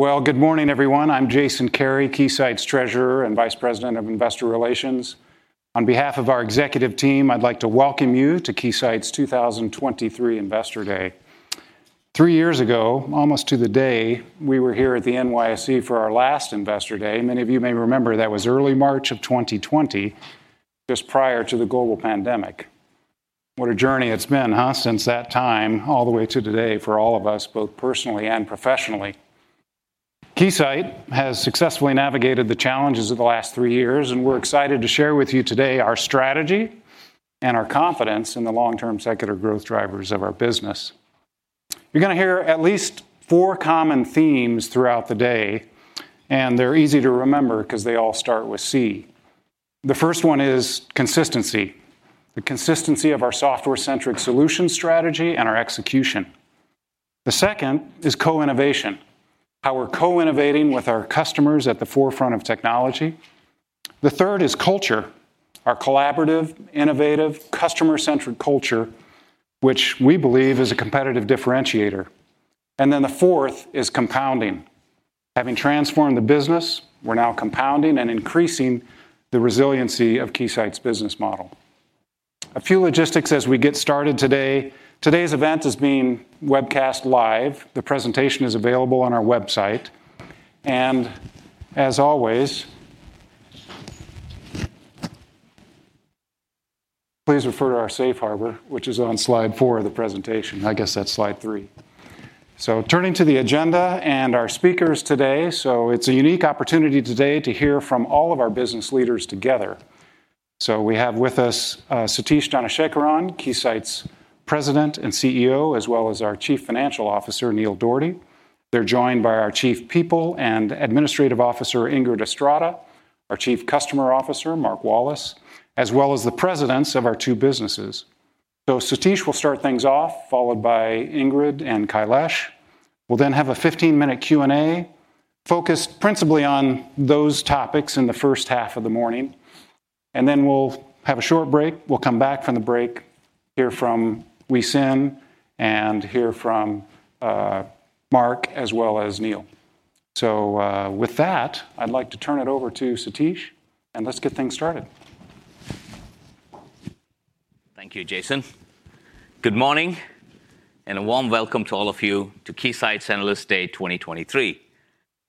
Well, good morning, everyone. I'm Jason Kary, Keysight's treasurer and vice president of investor relations. On behalf of our executive team, I'd like to welcome you to Keysight's 2023 Investor Day. Three years ago, almost to the day, we were here at the NYSE for our last Investor Day. Many of you may remember that was early March of 2020, just prior to the global pandemic. What a journey it's been, huh, since that time all the way to today for all of us, both personally and professionally. Keysight has successfully navigated the challenges of the last three years, and we're excited to share with you today our strategy and our confidence in the long-term secular growth drivers of our business. You're gonna hear at least four common themes throughout the day, and they're easy to remember 'cause they all start with C. The first one is consistency, the consistency of our software-centric solution strategy and our execution. The second is co-innovation, how we're co-innovating with our customers at the forefront of technology. The third is culture, our collaborative, innovative, customer-centric culture, which we believe is a competitive differentiator. The fourth is compounding. Having transformed the business, we're now compounding and increasing the resiliency of Keysight's business model. A few logistics as we get started today. Today's event is being webcast live. The presentation is available on our website. As always, please refer to our safe harbor, which is on slide four of the presentation. I guess that's slide three. Turning to the agenda and our speakers today. It's a unique opportunity today to hear from all of our business leaders together. We have with us Satish Dhanasekaran, Keysight's President and CEO, as well as our Chief Financial Officer, Neil Dougherty. They're joined by our Chief People and Administrative Officer, Ingrid Estrada, our Chief Customer Officer, Mark Wallace, as well as the presidents of our two businesses. Satish will start things off, followed by Ingrid and Kailash. We'll then have a 15-minute Q&A focused principally on those topics in the first half of the morning, and then we'll have a short break. We'll come back from the break, hear from Huei Sin, and hear from Mark, as well as Neil. With that, I'd like to turn it over to Satish, and let's get things started. Thank you, Jason Kary. Good morning, and a warm welcome to all of you to Keysight's Analyst Day 2023.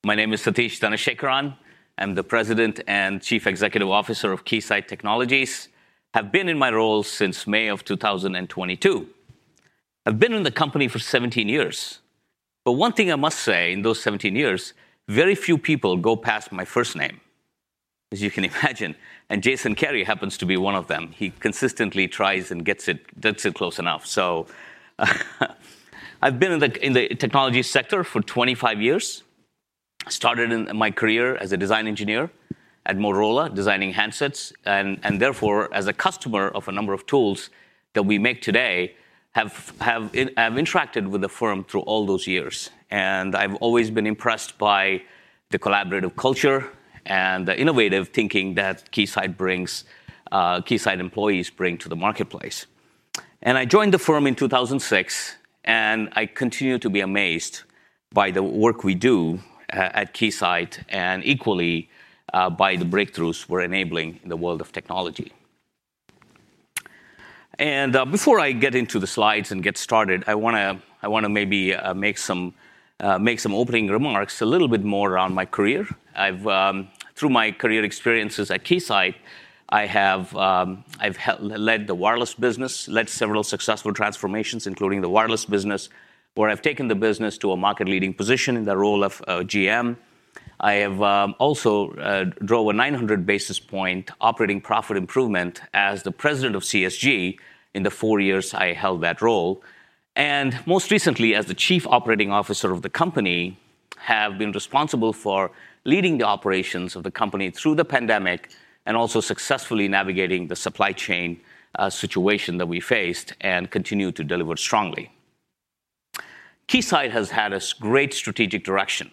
My name is Satish Dhanasekaran. I'm the President and Chief Executive Officer of Keysight Technologies. Have been in my role since May of 2022. I've been in the company for 17 years. One thing I must say, in those 17 years, very few people go past my first name, as you can imagine, and Jason Kary happens to be one of them. He consistently tries and gets it, gets it close enough. I've been in the technology sector for 25 years. Started in my career as a design engineer at Motorola, designing handsets and therefore, as a customer of a number of tools that we make today, I've interacted with the firm through all those years. I've always been impressed by the collaborative culture and the innovative thinking that Keysight brings, Keysight employees bring to the marketplace. I joined the firm in 2006, and I continue to be amazed by the work we do at Keysight and equally by the breakthroughs we're enabling in the world of technology. Before I get into the slides and get started, I wanna maybe make some opening remarks a little bit more around my career. I've through my career experiences at Keysight, I have led the wireless business, led several successful transformations, including the wireless business, where I've taken the business to a market leading position in the role of GM. I have also drove a 900 basis point operating profit improvement as the President of CSG in the four years I held that role. Most recently, as the Chief Operating Officer of the company, have been responsible for leading the operations of the company through the pandemic and also successfully navigating the supply chain situation that we faced and continue to deliver strongly. Keysight has had a great strategic direction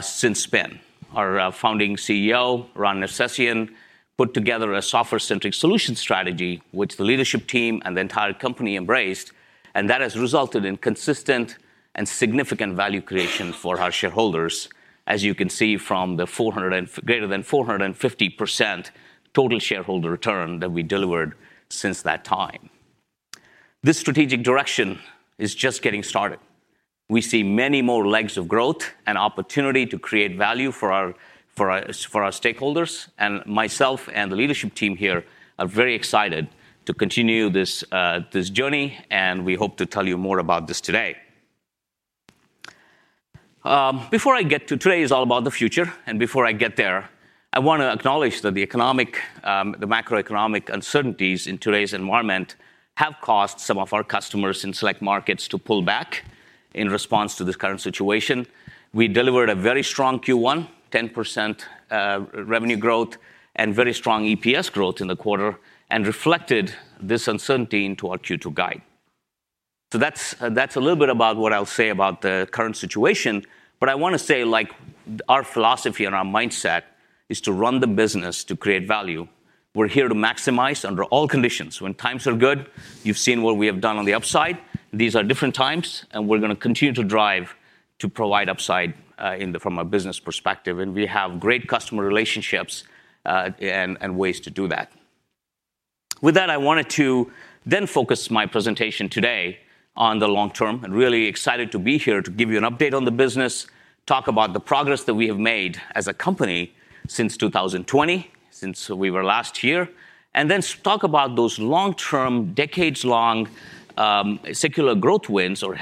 since spin. Our Founding CEO, Ron Nersesian, put together a software-centric solution strategy, which the leadership team and the entire company embraced, and that has resulted in consistent and significant value creation for our shareholders, as you can see from the greater than 450% total shareholder return that we delivered since that time. This strategic direction is just getting started. We see many more legs of growth and opportunity to create value for our stakeholders, and myself and the leadership team here are very excited to continue this journey, and we hope to tell you more about this today. Before I get to today is all about the future, and before I get there, I wanna acknowledge that the economic, the macroeconomic uncertainties in today's environment have caused some of our customers in select markets to pull back in response to this current situation. We delivered a very strong Q1, 10% revenue growth and very strong EPS growth in the quarter and reflected this uncertainty into our Q2 guide. That's a little bit about what I'll say about the current situation, but I wanna say, like, our philosophy and our mindset is to run the business to create value. We're here to maximize under all conditions. When times are good, you've seen what we have done on the upside. These are different times, and we're gonna continue to drive to provide upside from a business perspective. We have great customer relationships, and ways to do that. With that, I wanted to then focus my presentation today on the long term, and really excited to be here to give you an update on the business, talk about the progress that we have made as a company since 2020, since we were last here, and then talk about those long-term, decades-long, secular growth wins or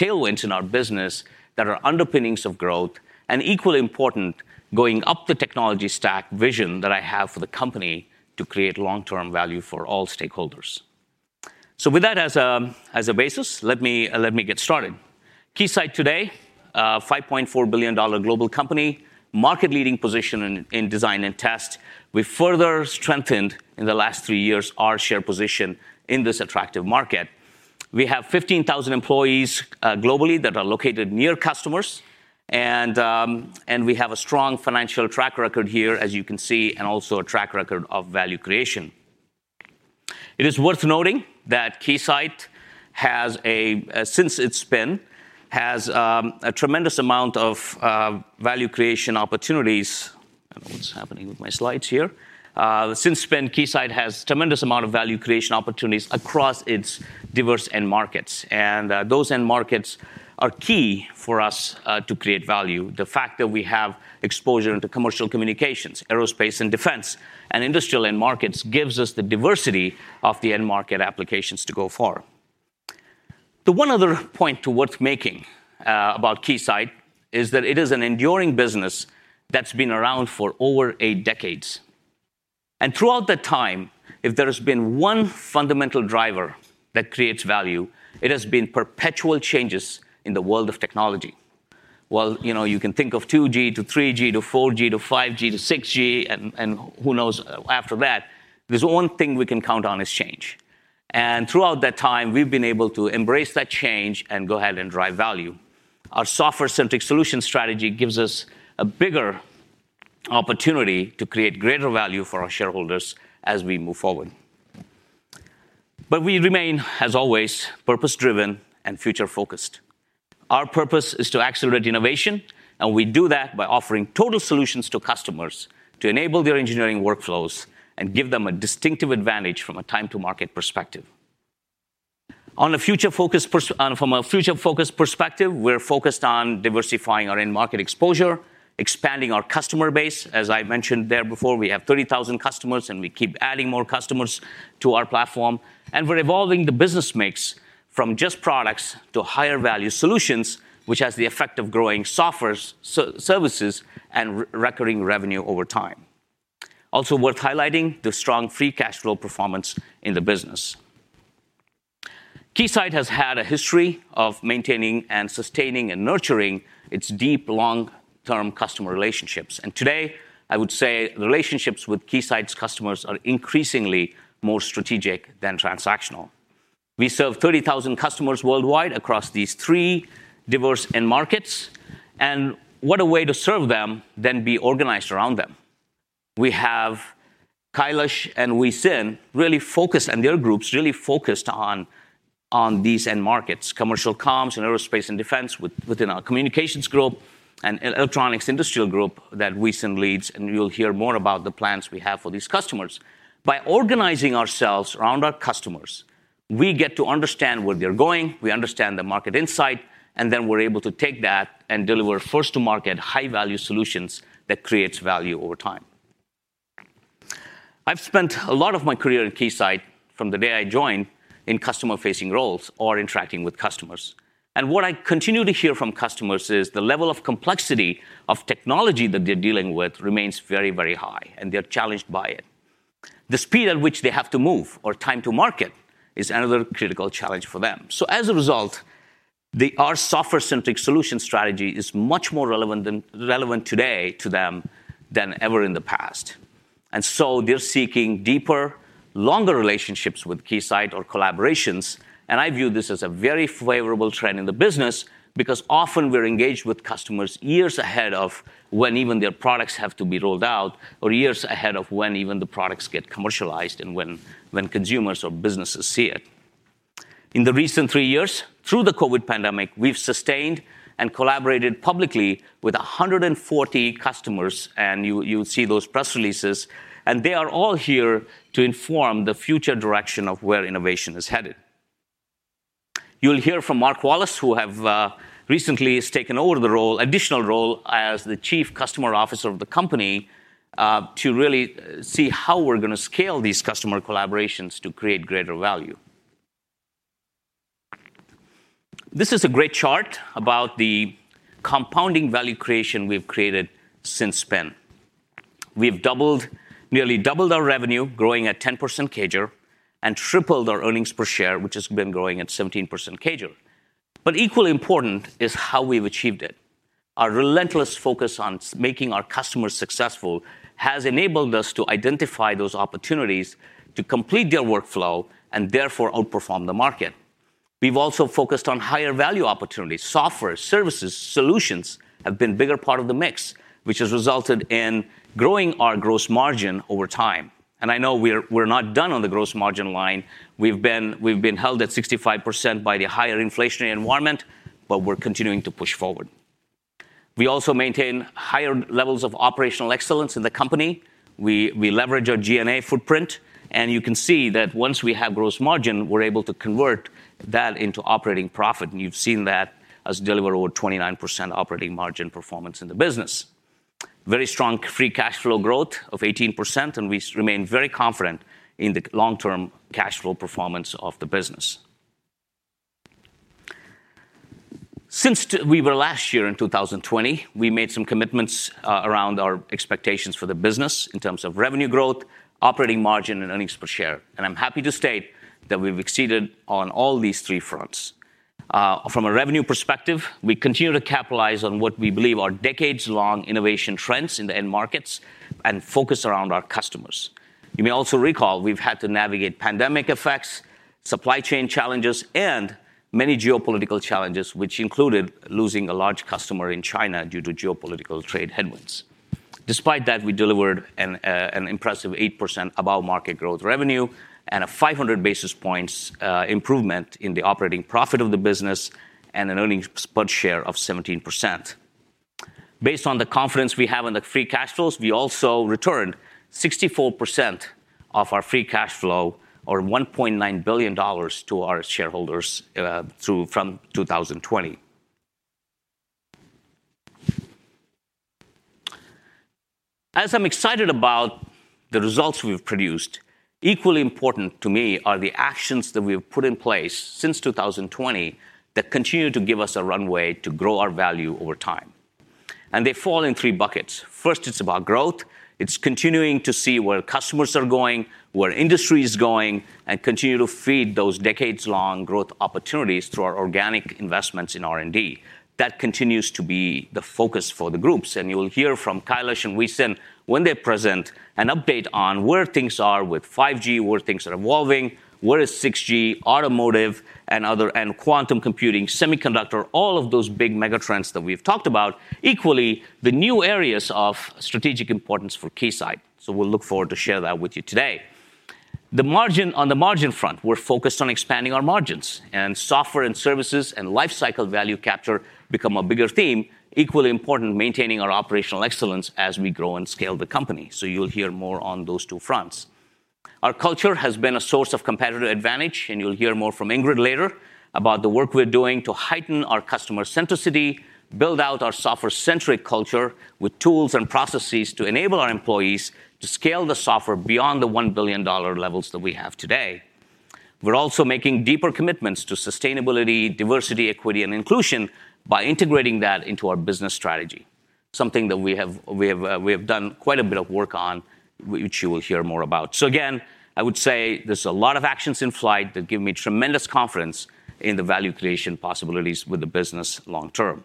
tailwinds in our business that are underpinnings of growth, and equally important, going up the technology stack vision that I have for the company to create long-term value for all stakeholders. With that as a basis, let me get started. Keysight today, a $5.4 billion global company, market-leading position in design and test. We further strengthened in the last three years our share position in this attractive market. We have 15,000 employees globally that are located near customers and we have a strong financial track record here, as you can see, and also a track record of value creation. It is worth noting that Keysight, since its spin, has a tremendous amount of value creation opportunities. I don't know what's happening with my slides here. Since spin, Keysight has tremendous amount of value creation opportunities across its diverse end markets. Those end markets are key for us to create value. The fact that we have exposure into commercial communications, aerospace and defense, and industrial end markets gives us the diversity of the end market applications to go for. The one other point to worth making about Keysight is that it is an enduring business that's been around for over eight decades. Throughout that time, if there has been one fundamental driver that creates value, it has been perpetual changes in the world of technology. While, you know, you can think of 2G to 3G to 4G to 5G to 6G and who knows after that, there's one thing we can count on is change. Throughout that time, we've been able to embrace that change and go ahead and drive value. Our software-centric solution strategy gives us a bigger opportunity to create greater value for our shareholders as we move forward. We remain, as always, purpose-driven and future-focused. Our purpose is to accelerate innovation, and we do that by offering total solutions to customers to enable their engineering workflows and give them a distinctive advantage from a time to market perspective. From a future-focus perspective, we're focused on diversifying our end market exposure, expanding our customer base. As I mentioned there before, we have 30,000 customers, and we keep adding more customers to our platform. We're evolving the business mix from just products to higher value solutions, which has the effect of growing softwares, services and recurring revenue over time. Also worth highlighting, the strong free cash flow performance in the business. Keysight has had a history of maintaining and sustaining and nurturing its deep long-term customer relationships. Today, I would say relationships with Keysight's customers are increasingly more strategic than transactional. We serve 30,000 customers worldwide across these three diverse end markets, and what a way to serve them than be organized around them. We have Kailash and Huei Sin really focused, and their groups really focused on these end markets, commercial comms and aerospace and defense within our Communications Solutions Group and Electronic Industrial Solutions Group that Huei Sin leads, and you'll hear more about the plans we have for these customers. By organizing ourselves around our customers, we get to understand where they're going, we understand the market insight, and then we're able to take that and deliver first to market high-value solutions that creates value over time. I've spent a lot of my career at Keysight from the day I joined in customer-facing roles or interacting with customers. What I continue to hear from customers is the level of complexity of technology that they're dealing with remains very, very high, and they're challenged by it. The speed at which they have to move or time to market is another critical challenge for them. Our software-centric solution strategy is much more relevant than relevant today to them than ever in the past. They're seeking deeper, longer relationships with Keysight or collaborations, and I view this as a very favorable trend in the business because often we're engaged with customers years ahead of when even their products have to be rolled out or years ahead of when even the products get commercialized and when consumers or businesses see it. In the recent three years, through the COVID pandemic, we've sustained and collaborated publicly with 140 customers, and you'll see those press releases, and they are all here to inform the future direction of where innovation is headed. You'll hear from Mark Wallace, who recently has taken over the role, additional role as the Chief Customer Officer of the company, to really see how we're gonna scale these customer collaborations to create greater value. This is a great chart about the compounding value creation we've created since spin. We've doubled, nearly doubled our revenue, growing at 10% CAGR, and tripled our earnings per share, which has been growing at 17% CAGR. Equally important is how we've achieved it. Our relentless focus on making our customers successful has enabled us to identify those opportunities to complete their workflow and therefore outperform the market. We've also focused on higher value opportunities. Software, services, solutions have been bigger part of the mix, which has resulted in growing our gross margin over time. I know we're not done on the gross margin line. We've been held at 65% by the higher inflationary environment, but we're continuing to push forward. We also maintain higher levels of operational excellence in the company. We leverage our G&A footprint, and you can see that once we have gross margin, we're able to convert that into operating profit. You've seen that as deliver over 29% operating margin performance in the business. Very strong free cash flow growth of 18%, and we remain very confident in the long-term cash flow performance of the business. Since we were last here in 2020, we made some commitments around our expectations for the business in terms of revenue growth, operating margin, and earnings per share. I'm happy to state that we've exceeded on all these three fronts. From a revenue perspective, we continue to capitalize on what we believe are decades-long innovation trends in the end markets and focus around our customers. You may also recall we've had to navigate pandemic effects, supply chain challenges, and many geopolitical challenges, which included losing a large customer in China due to geopolitical trade headwinds. Despite that, we delivered an impressive 8% above-market growth revenue and a 500 basis points improvement in the operating profit of the business and an earnings per share of 17%. Based on the confidence we have in the free cash flows, we also returned 64% of our free cash flow or $1.9 billion to our shareholders from 2020. As I'm excited about the results we've produced, equally important to me are the actions that we've put in place since 2020 that continue to give us a runway to grow our value over time. They fall in three buckets. First, it's about growth. It's continuing to see where customers are going, where industry is going, and continue to feed those decades-long growth opportunities through our organic investments in R&D. That continues to be the focus for the groups. You'll hear from Kailash and Huei Sin when they present an update on where things are with 5G, where things are evolving, where is 6G, automotive and other, and quantum computing, semiconductor, all of those big megatrends that we've talked about, equally the new areas of strategic importance for Keysight. We'll look forward to share that with you today. The margin...on the margin front, we're focused on expanding our margins and software and services and lifecycle value capture become a bigger theme, equally important, maintaining our operational excellence as we grow and scale the company. You'll hear more on those two fronts. Our culture has been a source of competitive advantage, and you'll hear more from Ingrid later about the work we're doing to heighten our customer centricity, build out our software-centric culture with tools and processes to enable our employees to scale the software beyond the $1 billion levels that we have today. We're also making deeper commitments to sustainability, diversity, equity, and inclusion by integrating that into our business strategy, something that we have done quite a bit of work on, which you will hear more about. Again, I would say there's a lot of actions in flight that give me tremendous confidence in the value creation possibilities with the business long term.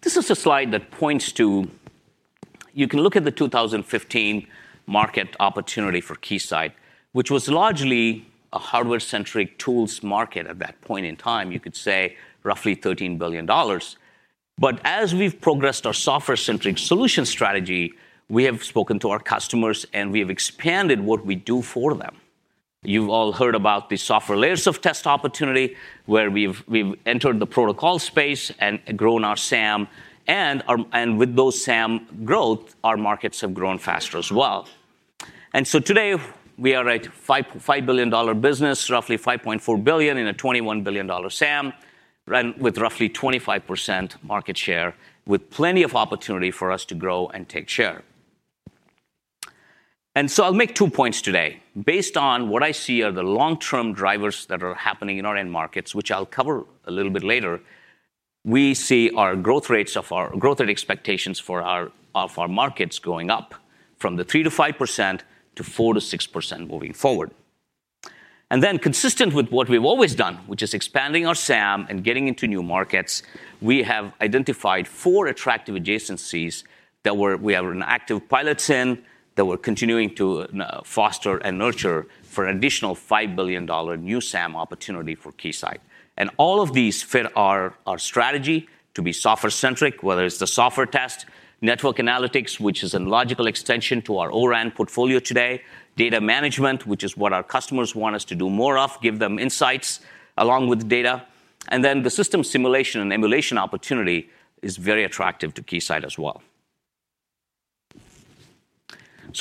This is a slide that points to. You can look at the 2015 market opportunity for Keysight, which was largely a hardware-centric tools market at that point in time. You could say roughly $13 billion. As we've progressed our software-centric solution strategy, we have spoken to our customers, and we have expanded what we do for them. You've all heard about the software layers of test opportunity, where we've entered the protocol space and grown our SAM and with those SAM growth, our markets have grown faster as well. Today we are at $5 billion business, roughly $5.4 billion in a $21 billion SAM run with roughly 25% market share, with plenty of opportunity for us to grow and take share. I'll make two points today. Based on what I see are the long-term drivers that are happening in our end markets, which I'll cover a little bit later, we see our growth rate expectations for our markets going up from the 3%-5% to 4%-6% moving forward. Consistent with what we've always done, which is expanding our SAM and getting into new markets, we have identified four attractive adjacencies that we have an active pilots in, that we're continuing to foster and nurture for an additional $5 billion new SAM opportunity for Keysight. All of these fit our strategy to be software-centric, whether it's the software test, network analytics, which is a logical extension to our O-RAN portfolio today, data management, which is what our customers want us to do more of, give them insights along with data, and then the system simulation and emulation opportunity is very attractive to Keysight as well.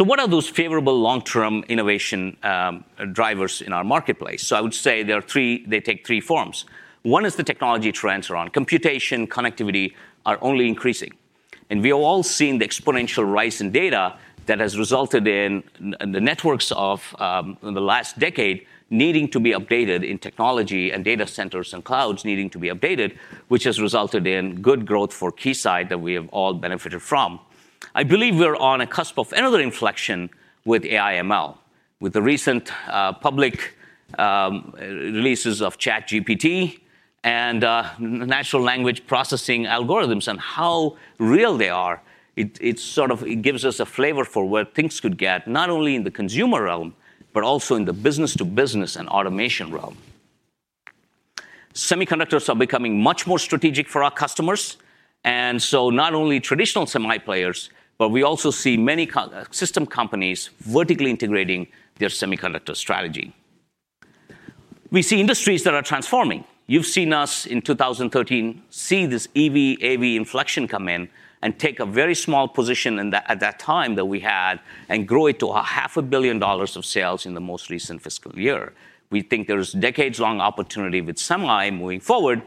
What are those favorable long-term innovation drivers in our marketplace? I would say there are three. They take three forms. One is the technology trends around computation, connectivity are only increasing. We have all seen the exponential rise in data that has resulted in the networks of in the last decade needing to be updated in technology and data centers and clouds needing to be updated, which has resulted in good growth for Keysight that we have all benefited from. I believe we're on a cusp of another inflection with AI ML. With the recent public releases of ChatGPT and natural language processing algorithms and how real they are, it sort of, it gives us a flavor for where things could get, not only in the consumer realm, but also in the business-to-business and automation realm. Semiconductors are becoming much more strategic for our customers, not only traditional semi players, but we also see many system companies vertically integrating their semiconductor strategy. We see industries that are transforming. You've seen us in 2013, see this EV/AV inflection come in and take a very small position at that time that we had and grow it to a half a billion dollars of sales in the most recent fiscal year. We think there's decades-long opportunity with semi moving forward,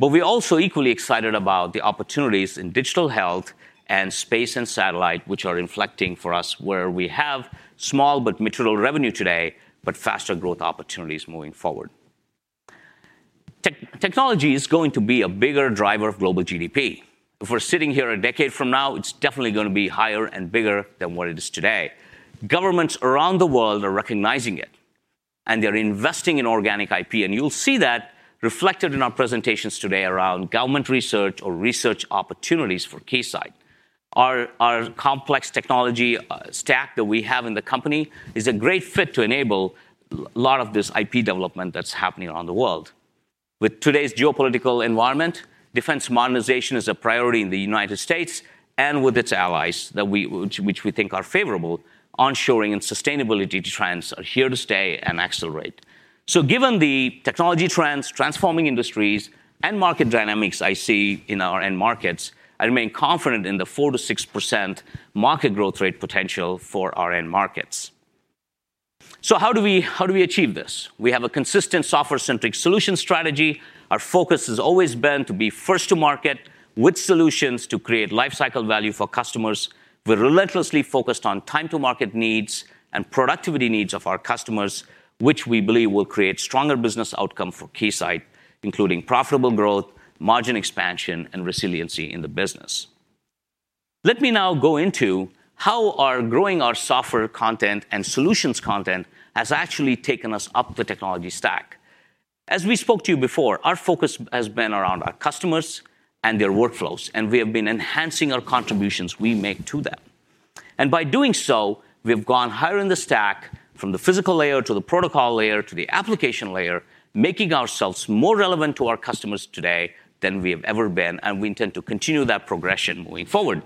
we're also equally excited about the opportunities in digital health and space and satellite, which are inflecting for us where we have small but material revenue today, faster growth opportunities moving forward. Technology is going to be a bigger driver of global GDP. If we're sitting here a decade from now, it's definitely gonna be higher and bigger than what it is today. Governments around the world are recognizing it, they're investing in organic IP, you'll see that reflected in our presentations today around government research or research opportunities for Keysight. Our complex technology stack that we have in the company is a great fit to enable lot of this IP development that's happening around the world. With today's geopolitical environment, defense modernization is a priority in the United States and with its allies which we think are favorable. Onshoring and sustainability trends are here to stay and accelerate. Given the technology trends, transforming industries, and market dynamics I see in our end markets, I remain confident in the 4%-6% market growth rate potential for our end markets. How do we achieve this? We have a consistent software-centric solution strategy. Our focus has always been to be first to market with solutions to create lifecycle value for customers. We're relentlessly focused on time to market needs and productivity needs of our customers, which we believe will create stronger business outcome for Keysight, including profitable growth, margin expansion, and resiliency in the business. Let me now go into how our growing our software content and solutions content has actually taken us up the technology stack. As we spoke to you before, our focus has been around our customers and their workflows, and we have been enhancing our contributions we make to them. By doing so, we've gone higher in the stack from the physical layer to the protocol layer to the application layer, making ourselves more relevant to our customers today than we have ever been, and we intend to continue that progression moving forward.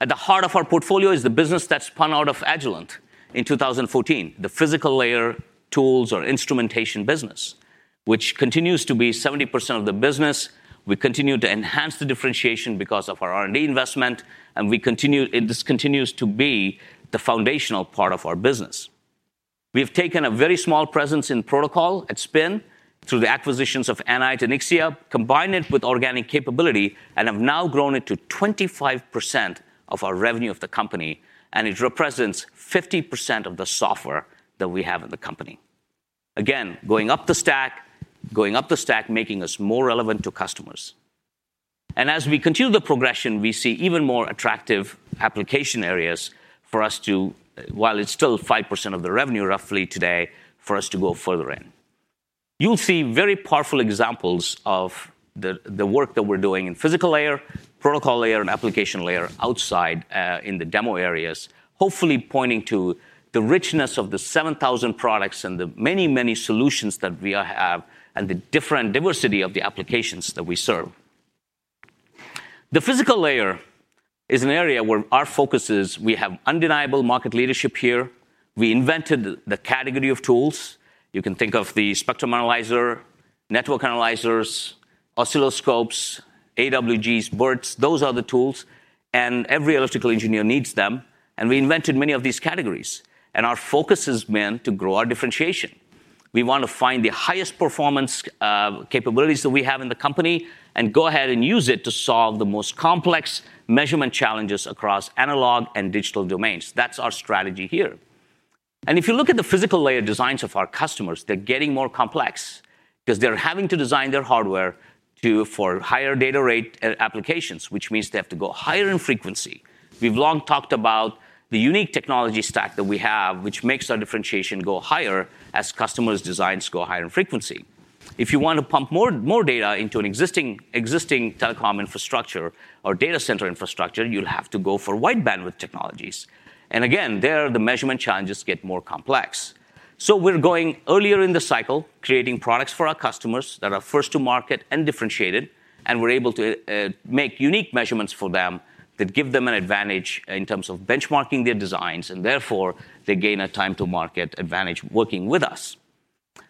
At the heart of our portfolio is the business that spun out of Agilent in 2014, the physical layer tools or instrumentation business, which continues to be 70% of the business. We continue to enhance the differentiation because of our R&D investment, and this continues to be the foundational part of our business. We've taken a very small presence in protocol at spin through the acquisitions of Anite and Ixia, combined it with organic capability and have now grown it to 25% of our revenue of the company, and it represents 50% of the software that we have in the company. Again, going up the stack, making us more relevant to customers. As we continue the progression, we see even more attractive application areas for us to, while it's still 5% of the revenue roughly today, for us to go further in. You'll see very powerful examples of the work that we're doing in physical layer, protocol layer, and application layer outside in the demo areas, hopefully pointing to the richness of the 7,000 products and the many, many solutions that we have and the different diversity of the applications that we serve. The physical layer is an area where our focus is we have undeniable market leadership here. We invented the category of tools. You can think of the spectrum analyzer, network analyzers, oscilloscopes, AWGs, BERTs, those are the tools, and every electrical engineer needs them, and we invented many of these categories. Our focus has been to grow our differentiation. We want to find the highest performance capabilities that we have in the company and go ahead and use it to solve the most complex measurement challenges across analog and digital domains. That's our strategy here. If you look at the physical layer designs of our customers, they're getting more complex because they're having to design their hardware for higher data rate applications, which means they have to go higher in frequency. We've long talked about the unique technology stack that we have, which makes our differentiation go higher as customers' designs go higher in frequency. If you want to pump more data into an existing telecom infrastructure or data center infrastructure, you'll have to go for wide bandwidth technologies. Again, there, the measurement challenges get more complex. We're going earlier in the cycle, creating products for our customers that are first to market and differentiated, and we're able to make unique measurements for them that give them an advantage in terms of benchmarking their designs, and therefore they gain a time to market advantage working with us.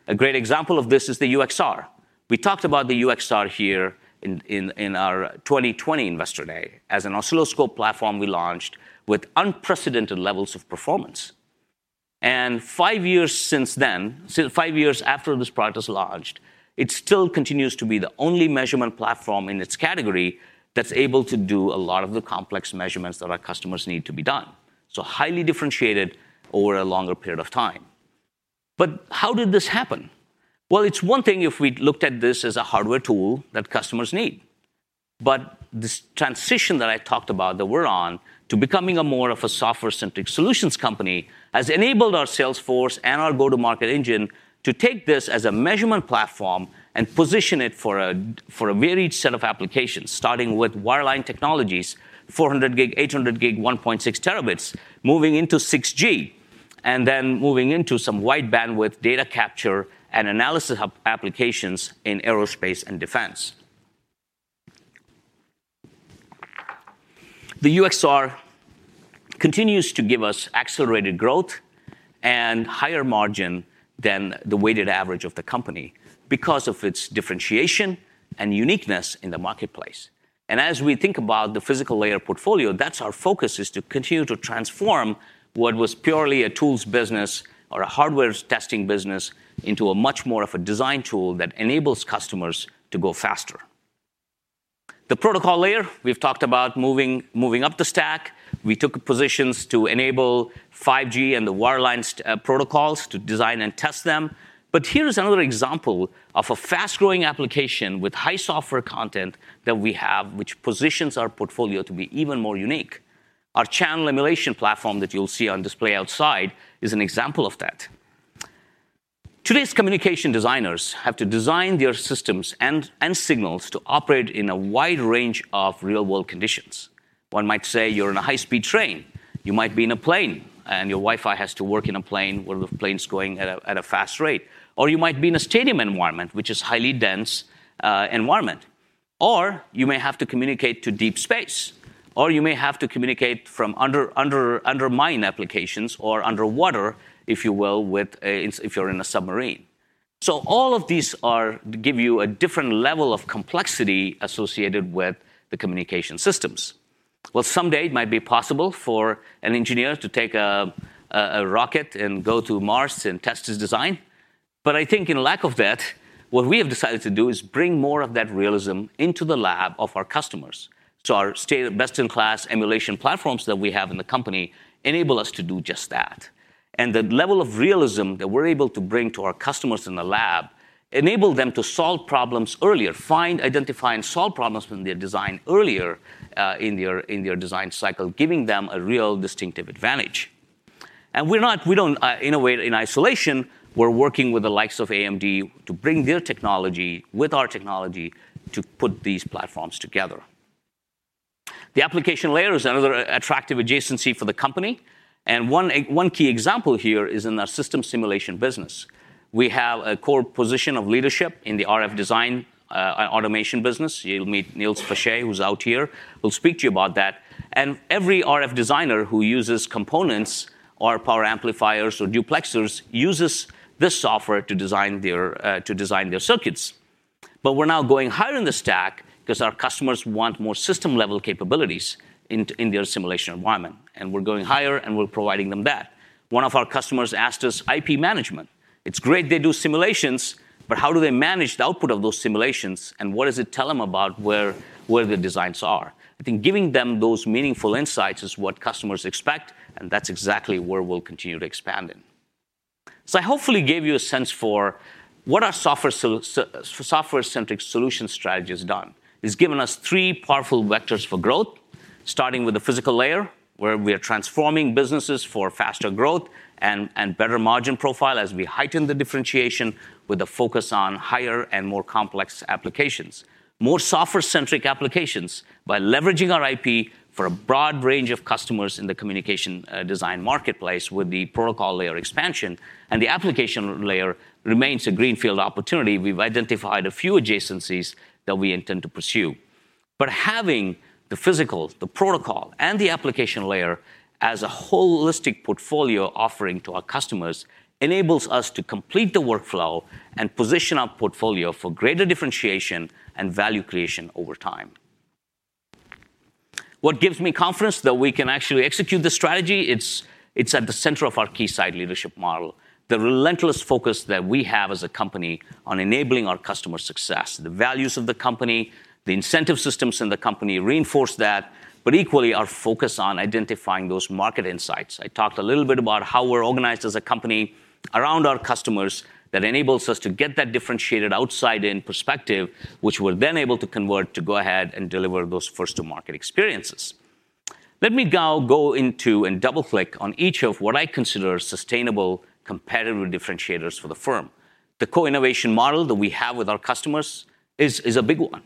A great example of this is the UXR. We talked about the UXR here in our 2020 investor day as an oscilloscope platform we launched with unprecedented levels of performance. Five years since then, so five years after this product was launched, it still continues to be the only measurement platform in its category that's able to do a lot of the complex measurements that our customers need to be done. Highly differentiated over a longer period of time. But how did this happen? It's one thing if we looked at this as a hardware tool that customers need, but this transition that I talked about that we're on to becoming a more of a software-centric solutions company has enabled our sales force and our go-to-market engine to take this as a measurement platform and position it for a varied set of applications, starting with wireline technologies, 400 gig, 800 gig, 1.6 terabits, moving into 6G, and then moving into some wide bandwidth data capture and analysis applications in aerospace and defense. The UXR continues to give us accelerated growth and higher margin than the weighted average of the company because of its differentiation and uniqueness in the marketplace. As we think about the physical layer portfolio, that's our focus, is to continue to transform what was purely a tools business or a hardware testing business into a much more of a design tool that enables customers to go faster. The protocol layer, we've talked about moving up the stack. We took positions to enable 5G and the wireline protocols to design and test them. Here's another example of a fast-growing application with high software content that we have, which positions our portfolio to be even more unique. Our channel emulation platform that you'll see on display outside is an example of that. Today's communication designers have to design their systems and signals to operate in a wide range of real-world conditions. One might say you're in a high-speed train, you might be in a plane, and your Wi-Fi has to work in a plane where the plane's going at a fast rate. You might be in a stadium environment, which is highly dense environment. You may have to communicate to deep space, or you may have to communicate from under mine applications or underwater, if you will, with a if you're in a submarine. All of these are give you a different level of complexity associated with the communication systems. Well, someday it might be possible for an engineer to take a rocket and go to Mars and test his design. I think in lack of that, what we have decided to do is bring more of that realism into the lab of our customers. Our state-of-the-art best-in-class emulation platforms that we have in the company enable us to do just that. The level of realism that we're able to bring to our customers in the lab enable them to solve problems earlier, find, identify, and solve problems from their design earlier in their design cycle, giving them a real distinctive advantage. We don't innovate in isolation. We're working with the likes of AMD to bring their technology with our technology to put these platforms together. The application layer is another attractive adjacency for the company. One key example here is in our system simulation business. We have a core position of leadership in the RF design automation business. You'll meet Niels Faché, who's out here, who will speak to you about that. Every RF designer who uses components or power amplifiers or duplexers uses this software to design their to design their circuits. We're now going higher in the stack because our customers want more system-level capabilities in their simulation environment, and we're going higher, and we're providing them that. One of our customers asked us IP management. It's great they do simulations, but how do they manage the output of those simulations, and what does it tell them about where the designs are? I think giving them those meaningful insights is what customers expect, and that's exactly where we'll continue to expand in. I hopefully gave you a sense for what our software-centric solution strategy has done. It's given us three powerful vectors for growth, starting with the physical layer, where we are transforming businesses for faster growth and better margin profile as we heighten the differentiation with a focus on higher and more complex applications. More software-centric applications by leveraging our IP for a broad range of customers in the communication design marketplace with the protocol layer expansion and the application layer remains a greenfield opportunity. We've identified a few adjacencies that we intend to pursue. Having the physical, the protocol, and the application layer as a holistic portfolio offering to our customers enables us to complete the workflow and position our portfolio for greater differentiation and value creation over time. What gives me confidence that we can actually execute the strategy? It's at the center of our Keysight Leadership Model. The relentless focus that we have as a company on enabling our customer success, the values of the company, the incentive systems in the company reinforce that, but equally our focus on identifying those market insights. I talked a little bit about how we're organized as a company around our customers that enables us to get that differentiated outside-in perspective, which we're then able to convert to go ahead and deliver those first to market experiences. Let me go into and double-click on each of what I consider sustainable competitive differentiators for the firm. The co-innovation model that we have with our customers is a big one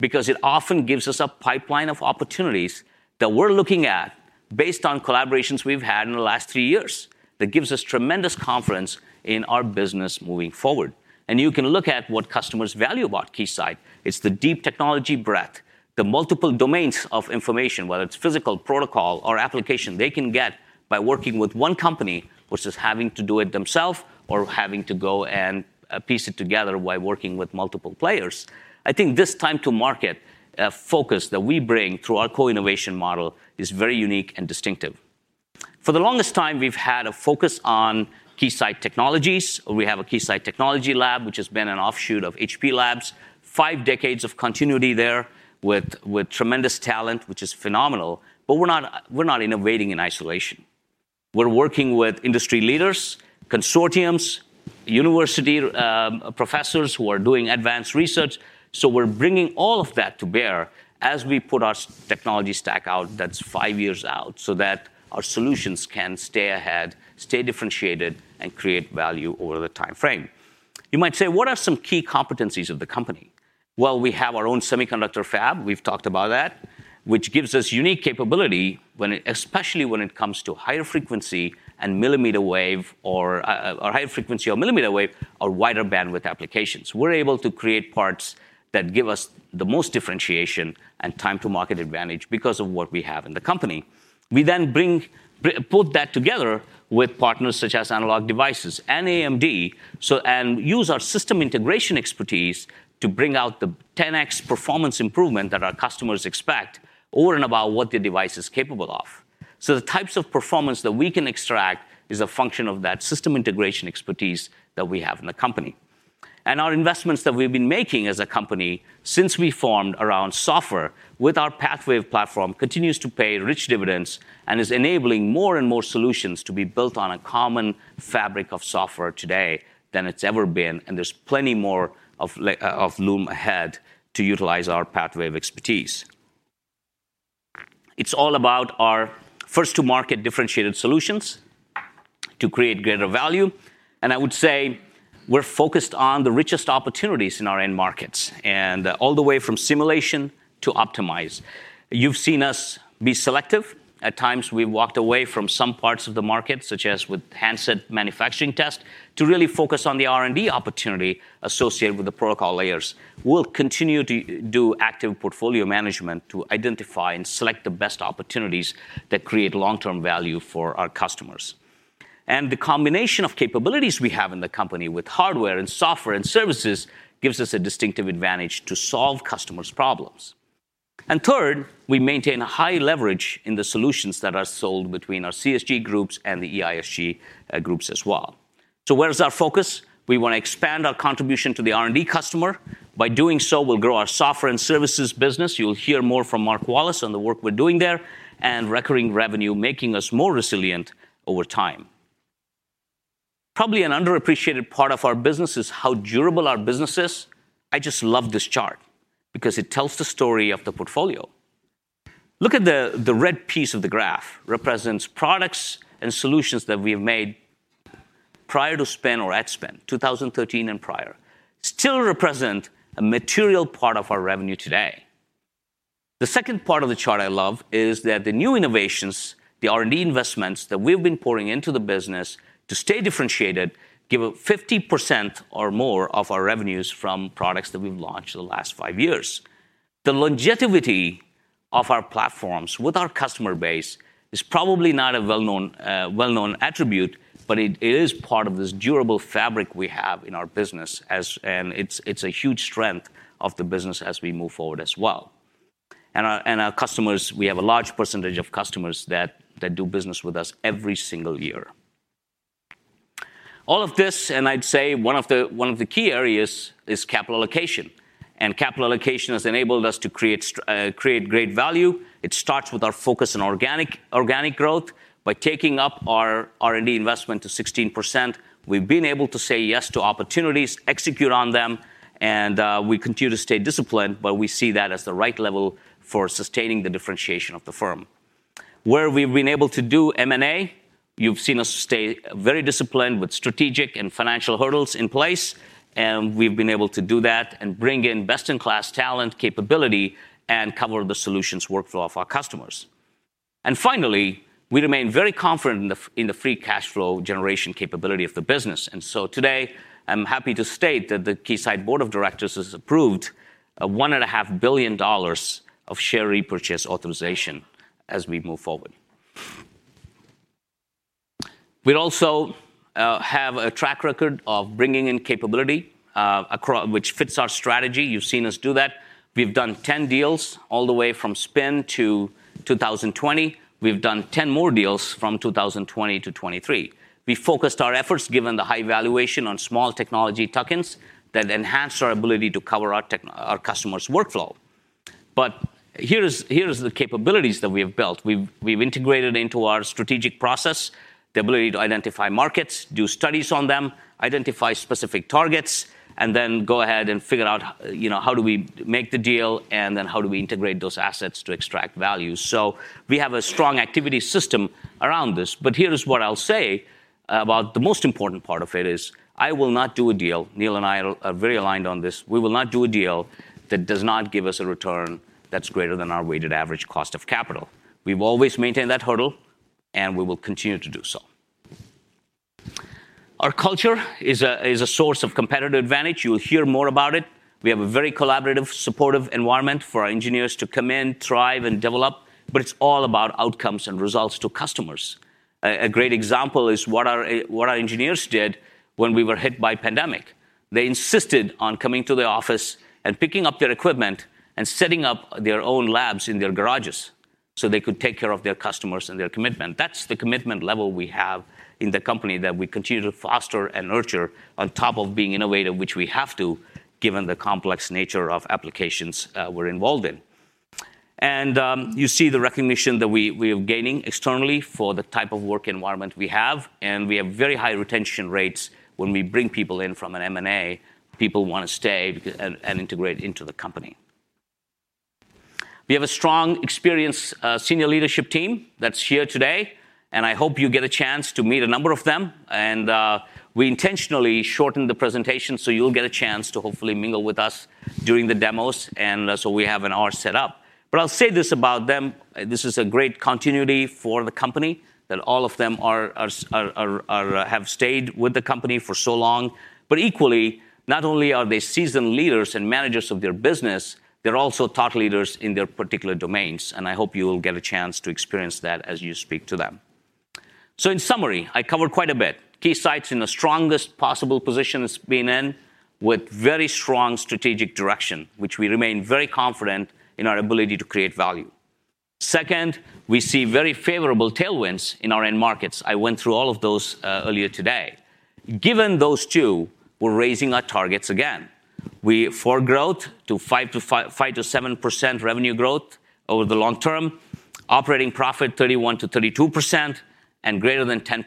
because it often gives us a pipeline of opportunities that we're looking at based on collaborations we've had in the last three years. That gives us tremendous confidence in our business moving forward. You can look at what customers value about Keysight. It's the deep technology breadth, the multiple domains of information, whether it's physical protocol or application they can get by working with one company versus having to do it themself or having to go and piece it together while working with multiple players. I think this time to market focus that we bring through our co-innovation model is very unique and distinctive. For the longest time, we've had a focus on Keysight Technologies. We have a Keysight Technology Lab, which has been an offshoot of HP Labs, five decades of continuity there with tremendous talent, which is phenomenal. We're not, we're not innovating in isolation. We're working with industry leaders, consortiums, university, professors who are doing advanced research, We're bringing all of that to bear as we put our technology stack out that's five years out so that our solutions can stay ahead, stay differentiated, and create value over the timeframe. You might say, "What are some key competencies of the company?" Well, we have our own semiconductor fab, we've talked about that, which gives us unique capability especially when it comes to higher frequency and millimeter wave or high frequency or millimeter wave or wider bandwidth applications. We're able to create parts that give us the most differentiation and time to market advantage because of what we have in the company. We then put that together with partners such as Analog Devices and AMD, so and use our system integration expertise to bring out the 10X performance improvement that our customers expect over and about what the device is capable of. The types of performance that we can extract is a function of that system integration expertise that we have in the company. Our investments that we've been making as a company since we formed around software with our PathWave platform continues to pay rich dividends and is enabling more and more solutions to be built on a common fabric of software today than it's ever been, and there's plenty more of loom ahead to utilize our PathWave expertise. It's all about our first to market differentiated solutions to create greater value. I would say we're focused on the richest opportunities in our end markets and all the way from simulation to optimize. You've seen us be selective. At times, we've walked away from some parts of the market, such as with handset manufacturing test, to really focus on the R&D opportunity associated with the protocol layers. We'll continue to do active portfolio management to identify and select the best opportunities that create long-term value for our customers. The combination of capabilities we have in the company with hardware and software and services gives us a distinctive advantage to solve customers' problems. Third, we maintain a high leverage in the solutions that are sold between our CSG groups and the EISG groups as well. Where is our focus? We want to expand our contribution to the R&D customer. By doing so, we'll grow our software and services business. You'll hear more from Mark Wallace on the work we're doing there and recurring revenue making us more resilient over time. Probably an underappreciated part of our business is how durable our business is. I just love this chart because it tells the story of the portfolio. Look at the red piece of the graph represents products and solutions that we have made prior to spin or at spin, 2013 and prior. Still represent a material part of our revenue today. The second part of the chart I love is that the new innovations, the R&D investments that we've been pouring into the business to stay differentiated, give a 50% or more of our revenues from products that we've launched the last five years. The longevity of our platforms with our customer base is probably not a well-known, well-known attribute, but it is part of this durable fabric we have in our business and it's a huge strength of the business as we move forward as well. Our customers, we have a large percentage of customers that do business with us every single year. All of this, I'd say one of the key areas is capital allocation. Capital allocation has enabled us to create great value. It starts with our focus on organic growth. By taking up our R&D investment to 16%, we've been able to say yes to opportunities, execute on them, we continue to stay disciplined, but we see that as the right level for sustaining the differentiation of the firm. Where we've been able to do M&A, you've seen us stay very disciplined with strategic and financial hurdles in place, and we've been able to do that and bring in best-in-class talent capability and cover the solutions workflow of our customers. Finally, we remain very confident in the free cash flow generation capability of the business. Today, I'm happy to state that the Keysight board of directors has approved a one and a half billion dollars of share repurchase authorization as we move forward. We also have a track record of bringing in capability which fits our strategy. You've seen us do that. We've done 10 deals all the way from spin to 2020. We've done 10 more deals from 2020 to 2023. We focused our efforts, given the high valuation on small technology tuck-ins that enhance our ability to cover our customers' workflow. Here's the capabilities that we have built. We've integrated into our strategic process the ability to identify markets, do studies on them, identify specific targets, and then go ahead and figure out, you know, how do we make the deal and then how do we integrate those assets to extract value. We have a strong activity system around this. Here's what I'll say about the most important part of it is. I will not do a deal, Neil and I are very aligned on this, we will not do a deal that does not give us a return that's greater than our weighted average cost of capital. We've always maintained that hurdle, and we will continue to do so. Our culture is a source of competitive advantage. You'll hear more about it. We have a very collaborative, supportive environment for our engineers to come in, thrive, and develop, but it's all about outcomes and results to customers. A great example is what our engineers did when we were hit by pandemic. They insisted on coming to the office and picking up their equipment and setting up their own labs in their garages, so they could take care of their customers and their commitment. That's the commitment level we have in the company that we continue to foster and nurture on top of being innovative, which we have to, given the complex nature of applications, we're involved in. You see the recognition that we are gaining externally for the type of work environment we have, and we have very high retention rates when we bring people in from an M&A, people wanna stay and integrate into the company. We have a strong, experienced, senior leadership team that's here today, and I hope you get a chance to meet a number of them. We intentionally shortened the presentation, so you'll get a chance to hopefully mingle with us during the demos, so we have an hour set up. I'll say this about them, this is a great continuity for the company that all of them have stayed with the company for so long. Equally, not only are they seasoned leaders and managers of their business, they're also thought leaders in their particular domains, and I hope you'll get a chance to experience that as you speak to them. In summary, I covered quite a bit. Keysight's in the strongest possible position it's been in, with very strong strategic direction, which we remain very confident in our ability to create value. Second, we see very favorable tailwinds in our end markets. I went through all of those earlier today. Given those two, we're raising our targets again. For growth to 5% to 7% revenue growth over the long term, operating profit 31% to 32%, and greater than 10%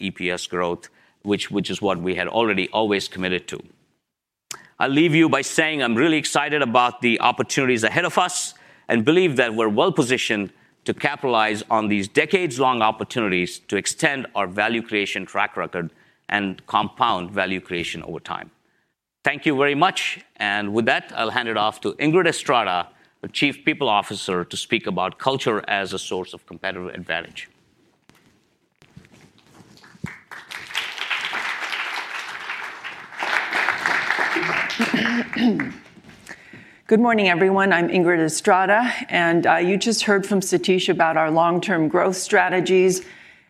EPS growth, which is what we had already always committed to. I'll leave you by saying I'm really excited about the opportunities ahead of us and believe that we're well-positioned to capitalize on these decades-long opportunities to extend our value creation track record and compound value creation over time. Thank you very much. With that, I'll hand it off to Ingrid Estrada, the Chief People Officer, to speak about culture as a source of competitive advantage. Good morning, everyone. I'm Ingrid Estrada, and you just heard from Satish about our long-term growth strategies.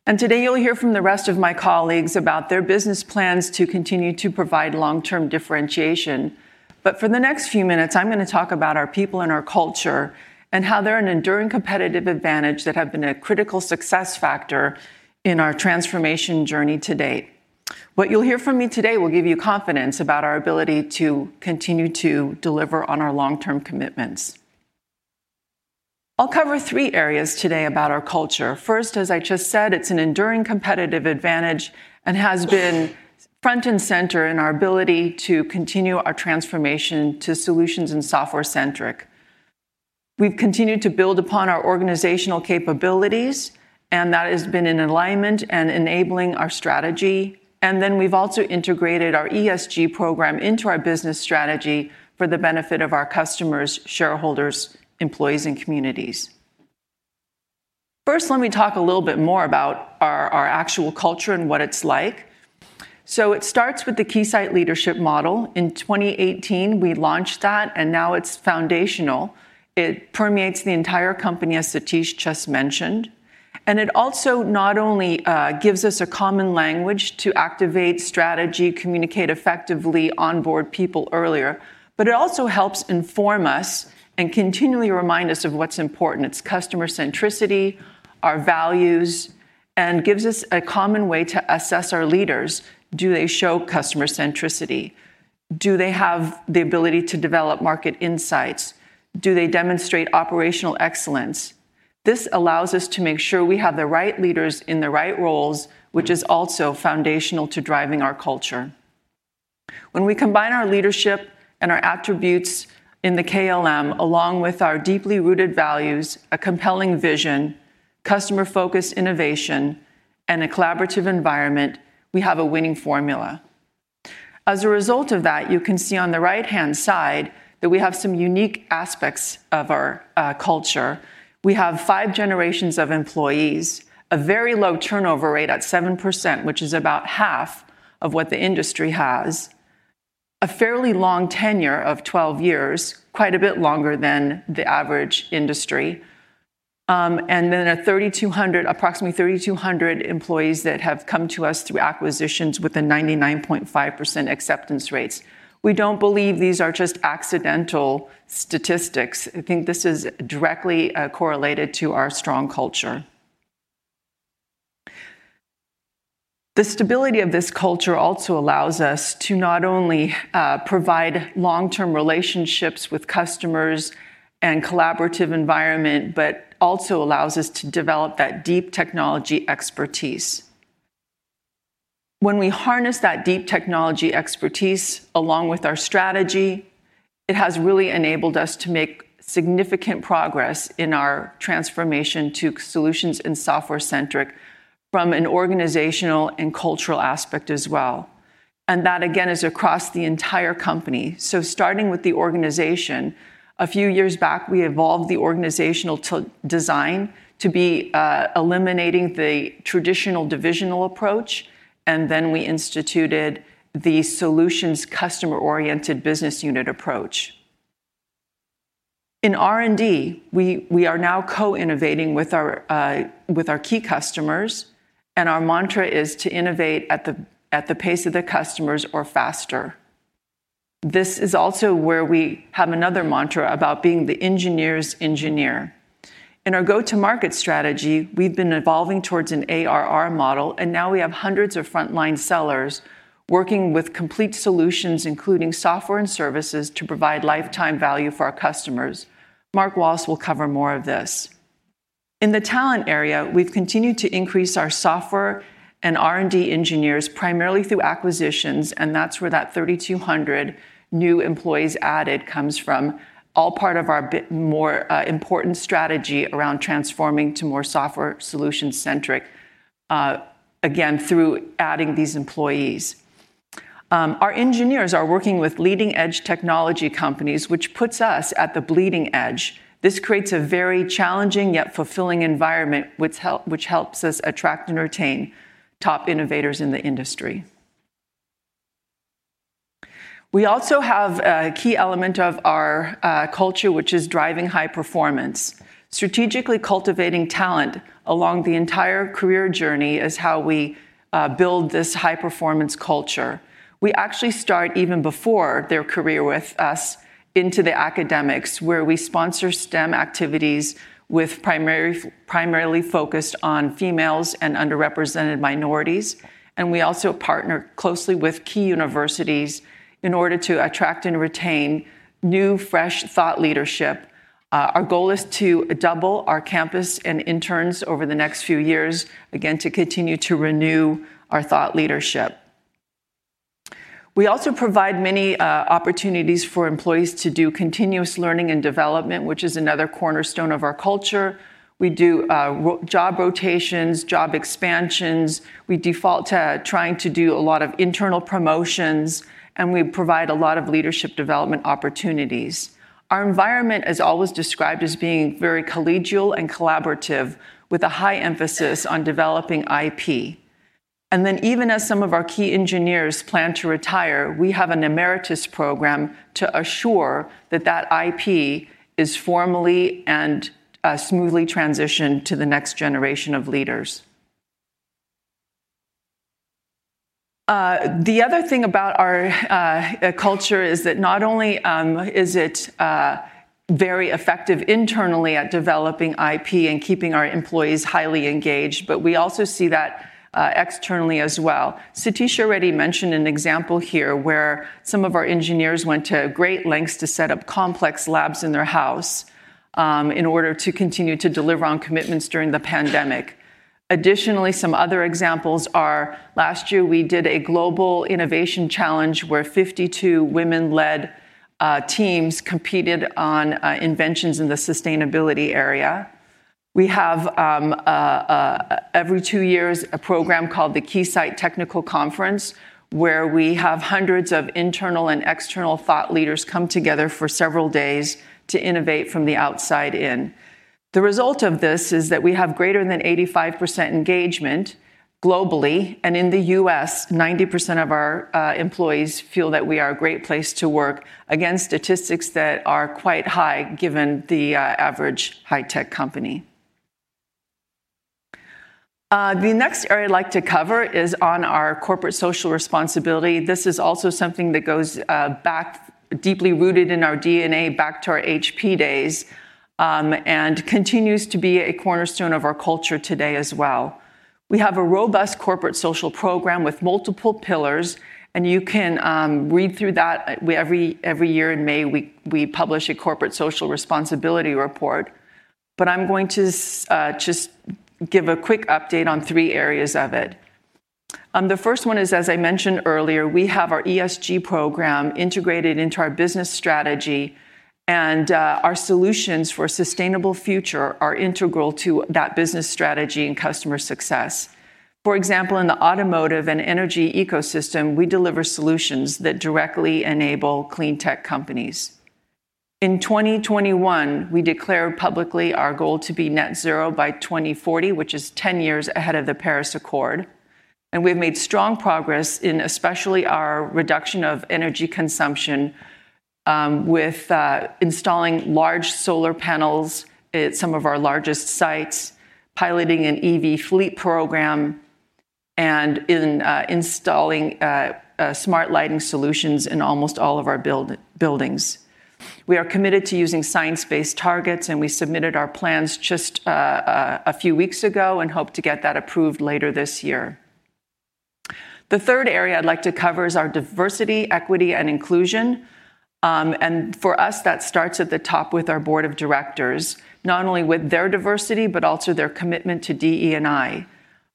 Today you'll hear from the rest of my colleagues about their business plans to continue to provide long-term differentiation. For the next few minutes, I'm gonna talk about our people and our culture and how they're an enduring competitive advantage that have been a critical success factor in our transformation journey to date. What you'll hear from me today will give you confidence about our ability to continue to deliver on our long-term commitments. I'll cover 3 areas today about our culture. First, as I just said, it's an enduring competitive advantage and has been front and center in our ability to continue our transformation to solutions and software centric. We've continued to build upon our organizational capabilities, and that has been in alignment and enabling our strategy. We've also integrated our ESG program into our business strategy for the benefit of our customers, shareholders, employees, and communities. First, let me talk a little bit more about our actual culture and what it's like. It starts with the Keysight Leadership Model. In 2018, we launched that, and now it's foundational. It permeates the entire company, as Satish just mentioned. It also not only gives us a common language to activate strategy, communicate effectively, onboard people earlier, but it also helps inform us and continually remind us of what's important. It's customer centricity, our values, and gives us a common way to assess our leaders. Do they show customer centricity? Do they have the ability to develop market insights? Do they demonstrate operational excellence? This allows us to make sure we have the right leaders in the right roles, which is also foundational to driving our culture. When we combine our leadership and our attributes in the KLM, along with our deeply rooted values, a compelling vision, customer-focused innovation, and a collaborative environment, we have a winning formula. As a result of that, you can see on the right-hand side that we have some unique aspects of our culture. We have five generations of employees, a very low turnover rate at 7%, which is about half of what the industry has, a fairly long tenure of 12 years, quite a bit longer than the average industry, and then approximately 300 employees that have come to us through acquisitions with a 99.5% acceptance rates. We don't believe these are just accidental statistics. I think this is directly correlated to our strong culture. The stability of this culture also allows us to not only provide long-term relationships with customers and collaborative environment, but also allows us to develop that deep technology expertise. When we harness that deep technology expertise along with our strategy, it has really enabled us to make significant progress in our transformation to solutions and software centric from an organizational and cultural aspect as well. That, again, is across the entire company. Starting with the organization, a few years back, we evolved the organizational design to be eliminating the traditional divisional approach, and then we instituted the solutions customer-oriented business unit approach. In R&D, we are now co-innovating with our key customers, and our mantra is to innovate at the pace of the customers or faster. This is also where we have another mantra about being the engineer's engineer. In our go-to-market strategy, we've been evolving towards an ARR model. Now we have hundreds of frontline sellers working with complete solutions, including software and services, to provide lifetime value for our customers. Mark Wallace will cover more of this. In the talent area, we've continued to increase our software and R&D engineers primarily through acquisitions, and that's where that 3,200 new employees added comes from, all part of our bit more important strategy around transforming to more software solution-centric again, through adding these employees. Our engineers are working with leading-edge technology companies, which puts us at the bleeding edge. This creates a very challenging yet fulfilling environment which helps us attract and retain top innovators in the industry. We also have a key element of our culture which is driving high performance. Strategically cultivating talent along the entire career journey is how we build this high-performance culture. We actually start even before their career with us into the academics, where we sponsor STEM activities with primarily focused on females and underrepresented minorities, and we also partner closely with key universities in order to attract and retain new, fresh thought leadership. Our goal is to double our campus and interns over the next few years, again, to continue to renew our thought leadership. We also provide many opportunities for employees to do continuous learning and development, which is another cornerstone of our culture. We do job rotations, job expansions. We default to trying to do a lot of internal promotions, and we provide a lot of leadership development opportunities. Our environment is always described as being very collegial and collaborative, with a high emphasis on developing IP. Even as some of our key engineers plan to retire, we have an Emeritus Program to assure that that IP is formally and smoothly transitioned to the next generation of leaders. The other thing about our culture is that not only is it very effective internally at developing IP and keeping our employees highly engaged, but we also see that externally as well. Satish already mentioned an example here where some of our engineers went to great lengths to set up complex labs in their house in order to continue to deliver on commitments during the pandemic. Additionally, some other examples are last year we did a global innovation challenge where 52 women-led teams competed on inventions in the sustainability area. We have every two years a program called the Keysight Technical Conference, where we have hundreds of internal and external thought leaders come together for several days to innovate from the outside in. The result of this is that we have greater than 85% engagement globally, and in the U.S., 90% of our employees feel that we are a great place to work. Again, statistics that are quite high given the average high-tech company. The next area I'd like to cover is on our corporate social responsibility. This is also something that goes back, deeply rooted in our DNA back to our HP days, and continues to be a cornerstone of our culture today as well. We have a robust corporate social program with multiple pillars, and you can read through that every year in May we publish a corporate social responsibility report. I'm going to just give a quick update on three areas of it. The first one is, as I mentioned earlier, we have our ESG program integrated into our business strategy, and our solutions for a sustainable future are integral to that business strategy and customer success. For example, in the automotive and energy ecosystem, we deliver solutions that directly enable clean tech companies. In 2021, we declared publicly our goal to be net zero by 2040, which is 10 years ahead of the Paris Agreement. We've made strong progress in especially our reduction of energy consumption, with installing large solar panels at some of our largest sites, piloting an EV fleet program, and in installing smart lighting solutions in almost all of our buildings. We are committed to using Science Based Targets, and we submitted our plans just a few weeks ago and hope to get that approved later this year. The third area I'd like to cover is our diversity, equity, and inclusion. For us, that starts at the top with our board of directors, not only with their diversity, but also their commitment to DE&I.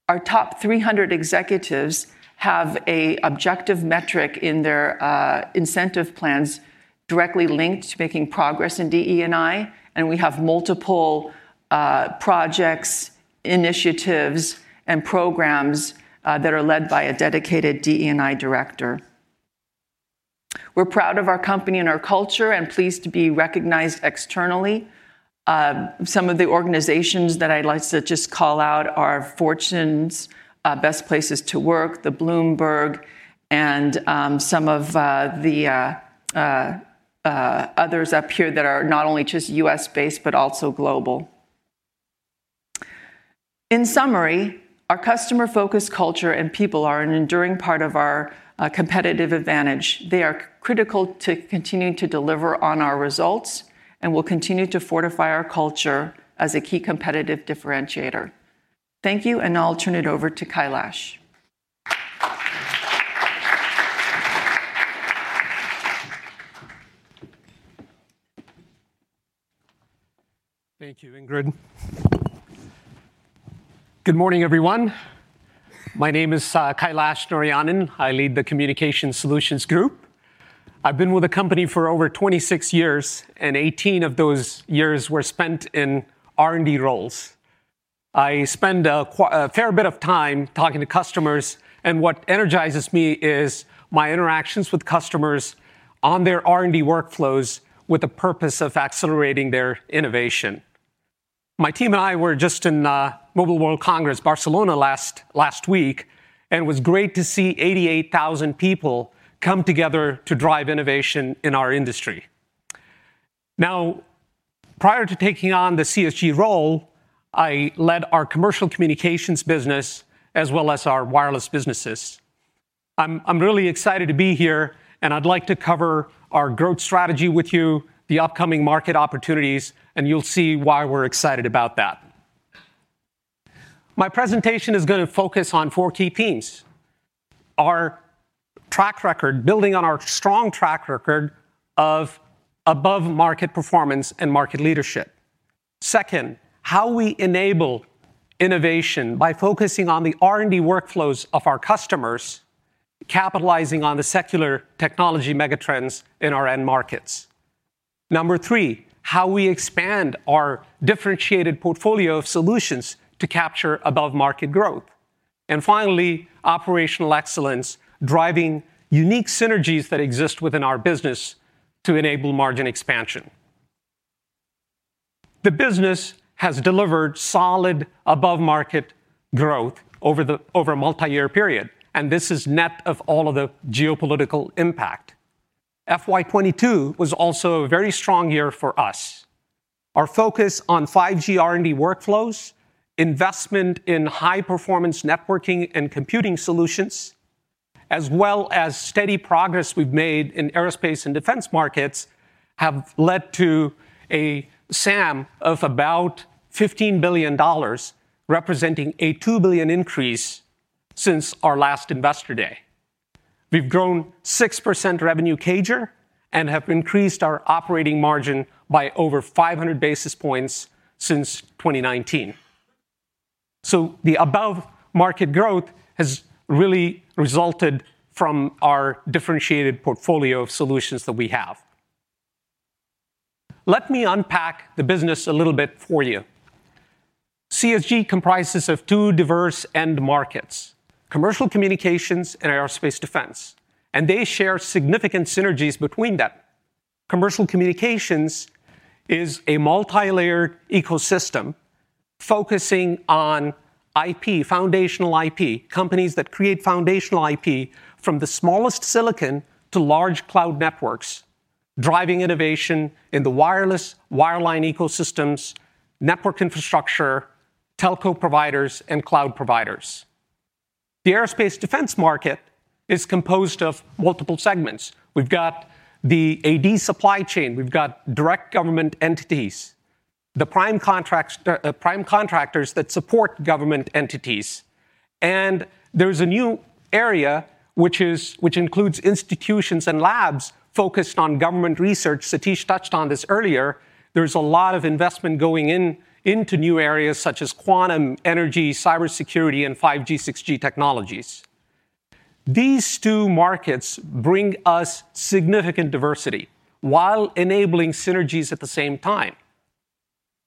Our top 300 executives have a objective metric in their incentive plans directly linked to making progress in DE&I, and we have multiple projects, initiatives, and programs that are led by a dedicated DE&I director. We're proud of our company and our culture and pleased to be recognized externally. Some of the organizations that I'd like to just call out are Fortune's Best Places to Work, the Bloomberg, and some of the others up here that are not only just U.S.-based, but also global. In summary, our customer-focused culture and people are an enduring part of our competitive advantage. They are critical to continuing to deliver on our results, and we'll continue to fortify our culture as a key competitive differentiator. Thank you, and I'll turn it over to Kailash. Thank you, Ingrid. Good morning, everyone. My name is Kailash Narayanan. I lead the Communications Solutions Group. I've been with the company for over 26 years. 18 of those years were spent in R&D roles. I spend a fair bit of time talking to customers. What energizes me is my interactions with customers on their R&D workflows with the purpose of accelerating their innovation. My team and I were just in Mobile World Congress, Barcelona last week. It was great to see 88,000 people come together to drive innovation in our industry. Prior to taking on the CSG role, I led our commercial communications business as well as our wireless businesses. I'm really excited to be here. I'd like to cover our growth strategy with you, the upcoming market opportunities, you'll see why we're excited about that. My presentation is gonna focus on four key themes. Our track record, building on our strong track record of above-market performance and market leadership. Second, how we enable innovation by focusing on the R&D workflows of our customers, capitalizing on the secular technology megatrends in our end markets. Number three, how we expand our differentiated portfolio of solutions to capture above-market growth. Finally, operational excellence, driving unique synergies that exist within our business to enable margin expansion. The business has delivered solid above-market growth over a multi-year period, and this is net of all of the geopolitical impact. FY 2022 was also a very strong year for us. Our focus on 5G R&D workflows, investment in high-performance networking and computing solutions, as well as steady progress we've made in aerospace and defense markets, have led to a SAM of about $15 billion, representing a $2 billion increase since our last Investor Day. We've grown 6% revenue CAGR and have increased our operating margin by over 500 basis points since 2019. The above-market growth has really resulted from our differentiated portfolio of solutions that we have. Let me unpack the business a little bit for you. CSG comprises of 2 diverse end markets, commercial communications and aerospace defense, and they share significant synergies between them. Commercial communications is a multilayered ecosystem focusing on IP, foundational IP, companies that create foundational IP from the smallest silicon to large cloud networks, driving innovation in the wireless, wireline ecosystems, network infrastructure, telco providers, and cloud providers. The aerospace defense market is composed of multiple segments. We've got the AD supply chain, we've got direct government entities, the prime contracts, prime contractors that support government entities, and there's a new area which includes institutions and labs focused on government research. Satish touched on this earlier. There's a lot of investment going into new areas such as quantum, energy, cybersecurity, and 5G, 6G technologies. These two markets bring us significant diversity while enabling synergies at the same time.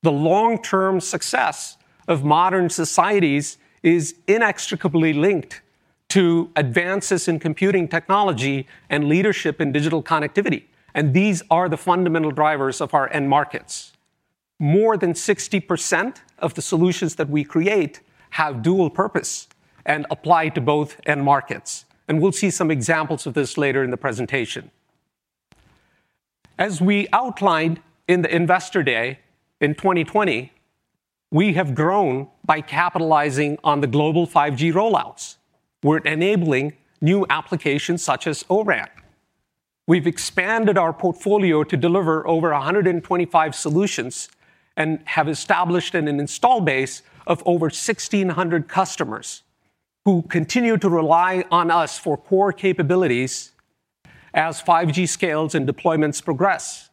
The long-term success of modern societies is inextricably linked to advances in computing technology and leadership in digital connectivity, and these are the fundamental drivers of our end markets. More than 60% of the solutions that we create have dual purpose and apply to both end markets, and we'll see some examples of this later in the presentation. As we outlined in the Investor Day in 2020, we have grown by capitalizing on the global 5G rollouts. We're enabling new applications such as O-RAN. We've expanded our portfolio to deliver over 125 solutions and have established an installed base of over 1,600 customers who continue to rely on us for core capabilities as 5G scales and deployments progress.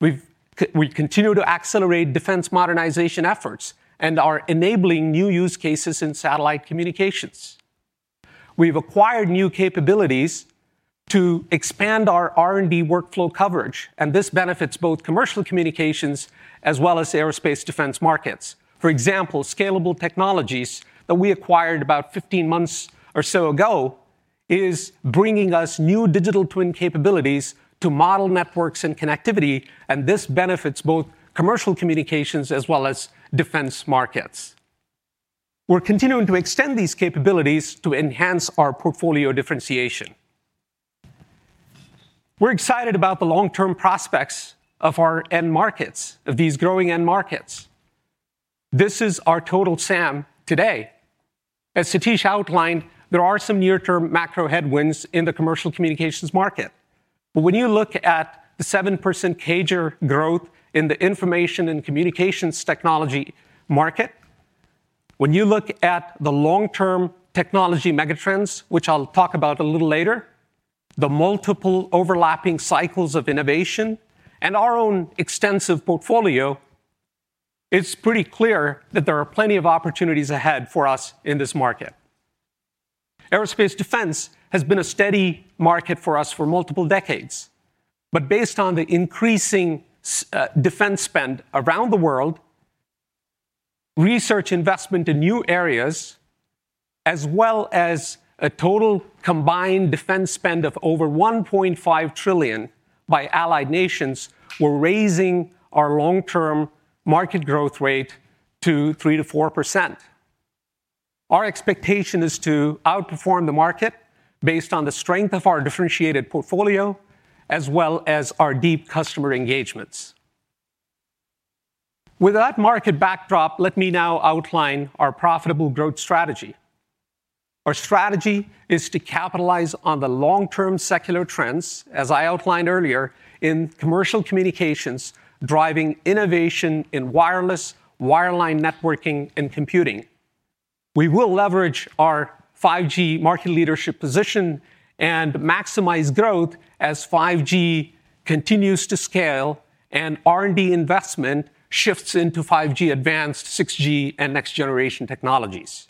We continue to accelerate defense modernization efforts and are enabling new use cases in satellite communications. We've acquired new capabilities to expand our R&D workflow coverage. This benefits both commercial communications as well as aerospace defense markets. For example, SCALABLE Network Technologies that we acquired about 15 months or so ago is bringing us new digital twin capabilities to model networks and connectivity. This benefits both commercial communications as well as defense markets. We're continuing to extend these capabilities to enhance our portfolio differentiation. We're excited about the long-term prospects of our end markets, of these growing end markets. This is our total SAM today. As Satish outlined, there are some near-term macro headwinds in the commercial communications market. When you look at the 7% CAGR growth in the information and communications technology market, when you look at the long-term technology megatrends, which I'll talk about a little later, the multiple overlapping cycles of innovation and our own extensive portfolio, it's pretty clear that there are plenty of opportunities ahead for us in this market. Aerospace defense has been a steady market for us for multiple decades, but based on the increasing defense spend around the world, research investment in new areas, as well as a total combined defense spend of over $1.5 trillion by allied nations, we're raising our long-term market growth rate to 3%-4%. Our expectation is to outperform the market based on the strength of our differentiated portfolio as well as our deep customer engagements. With that market backdrop, let me now outline our profitable growth strategy. Our strategy is to capitalize on the long-term secular trends, as I outlined earlier in commercial communications, driving innovation in wireless, wireline networking, and computing. We will leverage our 5G market leadership position and maximize growth as 5G continues to scale and R&D investment shifts into 5G-Advanced, 6G, and next-generation technologies.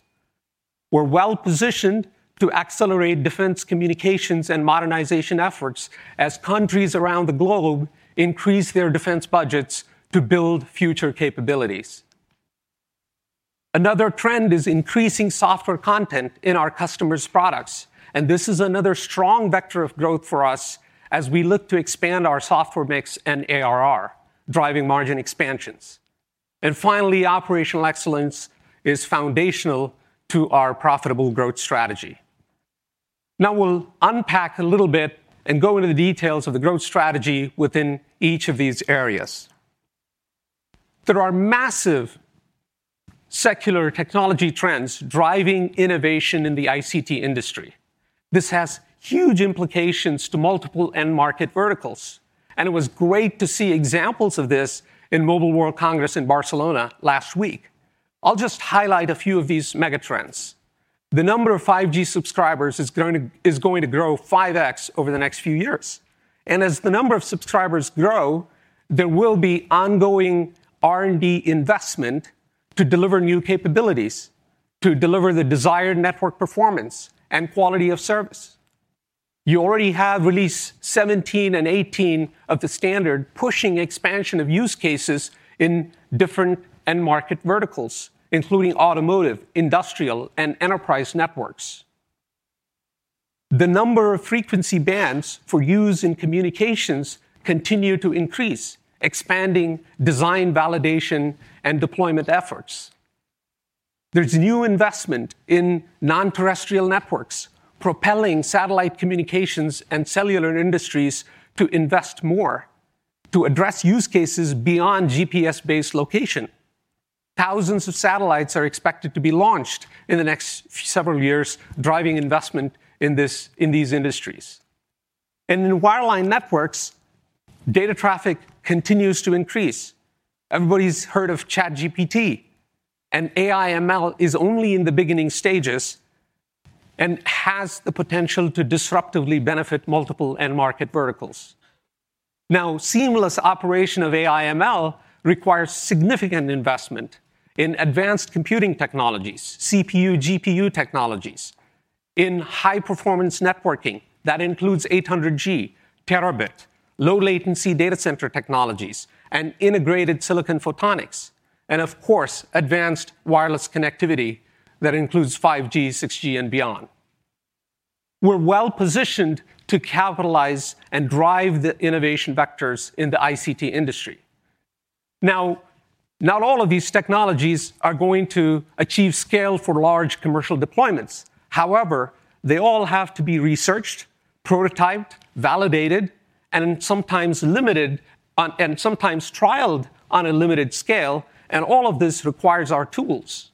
We're well-positioned to accelerate defense communications and modernization efforts as countries around the globe increase their defense budgets to build future capabilities. Another trend is increasing software content in our customers' products, and this is another strong vector of growth for us as we look to expand our software mix and ARR, driving margin expansions. Finally, operational excellence is foundational to our profitable growth strategy. Now, we'll unpack a little bit and go into the details of the growth strategy within each of these areas. There are massive secular technology trends driving innovation in the ICT industry. This has huge implications to multiple end market verticals, and it was great to see examples of this in Mobile World Congress in Barcelona last week. I'll just highlight a few of these megatrends. The number of 5G subscribers is going to grow 5x over the next few years. As the number of subscribers grow, there will be ongoing R&D investment to deliver new capabilities to deliver the desired network performance and quality of service. You already have Release 17 and 18 of the standard pushing expansion of use cases in different end market verticals, including automotive, industrial, and enterprise networks. The number of frequency bands for use in communications continue to increase, expanding design validation and deployment efforts. There's new investment in non-terrestrial networks, propelling satellite communications and cellular industries to invest more to address use cases beyond GPS-based location. Thousands of satellites are expected to be launched in the next several years, driving investment in these industries. In wireline networks, data traffic continues to increase. Everybody's heard of ChatGPT. AI ML is only in the beginning stages and has the potential to disruptively benefit multiple end market verticals. Now, seamless operation of AI ML requires significant investment in advanced computing technologies, CPU, GPU technologies, in high-performance networking that includes 800G, terabit, low latency data center technologies, integrated silicon photonics, and of course, advanced wireless connectivity that includes 5G, 6G, and beyond. We're well-positioned to capitalize and drive the innovation vectors in the ICT industry. Now, not all of these technologies are going to achieve scale for large commercial deployments. However, they all have to be researched, prototyped, validated, sometimes trialed on a limited scale, and all of this requires our tools.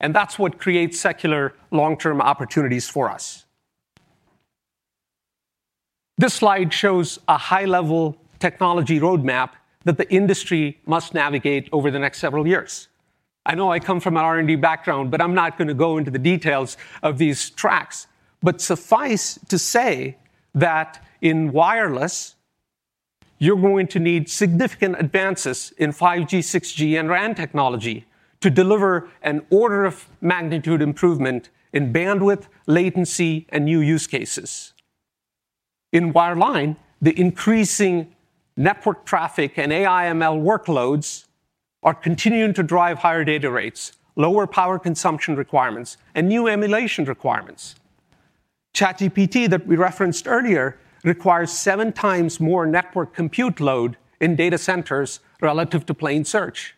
That's what creates secular long-term opportunities for us. This slide shows a high-level technology roadmap that the industry must navigate over the next several years. I know I come from an R&D background, I'm not gonna go into the details of these tracks, but suffice to say that in wireless, you're going to need significant advances in 5G, 6G, and RAN technology to deliver an order of magnitude improvement in bandwidth, latency, and new use cases. In wireline, the increasing network traffic and AI ML workloads are continuing to drive higher data rates, lower power consumption requirements, and new emulation requirements. ChatGPT, that we referenced earlier, requires 7 times more network compute load in data centers relative to plain search.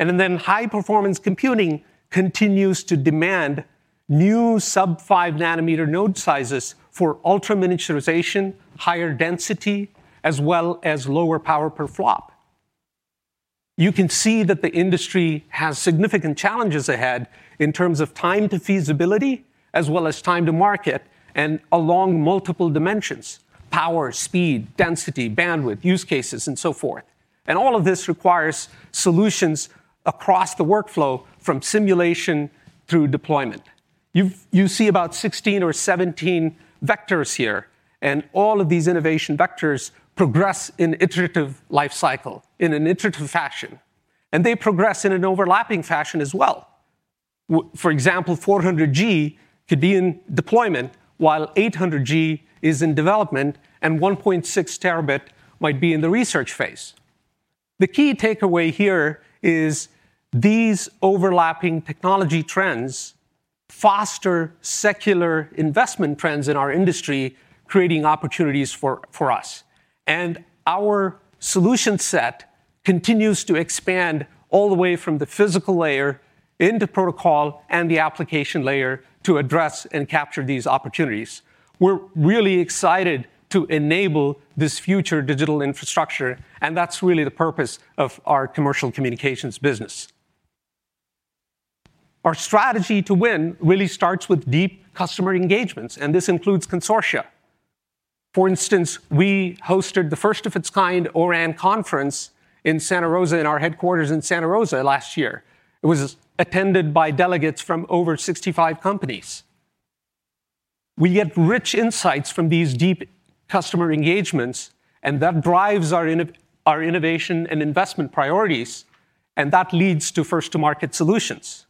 High performance computing continues to demand new sub 5 nanometer node sizes for ultra-miniaturization, higher density, as well as lower power per FLOP. You can see that the industry has significant challenges ahead in terms of time to feasibility as well as time to market and along multiple dimensions, power, speed, density, bandwidth, use cases, and so forth. All of this requires solutions across the workflow from simulation through deployment. You see about 16 or 17 vectors here, and all of these innovation vectors progress in iterative life cycle in an iterative fashion, and they progress in an overlapping fashion as well. For example, 400G could be in deployment while 800G is in development, and 1.6 terabit might be in the research phase. The key takeaway here is these overlapping technology trends foster secular investment trends in our industry, creating opportunities for us. Our solution set continues to expand all the way from the physical layer into protocol and the application layer to address and capture these opportunities. We're really excited to enable this future digital infrastructure, and that's really the purpose of our commercial communications business. Our strategy to win really starts with deep customer engagements, and this includes consortia. For instance, we hosted the first of its kind O-RAN conference in Santa Rosa, in our headquarters in Santa Rosa last year. It was attended by delegates from over 65 companies. We get rich insights from these deep customer engagements, and that drives our innovation and investment priorities, and that leads to first to market solutions.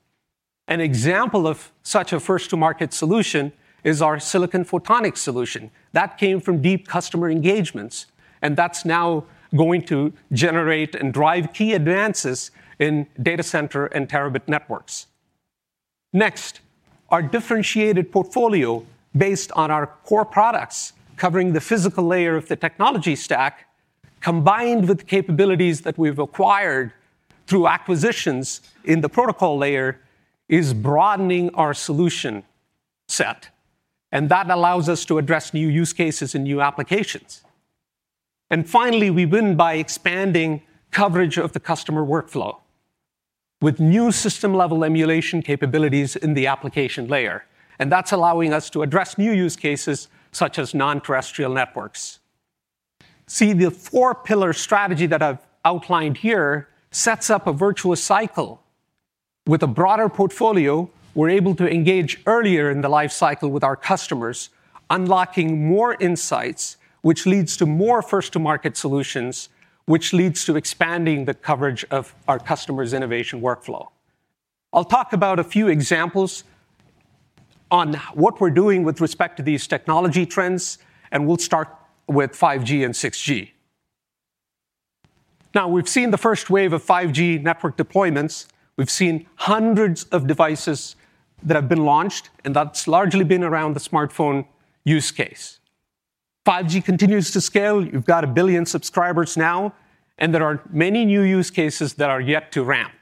An example of such a first to market solution is our silicon photonic solution. That came from deep customer engagements, and that's now going to generate and drive key advances in data center and terabit networks. Next, our differentiated portfolio based on our core products covering the physical layer of the technology stack, combined with capabilities that we've acquired through acquisitions in the protocol layer, is broadening our solution set, and that allows us to address new use cases and new applications. Finally, we win by expanding coverage of the customer workflow with new system-level emulation capabilities in the application layer. That's allowing us to address new use cases such as non-terrestrial networks. See, the four-pillar strategy that I've outlined here sets up a virtuous cycle. With a broader portfolio, we're able to engage earlier in the life cycle with our customers, unlocking more insights, which leads to more first to market solutions, which leads to expanding the coverage of our customers' innovation workflow. I'll talk about a few examples on what we're doing with respect to these technology trends. We'll start with 5G and 6G. We've seen the first wave of 5G network deployments. We've seen hundreds of devices that have been launched. That's largely been around the smartphone use case. 5G continues to scale. You've got 1 billion subscribers now. There are many new use cases that are yet to ramp.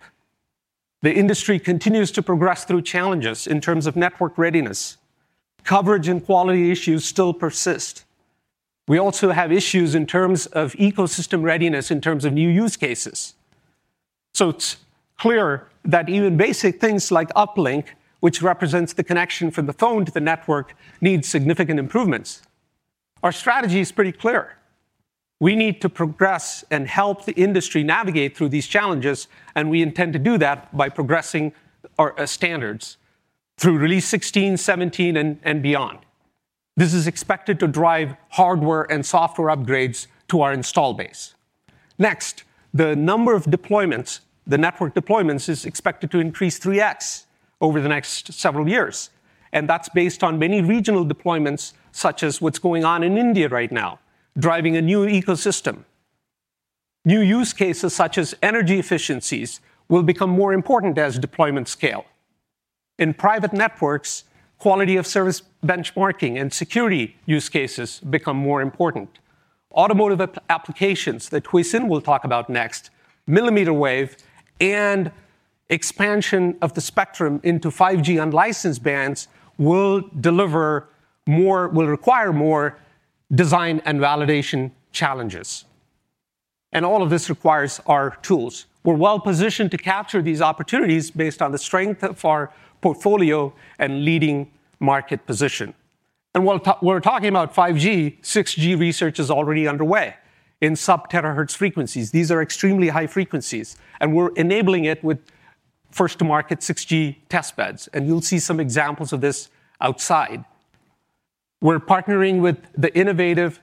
The industry continues to progress through challenges in terms of network readiness. Coverage and quality issues still persist. We also have issues in terms of ecosystem readiness in terms of new use cases. It's clear that even basic things like uplink, which represents the connection from the phone to the network, needs significant improvements. Our strategy is pretty clear. We need to progress and help the industry navigate through these challenges, and we intend to do that by progressing our standards through Release 16, Release 17, and beyond. This is expected to drive hardware and software upgrades to our install base. Next, the number of deployments, the network deployments, is expected to increase 3x over the next several years, and that's based on many regional deployments such as what's going on in India right now, driving a new ecosystem. New use cases such as energy efficiencies will become more important as deployment scale. In private networks, quality of service benchmarking and security use cases become more important. Automotive applications that Huei Sin will talk about next, millimeter wave and expansion of the spectrum into 5G unlicensed bands will require more design and validation challenges. All of this requires our tools. We're well-positioned to capture these opportunities based on the strength of our portfolio and leading market position. While we're talking about 5G, 6G research is already underway in sub-terahertz frequencies. These are extremely high frequencies, we're enabling it with first to market 6G testbeds, and you'll see some examples of this outside. We're partnering with the Innovative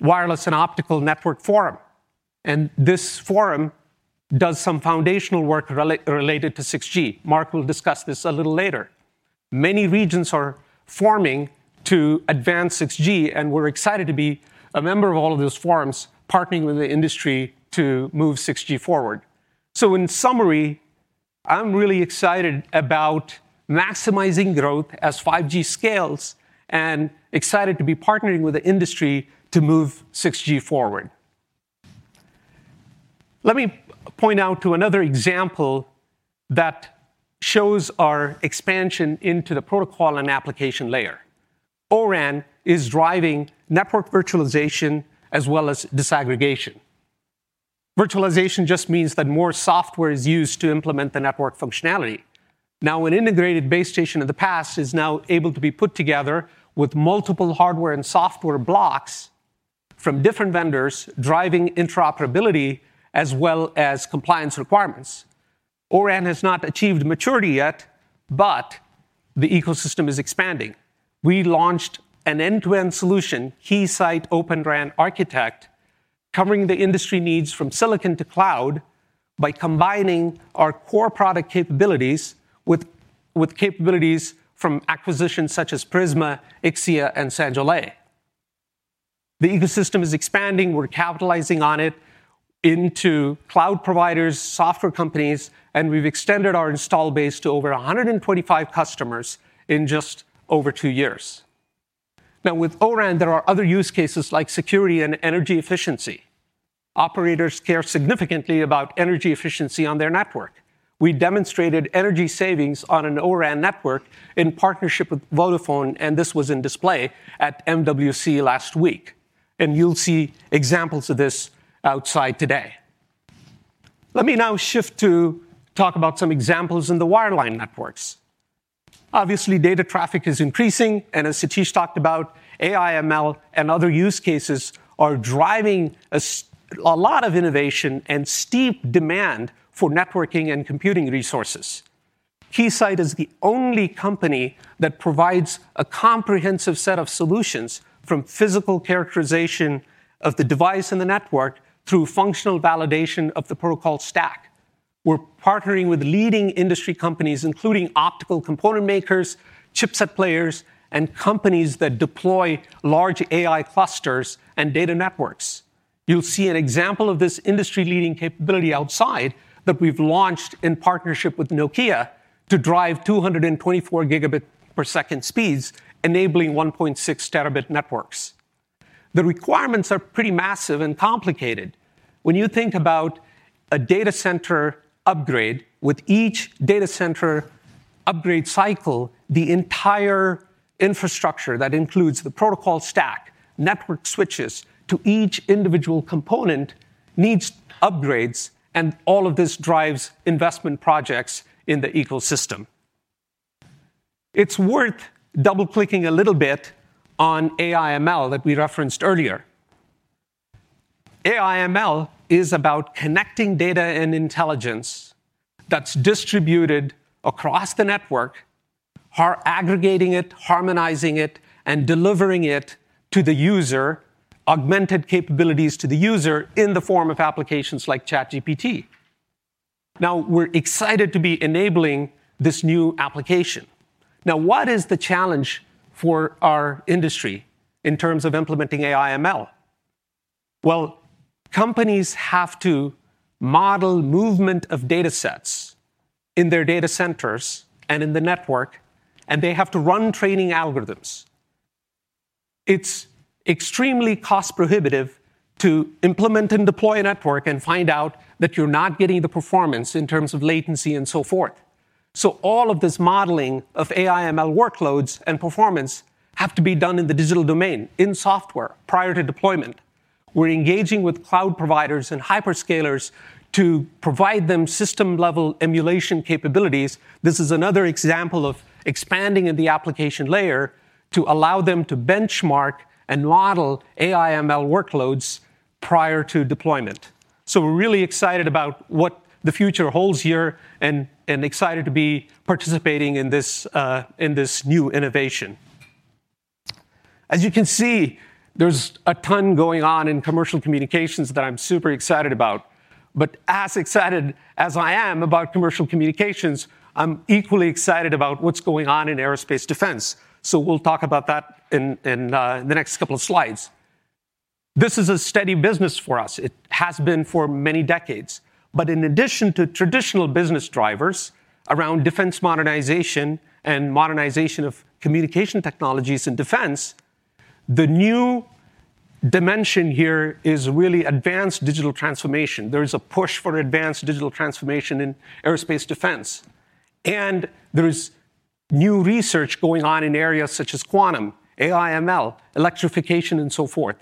Wireless and Optical Network Forum, this forum does some foundational work related to 6G. Mark will discuss this a little later. Many regions are forming to advance 6G, and we're excited to be a member of all of those forums partnering with the industry to move 6G forward. In summary, I'm really excited about maximizing growth as 5G scales and excited to be partnering with the industry to move 6G forward. Let me point out to another example that shows our expansion into the protocol and application layer. O-RAN is driving network virtualization as well as disaggregation. Virtualization just means that more software is used to implement the network functionality. Now, an integrated base station in the past is now able to be put together with multiple hardware and software blocks from different vendors, driving interoperability as well as compliance requirements. O-RAN has not achieved maturity yet, but the ecosystem is expanding. We launched an end-to-end solution, Keysight Open RAN Architect, covering the industry needs from silicon to cloud by combining our core product capabilities with capabilities from acquisitions such as Prisma, Ixia, and Sanjole. The ecosystem is expanding. We're capitalizing on it into cloud providers, software companies, and we've extended our install base to over 125 customers in just over two years. Now, with O-RAN, there are other use cases like security and energy efficiency. Operators care significantly about energy efficiency on their network. We demonstrated energy savings on an O-RAN network in partnership with Vodafone, and this was in display at MWC last week. You'll see examples of this outside today. Let me now shift to talk about some examples in the wireline networks. Obviously, data traffic is increasing. As Satish talked about, AI, ML, and other use cases are driving a lot of innovation and steep demand for networking and computing resources. Keysight is the only company that provides a comprehensive set of solutions from physical characterization of the device and the network through functional validation of the protocol stack. We're partnering with leading industry companies, including optical component makers, chipset players, and companies that deploy large AI clusters and data networks. You'll see an example of this industry-leading capability outside that we've launched in partnership with Nokia to drive 224 gigabit per second speeds, enabling 1.6 terabit networks. The requirements are pretty massive and complicated. When you think about a data center upgrade, with each data center upgrade cycle, the entire infrastructure that includes the protocol stack, network switches to each individual component needs upgrades, and all of this drives investment projects in the ecosystem. It's worth double-clicking a little bit on AI, ML that we referenced earlier. AI, ML is about connecting data and intelligence that's distributed across the network, aggregating it, harmonizing it, and delivering it to the user, augmented capabilities to the user in the form of applications like ChatGPT. We're excited to be enabling this new application. What is the challenge for our industry in terms of implementing AI, ML? Companies have to model movement of datasets in their data centers and in the network, and they have to run training algorithms. It's extremely cost prohibitive to implement and deploy a network and find out that you're not getting the performance in terms of latency and so forth. All of this modeling of AI, ML workloads and performance have to be done in the digital domain, in software prior to deployment. We're engaging with cloud providers and hyperscalers to provide them system-level emulation capabilities. This is another example of expanding in the application layer to allow them to benchmark and model AI, ML workloads prior to deployment. We're really excited about what the future holds here and excited to be participating in this in this new innovation. As you can see, there's a ton going on in commercial communications that I'm super excited about. As excited as I am about commercial communications, I'm equally excited about what's going on in aerospace defense. We'll talk about that in the next couple of slides. This is a steady business for us. It has been for many decades. In addition to traditional business drivers around defense modernization and modernization of communication technologies and defense, the new dimension here is really advanced digital transformation. There is a push for advanced digital transformation in aerospace defense, and there is new research going on in areas such as quantum, AI, ML, electrification, and so forth.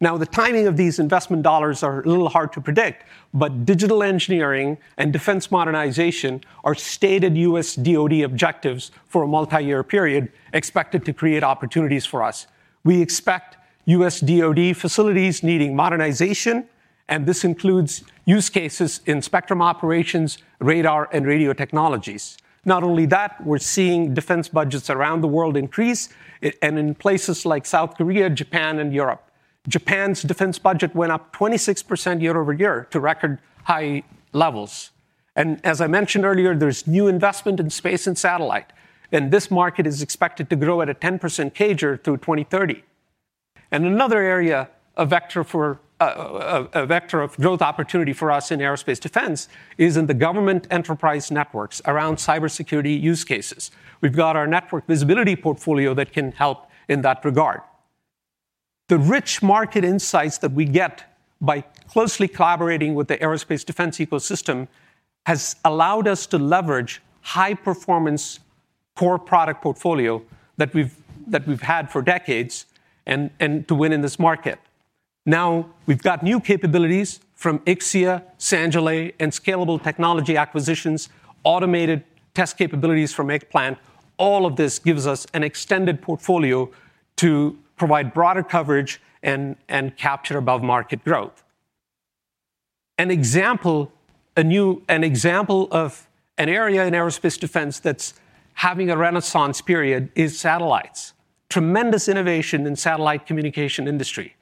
The timing of these investment dollars are a little hard to predict, but digital engineering and defense modernization are stated U.S. DoD objectives for a multiyear period expected to create opportunities for us. We expect U.S. DoD facilities needing modernization, and this includes use cases in spectrum operations, radar, and radio technologies. Not only that, we're seeing defense budgets around the world increase and in places like South Korea, Japan, and Europe. Japan's defense budget went up 26% year-over-year to record high levels. As I mentioned earlier, there's new investment in space and satellite, and this market is expected to grow at a 10% CAGR through 2030.Another area, a vector for, a vector of growth opportunity for us in aerospace defense is in the government enterprise networks around cybersecurity use cases. We've got our network visibility portfolio that can help in that regard. The rich market insights that we get by closely collaborating with the aerospace defense ecosystem has allowed us to leverage high-performance core product portfolio that we've had for decades and to win in this market. Now, we've got new capabilities from Ixia, Sanjole, and SCALABLE technology acquisitions, automated test capabilities from ATEplan. All of this gives us an extended portfolio to provide broader coverage and capture above-market growth. An example of an area in aerospace defense that's having a renaissance period is satellites. Tremendous innovation in satellite communication industry.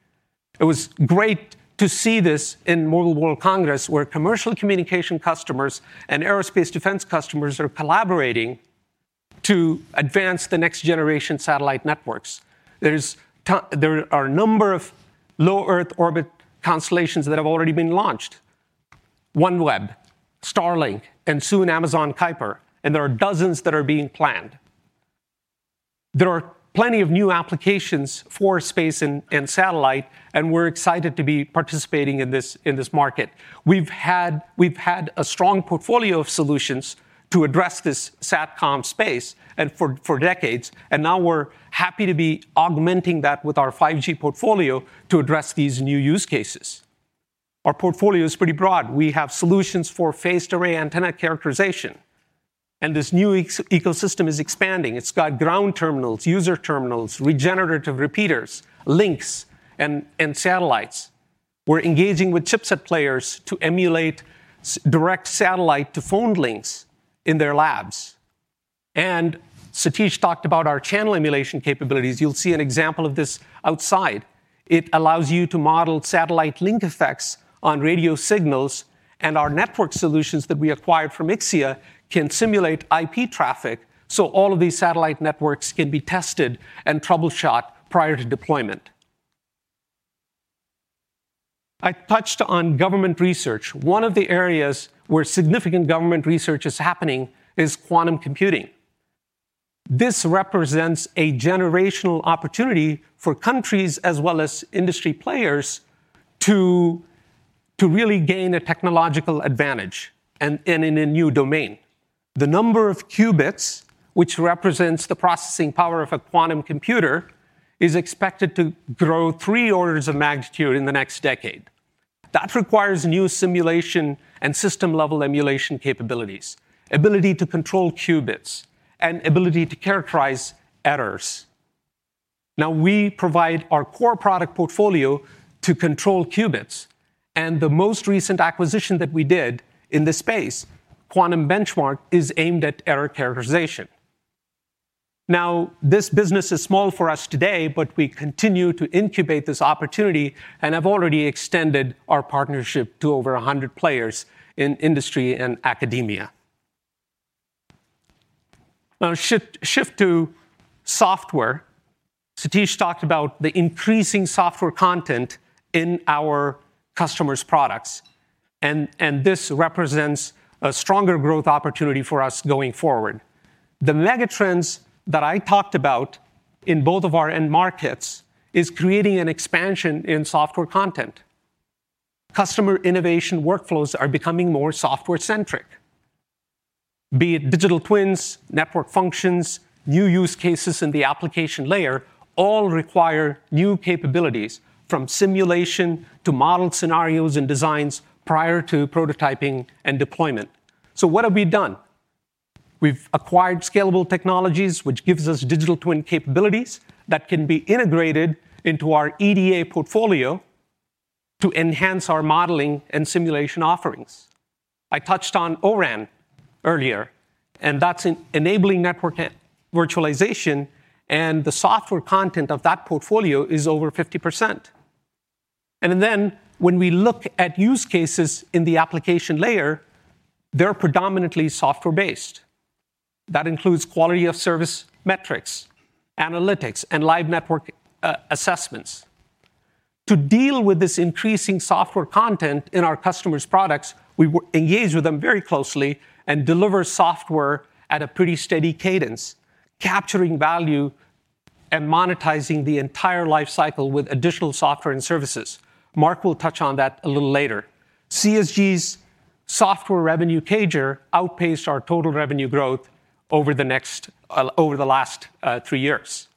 It was great to see this in Mobile World Congress, where commercial communication customers and aerospace defense customers are collaborating to advance the next-generation satellite networks. There are a number of low Earth orbit constellations that have already been launched. OneWeb, Starlink, and soon Amazon Kuiper, and there are dozens that are being planned. There are plenty of new applications for space and satellite, and we're excited to be participating in this, in this market. We've had a strong portfolio of solutions to address this satcom space, and for decades, now we're happy to be augmenting that with our 5G portfolio to address these new use cases. Our portfolio is pretty broad. We have solutions for phased array antenna characterization, and this new ecosystem is expanding. It's got ground terminals, user terminals, regenerative repeaters, links and satellites. We're engaging with chipset players to emulate direct satellite to phone links in their labs. Satish talked about our channel emulation capabilities. You'll see an example of this outside. It allows you to model satellite link effects on radio signals, and our network solutions that we acquired from Ixia can simulate IP traffic, so all of these satellite networks can be tested and troubleshot prior to deployment. I touched on government research. One of the areas where significant government research is happening is quantum computing. This represents a generational opportunity for countries as well as industry players to really gain a technological advantage and in a new domain. The number of qubits, which represents the processing power of a quantum computer, is expected to grow 3 orders of magnitude in the next decade. That requires new simulation and system-level emulation capabilities, ability to control qubits, and ability to characterize errors. We provide our core product portfolio to control qubits, and the most recent acquisition that we did in this space, Quantum Benchmark, is aimed at error characterization. This business is small for us today, but we continue to incubate this opportunity and have already extended our partnership to over 100 players in industry and academia. Shift to software. Satish talked about the increasing software content in our customers' products and this represents a stronger growth opportunity for us going forward. The megatrends that I talked about in both of our end markets is creating an expansion in software content. Customer innovation workflows are becoming more software-centric. Be it digital twins, network functions, new use cases in the application layer all require new capabilities from simulation to modeled scenarios and designs prior to prototyping and deployment. What have we done? We've acquired SCALABLE Network Technologies, which gives us digital twin capabilities that can be integrated into our EDA portfolio to enhance our modeling and simulation offerings. I touched on O-RAN earlier, and that's enabling network virtualization, and the software content of that portfolio is over 50%. When we look at use cases in the application layer, they're predominantly software-based. That includes quality of service metrics, analytics, and live network assessments. To deal with this increasing software content in our customers' products, we engage with them very closely and deliver software at a pretty steady cadence, capturing value and monetizing the entire life cycle with additional software and services. Mark will touch on that a little later. CSG's software revenue CAGR outpaced our total revenue growth over the next over the last three years.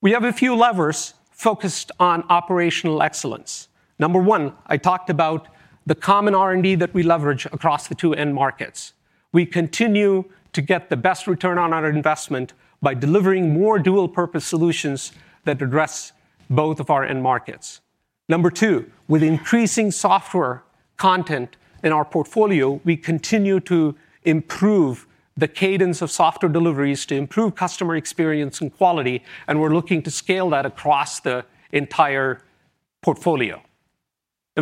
We have a few levers focused on operational excellence. Number one, I talked about the common R&D that we leverage across the two end markets. We continue to get the best return on our investment by delivering more dual-purpose solutions that address both of our end markets. Number two, with increasing software content in our portfolio, we continue to improve the cadence of software deliveries to improve customer experience and quality, and we're looking to scale that across the entire portfolio.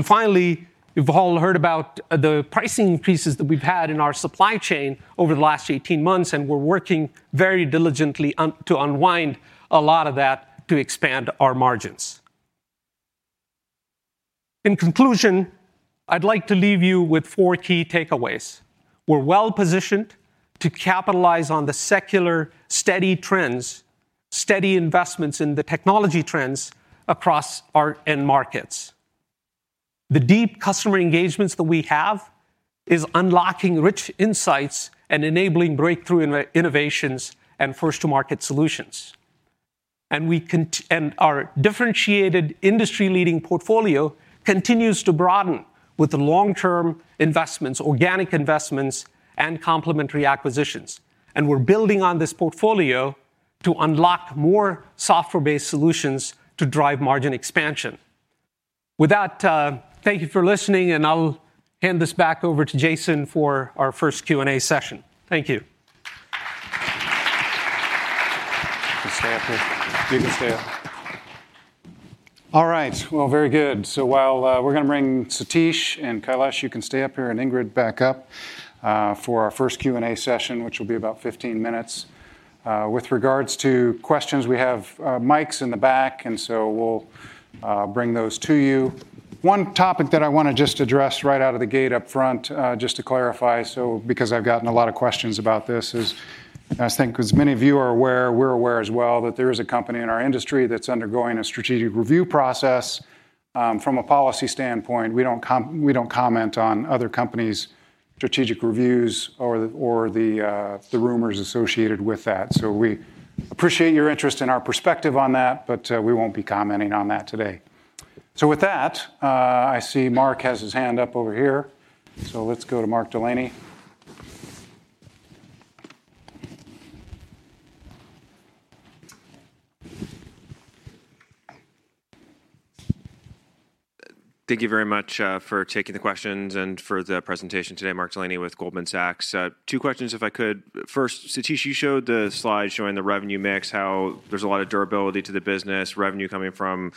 Finally, you've all heard about the pricing increases that we've had in our supply chain over the last 18 months. We're working very diligently to unwind a lot of that to expand our margins. In conclusion, I'd like to leave you with four key takeaways. We're well-positioned to capitalize on the secular steady trends, steady investments in the technology trends across our end markets. The deep customer engagements that we have is unlocking rich insights and enabling breakthrough innovations and first-to-market solutions. Our differentiated industry-leading portfolio continues to broaden with the long-term investments, organic investments and complementary acquisitions. We're building on this portfolio to unlock more software-based solutions to drive margin expansion. With that, thank you for listening. I'll hand this back over to Jason for our first Q&A session. Thank you. You can stay up here. You can stay up. All right. Well, very good. While we're gonna bring Satish and Kailash, you can stay up here, and Ingrid back up, for our first Q&A session, which will be about 15 minutes. With regards to questions, we have mics in the back, and we'll bring those to you. One topic that I wanna just address right out of the gate up front, just to clarify, because I've gotten a lot of questions about this, is I think as many of you are aware, we're aware as well that there is a company in our industry that's undergoing a strategic review process. From a policy standpoint, we don't comment on other companies' strategic reviews or the, or the rumors associated with that. We appreciate your interest and our perspective on that. We won't be commenting on that today. With that, I see Mark has his hand up over here. Let's go to Mark Delaney. Thank you very much for taking the questions and for the presentation today. Mark Delaney with Goldman Sachs. Two questions, if I could. First, Satish, you showed the slide showing the revenue mix, how there's a lot of durability to the business, revenue coming from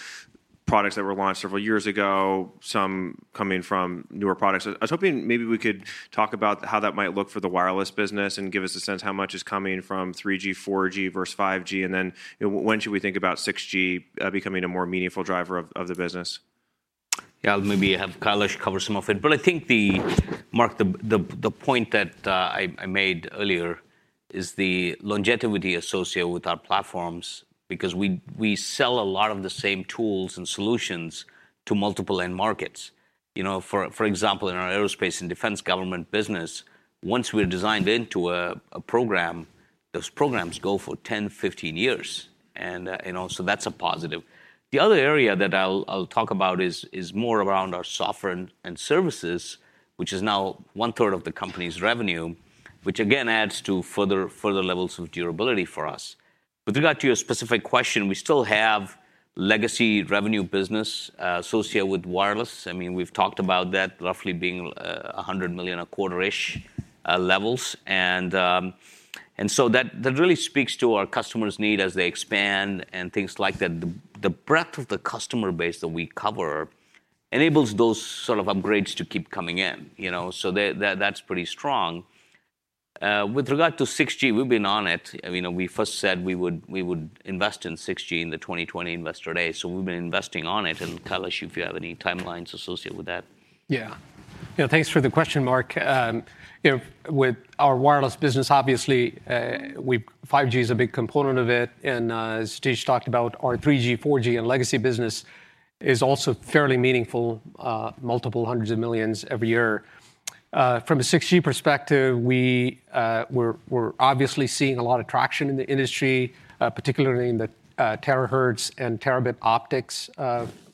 products that were launched several years ago, some coming from newer products. I was hoping maybe we could talk about how that might look for the wireless business and give us a sense how much is coming from 3G, 4G versus 5G. When should we think about 6G becoming a more meaningful driver of the business? Yeah, maybe have Kailash cover some of it. I think the Mark, the point that I made earlier is the longevity associated with our platforms because we sell a lot of the same tools and solutions to multiple end markets. You know, for example, in our aerospace and defense government business, once we're designed into a program, those programs go for 10, 15 years and also that's a positive. The other area that I'll talk about is more around our software and services, which is now one-third of the company's revenue, which again adds to further levels of durability for us. With regard to your specific question, we still have legacy revenue business associated with wireless. I mean, we've talked about that roughly being $100 million a quarter-ish levels. That really speaks to our customers' need as they expand and things like that. The breadth of the customer base that we cover enables those sort of upgrades to keep coming in, you know. That's pretty strong. With regard to 6G, we've been on it. You know, we first said we would invest in 6G in the 2020 Investor Day, so we've been investing on it. Kailash, if you have any timelines associated with that. Yeah. Thanks for the question, Mark. You know, with our wireless business, obviously, 5G is a big component of it, and Satish talked about our 3G, 4G, and legacy business is also fairly meaningful, multiple hundreds of millions every year. From a 6G perspective, we are obviously seeing a lot of traction in the industry, particularly in the terahertz and terabit optics,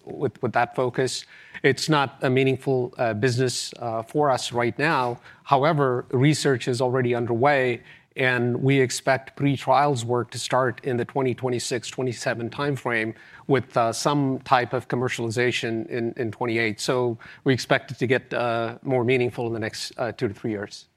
with that focus. It's not a meaningful business for us right now. However, research is already underway, and we expect pre-trials work to start in the 2026, 2027 timeframe with some type of commercialization in 2028. So we expect it to get more meaningful in the next 2 to 3 years.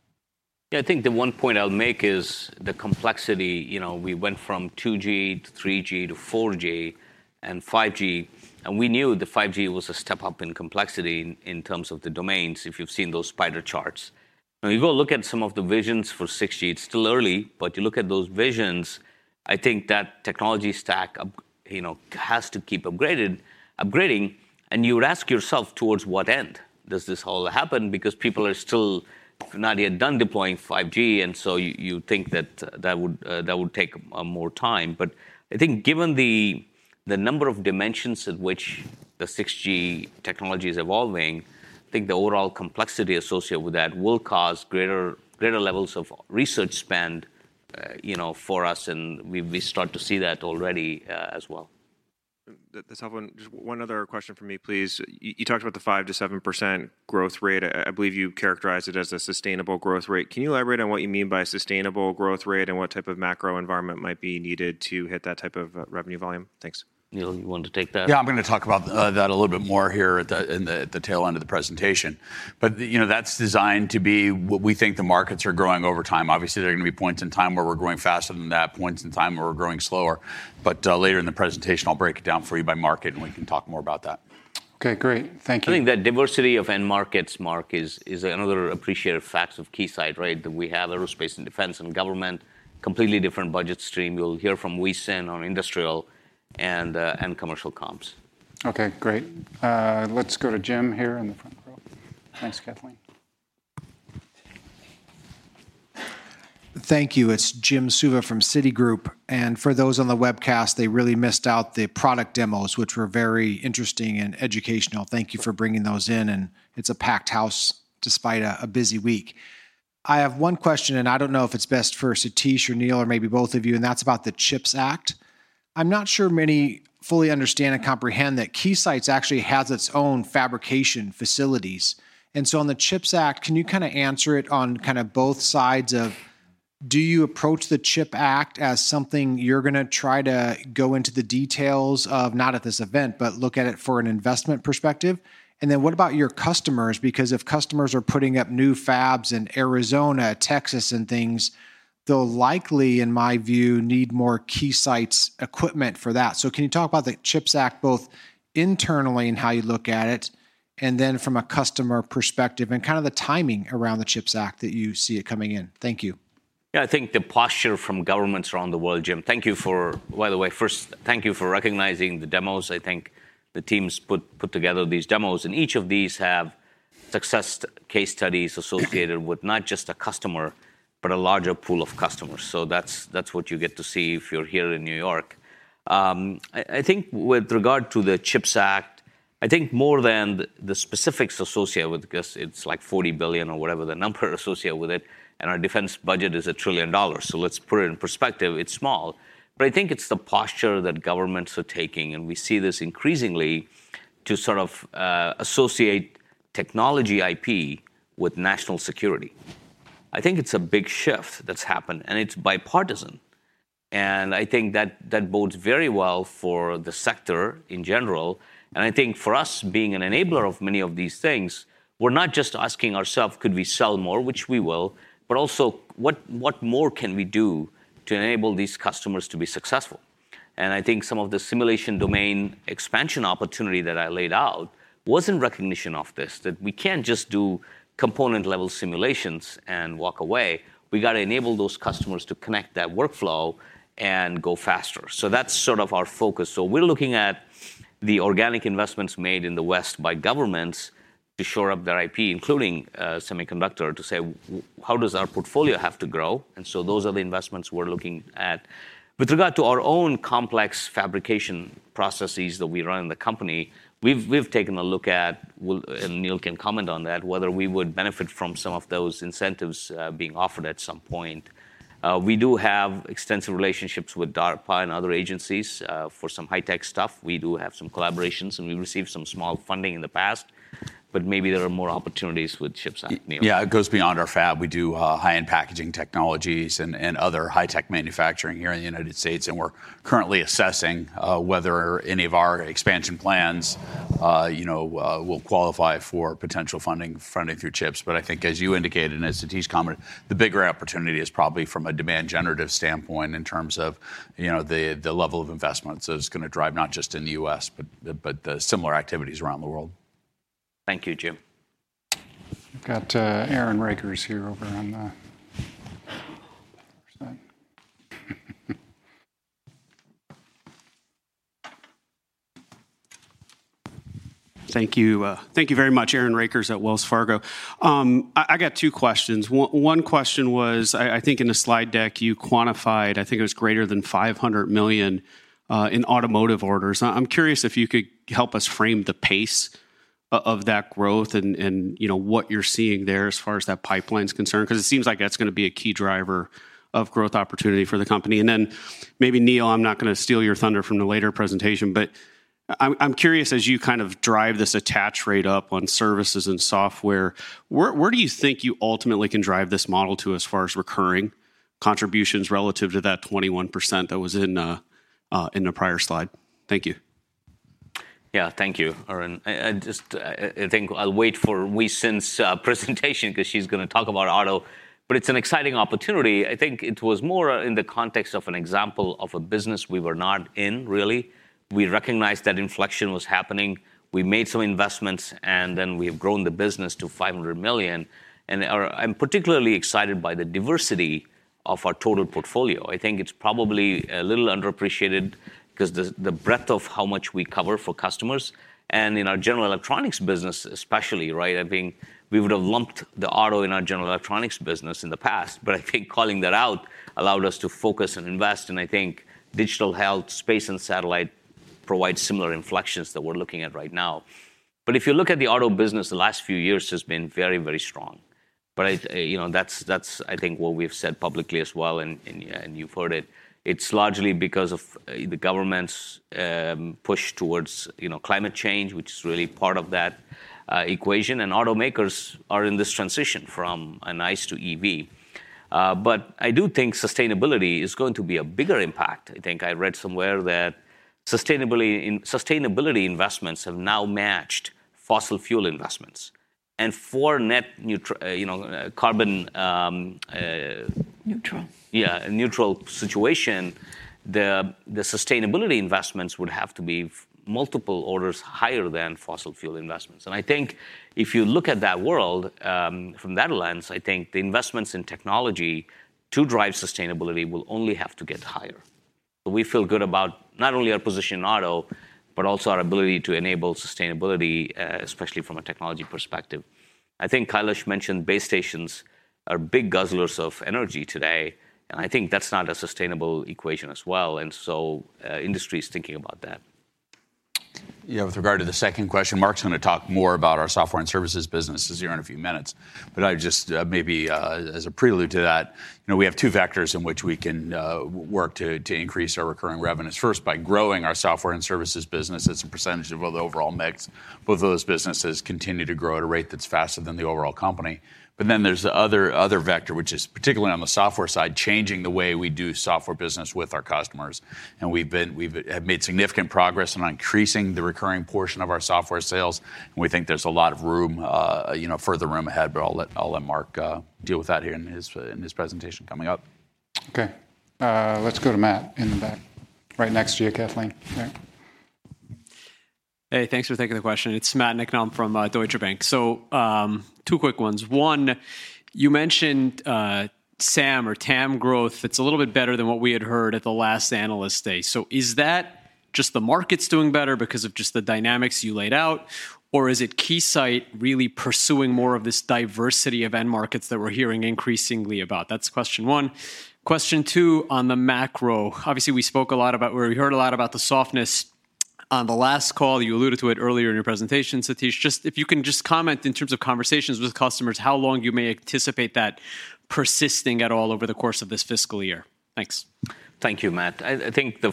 Yeah, I think the one point I'll make is the complexity. You know, we went from 2G to 3G to 4G and 5G, and we knew the 5G was a step up in complexity in terms of the domains, if you've seen those spider charts. When you go look at some of the visions for 6G, it's still early, but you look at those visions, I think that technology stack up, you know, has to keep upgraded, upgrading, and you would ask yourself, towards what end does this all happen? Because people are still not yet done deploying 5G. You think that that would take more time. I think given the number of dimensions at which the 6G technology is evolving, I think the overall complexity associated with that will cause greater levels of research spend, you know, for us, and we start to see that already, as well. That's helpful. Just one other question from me, please. You talked about the 5%-7% growth rate. I believe you characterized it as a sustainable growth rate. Can you elaborate on what you mean by sustainable growth rate and what type of macro environment might be needed to hit that type of revenue volume? Thanks. Neil, you want to take that? Yeah, I'm gonna talk about that a little bit more here at the tail end of the presentation. You know, that's designed to be what we think the markets are growing over time. Obviously, there are gonna be points in time where we're growing faster than that, points in time where we're growing slower. Later in the presentation, I'll break it down for you by market, and we can talk more about that. Okay, great. Thank you. I think the diversity of end markets, Mark, is another appreciated fact of Keysight, right? That we have aerospace and defense and government, completely different budget stream. You'll hear from Huei Sin on industrial and commercial comps. Okay, great. let's go to Jim here in the front row. Thanks, Kathleen. Thank you. It's Jim Suva from Citigroup. For those on the webcast, they really missed out the product demos, which were very interesting and educational. Thank you for bringing those in. It's a packed house despite a busy week. I have one question. I don't know if it's best for Satish or Neil or maybe both of you. That's about the CHIPS Act. I'm not sure many fully understand and comprehend that Keysight actually has its own fabrication facilities. So on the CHIPS Act, can you kind of answer it on kind of both sides of do you approach the CHIPS Act as something you're gonna try to go into the details of, not at this event, but look at it for an investment perspective? Then what about your customers? If customers are putting up new fabs in Arizona, Texas, and things, they'll likely, in my view, need more Keysight's equipment for that. Can you talk about the CHIPS Act both internally and how you look at it, and then from a customer perspective and kind of the timing around the CHIPS Act that you see it coming in? Thank you. Yeah, I think the posture from governments around the world, Jim. By the way, first, thank you for recognizing the demos. I think the teams put together these demos, and each of these have success case studies associated with not just a customer, but a larger pool of customers. That's what you get to see if you're here in New York. I think with regard to the CHIPS Act, I think more than the specifics associated with it, 'cause it's like $40 billion or whatever the number associated with it, and our defense budget is $1 trillion. Let's put it in perspective, it's small. I think it's the posture that governments are taking, and we see this increasingly to sort of associate technology IP with national security. I think it's a big shift that's happened, and it's bipartisan. I think that bodes very well for the sector in general. I think for us, being an enabler of many of these things, we're not just asking ourself, could we sell more, which we will, but also, what more can we do to enable these customers to be successful? I think some of the simulation domain expansion opportunity that I laid out was in recognition of this, that we can't just do component-level simulations and walk away. We gotta enable those customers to connect that workflow and go faster. That's sort of our focus. We're looking at the organic investments made in the West by governments to shore up their IP, including semiconductor, to say, how does our portfolio have to grow? Those are the investments we're looking at. With regard to our own complex fabrication processes that we run in the company, we've taken a look at, Neil can comment on that, whether we would benefit from some of those incentives, being offered at some point. We do have extensive relationships with DARPA and other agencies, for some high tech stuff. We do have some collaborations. We received some small funding in the past. Maybe there are more opportunities with CHIPS Act, Neil. Yeah, it goes beyond our fab. We do high-end packaging technologies and other high-tech manufacturing here in the United States, and we're currently assessing whether any of our expansion plans, you know, will qualify for potential funding through CHIPS. I think as you indicated, and as Satish commented, the bigger opportunity is probably from a demand generative standpoint in terms of, you know, the level of investments that it's gonna drive, not just in the U.S., but the similar activities around the world. Thank you, Jim. We've got, Aaron Rakers here over on the side. Thank you. Thank you very much, Aaron Rakers at Wells Fargo. I got two questions. One question was, I think in the slide deck you quantified, I think it was greater than $500 million in automotive orders. I'm curious if you could help us frame the pace of that growth and you know, what you're seeing there as far as that pipeline's concerned, because it seems like that's gonna be a key driver of growth opportunity for the company. Maybe, Neil, I'm not gonna steal your thunder from the later presentation, I'm curious, as you kind of drive this attach rate up on services and software, where do you think you ultimately can drive this model to as far as recurring contributions relative to that 21% that was in the prior slide? Thank you. Yeah. Thank you, Aaron. I just think I'll wait for Huei Sin's presentation because she's gonna talk about auto, but it's an exciting opportunity. I think it was more in the context of an example of a business we were not in really. We recognized that inflection was happening. We made some investments, and then we have grown the business to $500 million. I'm particularly excited by the diversity of our total portfolio. I think it's probably a little underappreciated 'cause the breadth of how much we cover for customers and in our general electronics business, especially, right? I mean, we would have lumped the auto in our general electronics business in the past, but I think calling that out allowed us to focus and invest. I think digital health, space and satellite provide similar inflections that we're looking at right now. If you look at the auto business, the last few years has been very, very strong. I, you know, that's I think what we've said publicly as well, and you've heard it. It's largely because of the government's push towards, you know, climate change, which is really part of that equation. Automakers are in this transition from an ICE to EV. I do think sustainability is going to be a bigger impact. I think I read somewhere that sustainability investments have now matched fossil fuel investments. For net neutra-- you know, carbon. Neutral Yeah, neutral situation, the sustainability investments would have to be multiple orders higher than fossil fuel investments. I think if you look at that world, from that lens, I think the investments in technology to drive sustainability will only have to get higher. We feel good about not only our position in auto, but also our ability to enable sustainability, especially from a technology perspective. I think Kailash mentioned base stations are big guzzlers of energy today, and I think that's not a sustainable equation as well. Industry is thinking about that. Yeah, with regard to the second question, Mark's gonna talk more about our software and services businesses here in a few minutes. I just, maybe, as a prelude to that, you know, we have two vectors in which we can work to increase our recurring revenues, first by growing our software and services business as a percentage of the overall mix. Both of those businesses continue to grow at a rate that's faster than the overall company. There's the other vector, which is particularly on the software side, changing the way we do software business with our customers. We have made significant progress on increasing the recurring portion of our software sales, and we think there's a lot of room, you know, further room ahead, but I'll let Mark deal with that here in his, in his presentation coming up. Okay. Let's go to Matt in the back, right next to you, Kathleen. Right. Hey, thanks for taking the question. It's Matt Niknam from Deutsche Bank. Two quick ones. One, you mentioned SAM or TAM growth, it's a little bit better than what we had heard at the last Analyst Day. Is that just the market's doing better because of just the dynamics you laid out? Or is it Keysight really pursuing more of this diversity of end markets that we're hearing increasingly about? That's question one. Question two on the macro. Obviously, we spoke a lot about or we heard a lot about the softness on the last call. You alluded to it earlier in your presentation, Satish. Just if you can just comment in terms of conversations with customers, how long you may anticipate that persisting at all over the course of this fiscal year. Thanks. Thank you, Matt. I think the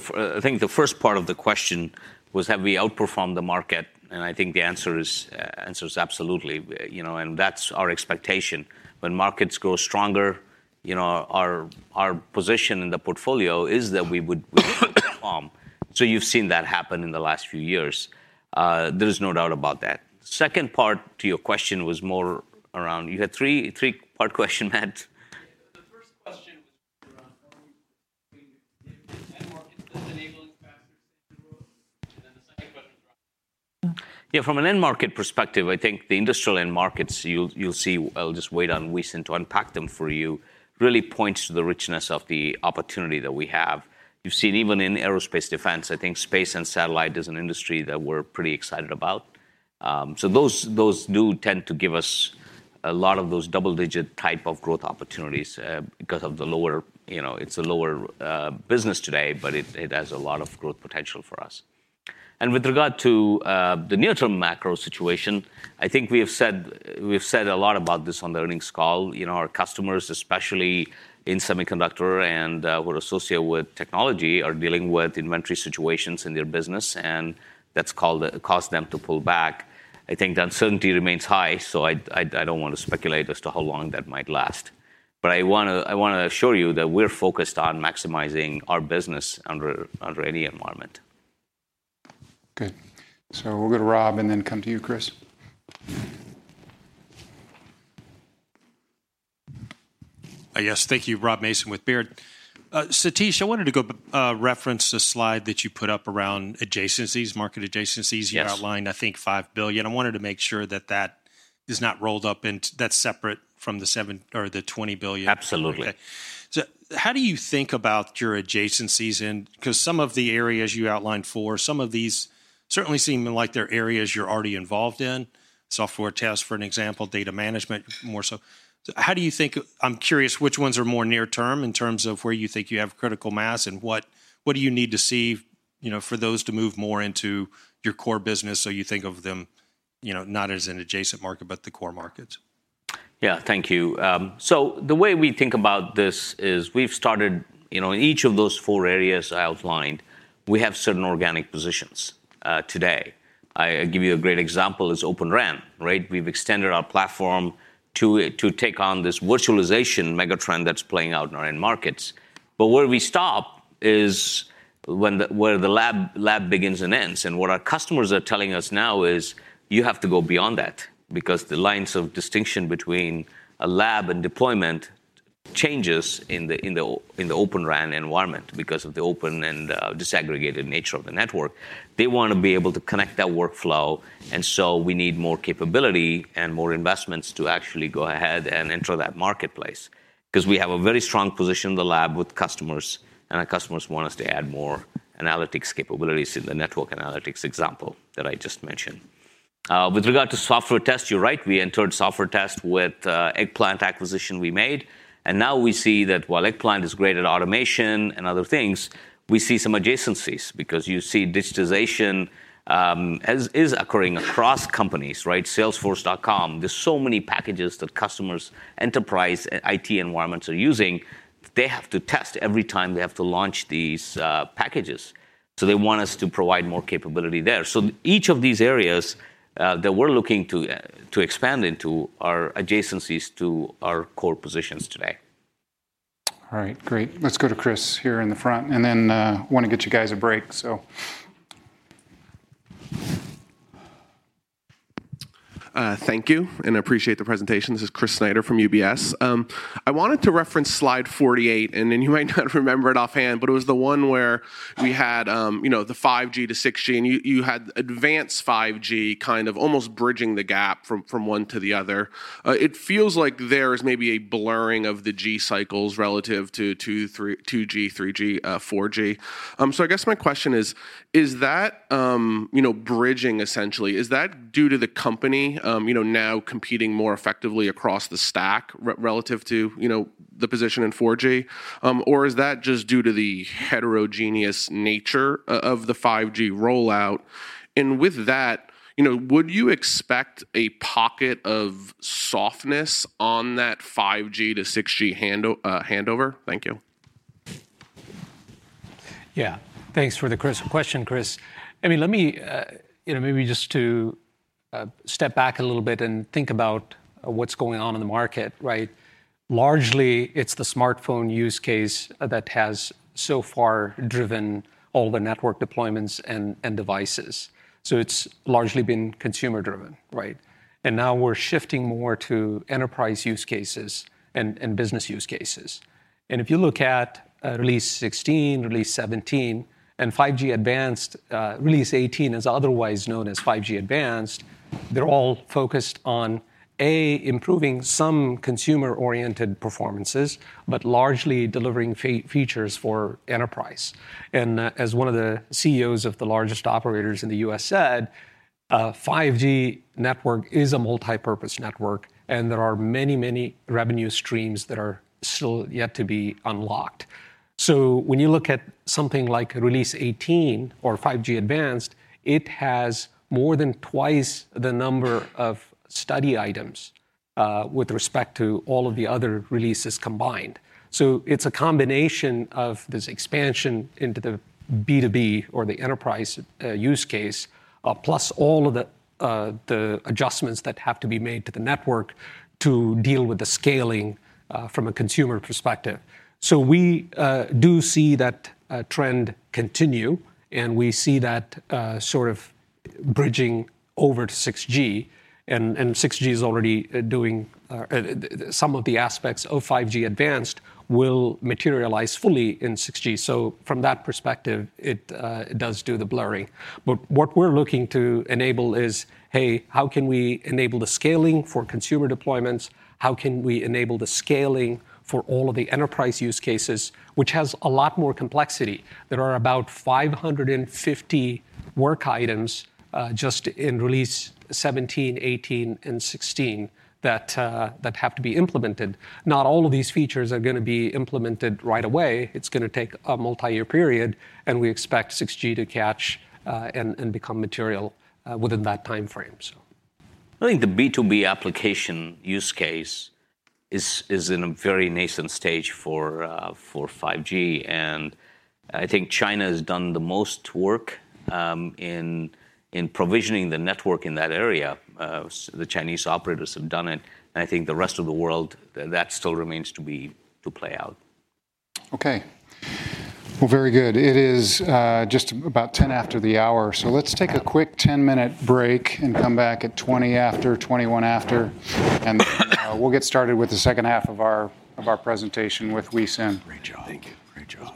first part of the question was have we outperformed the market? I think the answer is absolutely. You know, that's our expectation. When markets grow stronger, you know, our position in the portfolio is that we would perform. You've seen that happen in the last few years. There is no doubt about that. Second part to your question was more around. You had three-part question, Matt. The first question was around how you end markets that's enabling faster growth. The second question is. Yeah, from an end market perspective, I think the industrial end markets, you'll see, I'll just wait on Huei Sin to unpack them for you, really points to the richness of the opportunity that we have. You've seen even in aerospace defense, I think space and satellite is an industry that we're pretty excited about. So those do tend to give us a lot of those double-digit type of growth opportunities, because of the lower, you know, it's a lower business today, but it has a lot of growth potential for us. And with regard to the near-term macro situation, I think we have said a lot about this on the earnings call. You know, our customers, especially in semiconductor and who are associated with technology, are dealing with inventory situations in their business, and that's caused them to pull back. I think the uncertainty remains high, so I don't want to speculate as to how long that might last. I wanna assure you that we're focused on maximizing our business under any environment. Good. We'll go to Rob and then come to you, Chris. Yes. Thank you. Rob Mason with Baird. Satish, I wanted to go reference the slide that you put up around adjacencies, market adjacencies. Yes. You outlined, I think, $5 billion. I wanted to make sure that that is not rolled up, that's separate from the $7 billion or the $20 billion. Absolutely. How do you think about your adjacencies 'cause some of the areas you outlined, some of these certainly seem like they're areas you're already involved in, software test, for an example, data management more so. I'm curious which ones are more near term in terms of where you think you have critical mass and what do you need to see, you know, for those to move more into your core business, so you think of them, you know, not as an adjacent market, but the core markets? Thank you. The way we think about this is we've started, you know, in each of those four areas I outlined, we have certain organic positions today. I'll give you a great example is Open RAN, right? We've extended our platform to take on this virtualization mega trend that's playing out in our end markets. Where we stop is when the lab begins and ends. What our customers are telling us now is, "You have to go beyond that because the lines of distinction between a lab and deployment changes in the Open RAN environment because of the open and disaggregated nature of the network." They wanna be able to connect that workflow, we need more capability and more investments to actually go ahead and enter that marketplace. 'Cause we have a very strong position in the lab with customers, and our customers want us to add more analytics capabilities in the network analytics example that I just mentioned. With regard to software test, you're right. We entered software test with the Eggplant acquisition we made, and now we see that while Eggplant is great at automation and other things, we see some adjacencies because you see digitization, as is occurring across companies, right? Salesforce.com, there's so many packages that customers, enterprise, IT environments are using, they have to test every time they have to launch these packages. They want us to provide more capability there. Each of these areas that we're looking to expand into are adjacencies to our core positions today. All right. Great. Let's go to Chris here in the front, and then, wanna get you guys a break. Thank you, and appreciate the presentation. This is Chris Snyder from UBS. I wanted to reference slide 48, and then you might not remember it offhand, but it was the one where we had, you know, the 5G to 6G, and you had 5G-Advanced kind of almost bridging the gap from one to the other. It feels like there is maybe a blurring of the G cycles relative to 2G, 3G, 4G. I guess my question is that, you know, bridging essentially, is that due to the company, you know, now competing more effectively across the stack relative to, you know, the position in 4G? Is that just due to the heterogeneous nature of the 5G rollout? With that, you know, would you expect a pocket of softness on that 5G to 6G handover? Thank you. Yeah. Thanks for the question, Chris. I mean, let me, you know, maybe just to step back a little bit and think about what's going on in the market, right? Largely, it's the smartphone use case that has so far driven all the network deployments and devices. It's largely been consumer-driven, right? Now we're shifting more to enterprise use cases and business use cases. If you look at Release 16, Release 17, and 5G-Advanced, Release 18 is otherwise known as 5G-Advanced, they're all focused on, A, improving some consumer-oriented performances, but largely delivering features for enterprise. As one of the CEOs of the largest operators in the U.S. said, a 5G network is a multipurpose network, and there are many revenue streams that are still yet to be unlocked. When you look at something like Release 18 or 5G-Advanced, it has more than twice the number of study items with respect to all of the other releases combined. It's a combination of this expansion into the B2B or the enterprise use case, plus all of the adjustments that have to be made to the network to deal with the scaling from a consumer perspective. We do see that trend continue, and we see that sort of bridging over to 6G, and 6G is already doing some of the aspects of 5G-Advanced will materialize fully in 6G. From that perspective, it does do the blurring. What we're looking to enable is, hey, how can we enable the scaling for consumer deployments? How can we enable the scaling for all of the enterprise use cases, which has a lot more complexity? There are about 550 work items, just in Release 17, 18, and 16 that have to be implemented. Not all of these features are gonna be implemented right away. It's gonna take a multi-year period. We expect 6G to catch, and become material within that timeframe, so. I think the B2B application use case is in a very nascent stage for 5G. I think China has done the most work in provisioning the network in that area. The Chinese operators have done it, and I think the rest of the world, that still remains to play out. Okay. Well, very good. It is just about 10 after the hour. Let's take a quick 10-minute break and come back at 20 after, 21 after, and we'll get started with the second half of our presentation with Huei Sin. Great job. Thank you. Great job.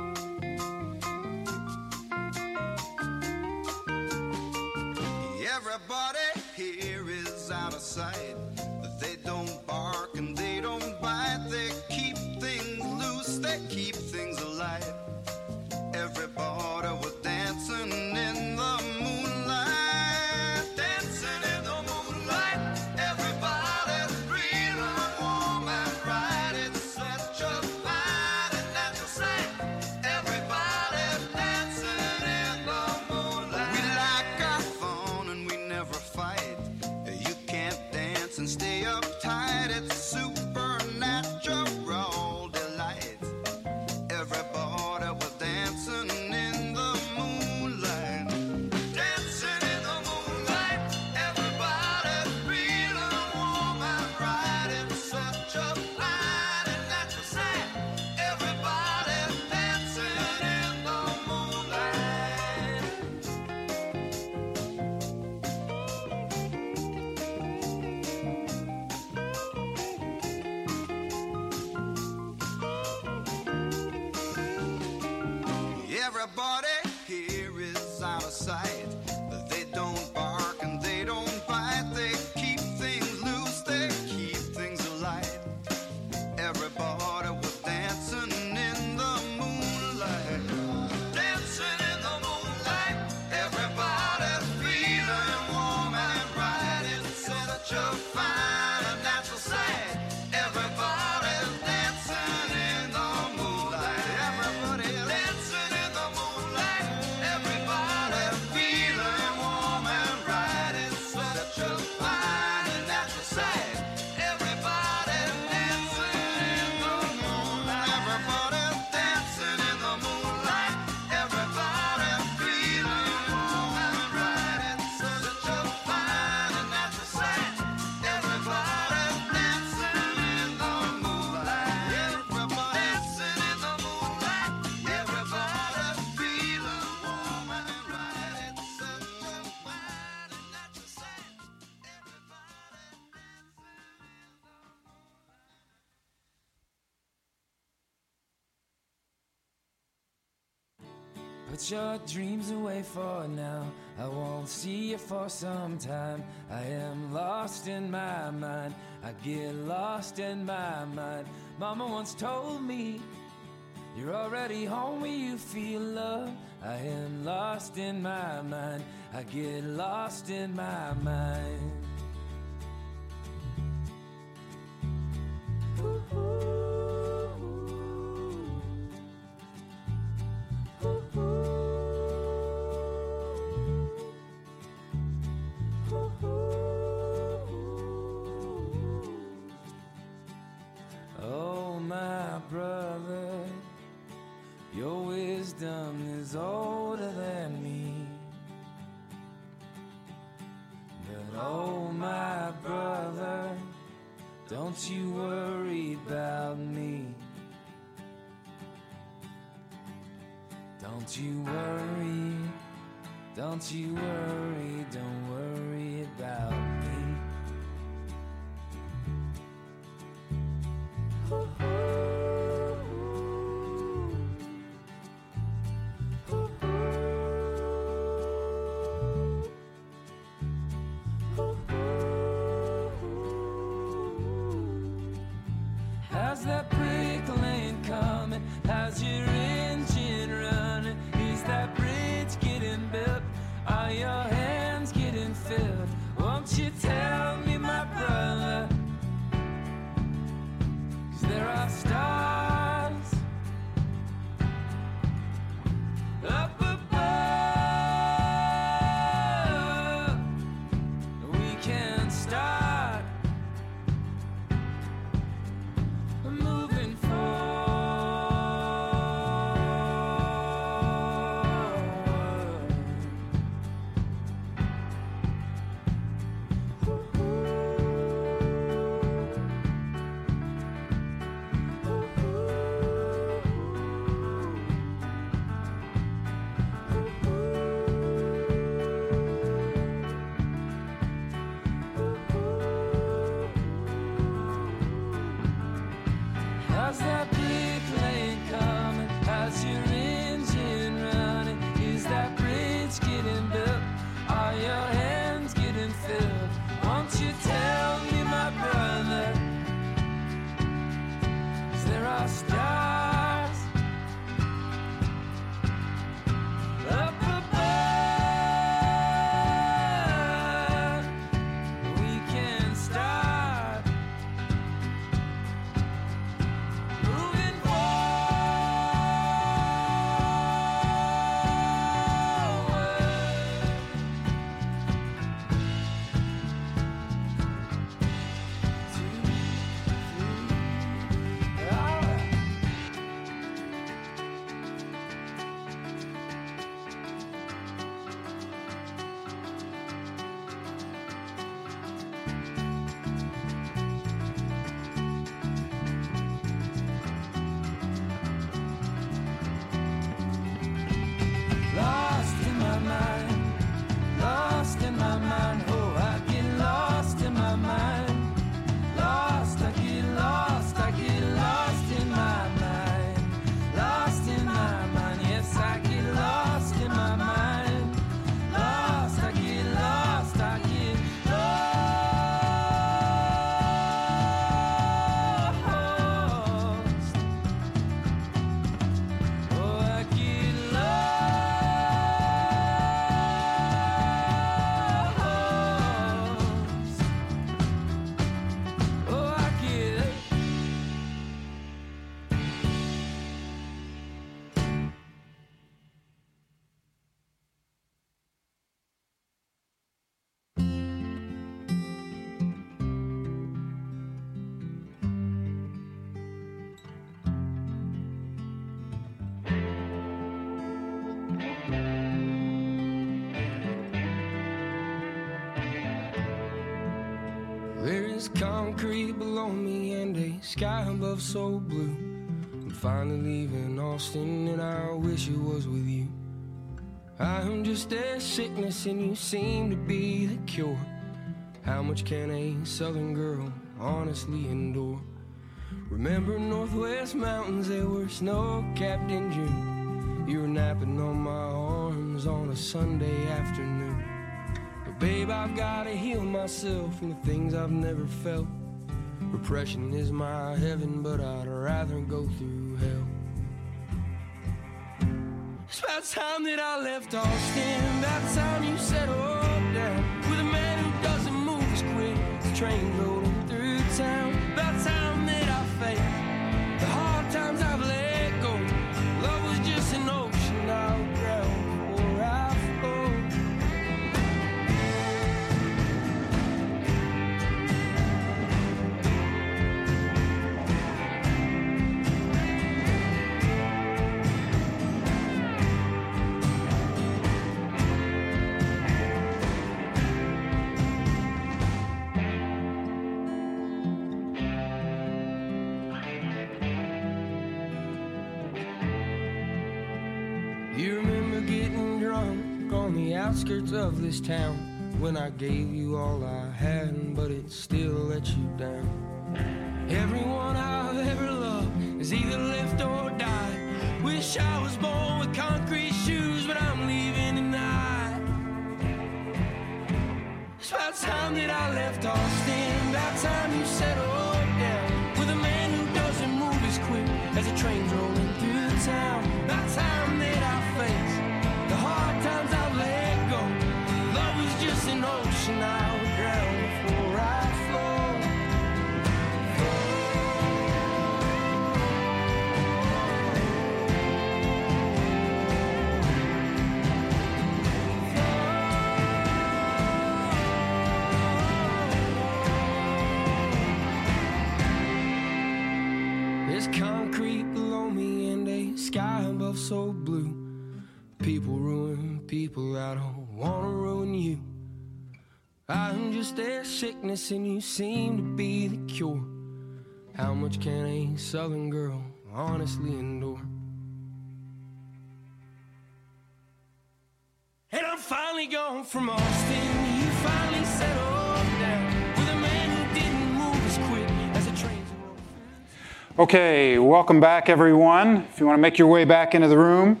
Okay, welcome back everyone. If you wanna make your way back into the room.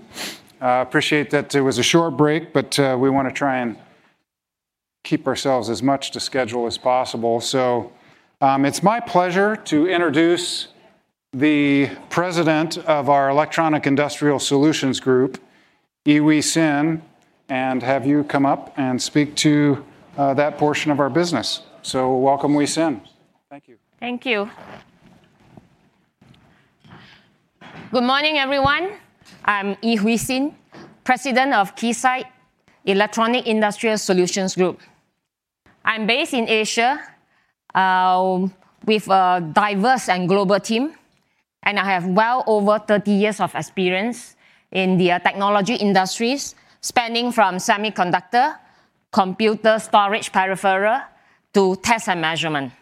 Appreciate that it was a short break, but we wanna try and keep ourselves as much to schedule as possible. It's my pleasure to introduce the President of our Electronic Industrial Solutions Group, Ee Huei Sin, and have you come up and speak to that portion of our business. Welcome, Huei Sin. Thank you. Thank you. Good morning, everyone. I'm Ee Huei Sin, President of Keysight Electronic Industrial Solutions Group. I'm based in Asia, with a diverse and global team, and I have well over 30 years of experience in the technology industries spanning from semiconductor, computer storage peripheral, to test and measurement.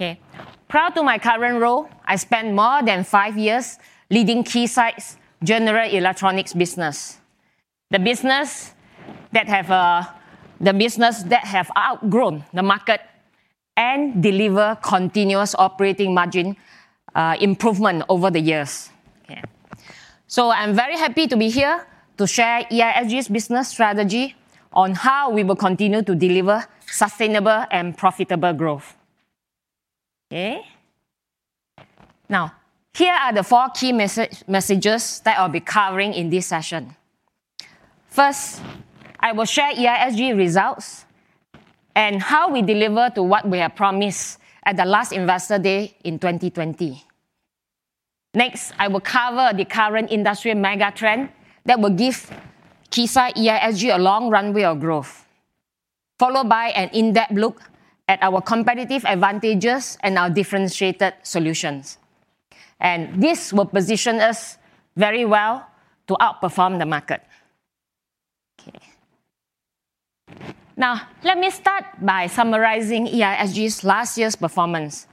Okay. Prior to my current role, I spent more than 5 years leading Keysight's general electronics business, the business that have outgrown the market and deliver continuous operating margin improvement over the years. Okay. I'm very happy to be here to share EISG's business strategy on how we will continue to deliver sustainable and profitable growth. Okay. Here are the four key messages that I'll be covering in this session. First, I will share EISG results and how we deliver to what we have promised at the last Investor Day in 2020. Next, I will cover the current industry mega-trend that will give Keysight EISG a long runway of growth, followed by an in-depth look at our competitive advantages and our differentiated solutions. This will position us very well to outperform the market. Okay. Let me start by summarizing EISG's last year's performance.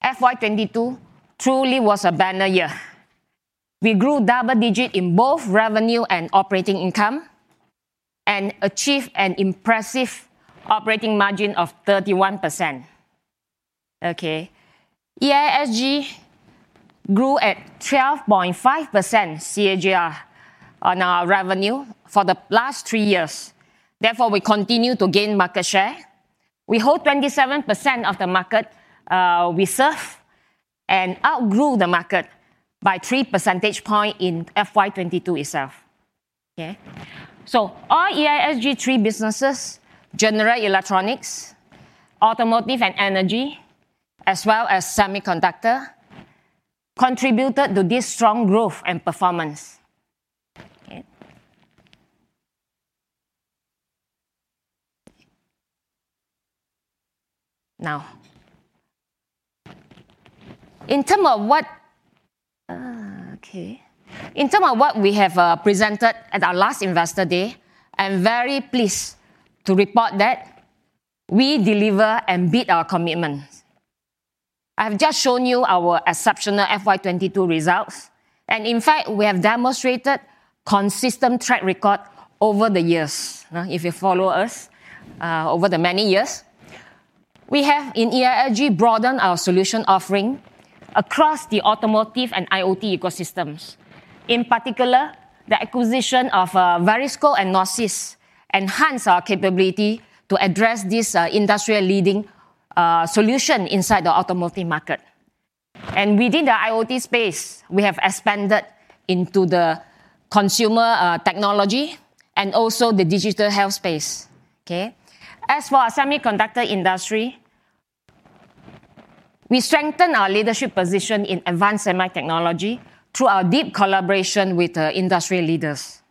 FY 2022 truly was a banner year. We grew double-digit in both revenue and operating income and achieved an impressive operating margin of 31%. Okay. EISG grew at 12.5% CAGR on our revenue for the last three years. Therefore, we continue to gain market share. We hold 27% of the market we serve, and outgrew the market by three percentage point in FY 2022 itself. Okay? Our EISG three businesses, General Electronics, Automotive and Energy, as well as Semiconductor, contributed to this strong growth and performance. Now, in term of what we have presented at our last Investor Day, I'm very pleased to report that we deliver and beat our commitment. I've just shown you our exceptional FY 2022 results, and in fact, we have demonstrated consistent track record over the years, if you follow us over the many years. We have in EISG broadened our solution offering across the automotive and IoT ecosystems. In particular, the acquisition of Verisco and Nosis enhance our capability to address this industrial leading solution inside the automotive market. Within the IoT space, we have expanded into the consumer technology and also the digital health space. As for our semiconductor industry, we strengthen our leadership position in advanced semiconductor technology through our deep collaboration with industry leaders.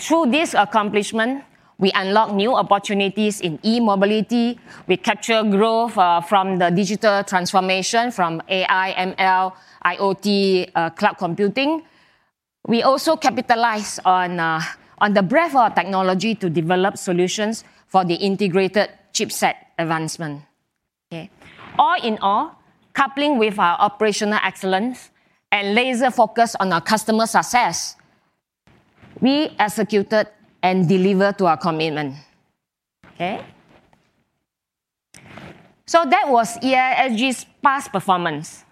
Through this accomplishment, we unlock new opportunities in e-mobility. We capture growth from the digital transformation from AI, ML, IoT, cloud computing. We also capitalize on the breadth of our technology to develop solutions for the integrated chipset advancement. Okay. All in all, coupling with our operational excellence and laser focus on our customer success, we executed and delivered to our commitment. Okay. That was EISG's past performance.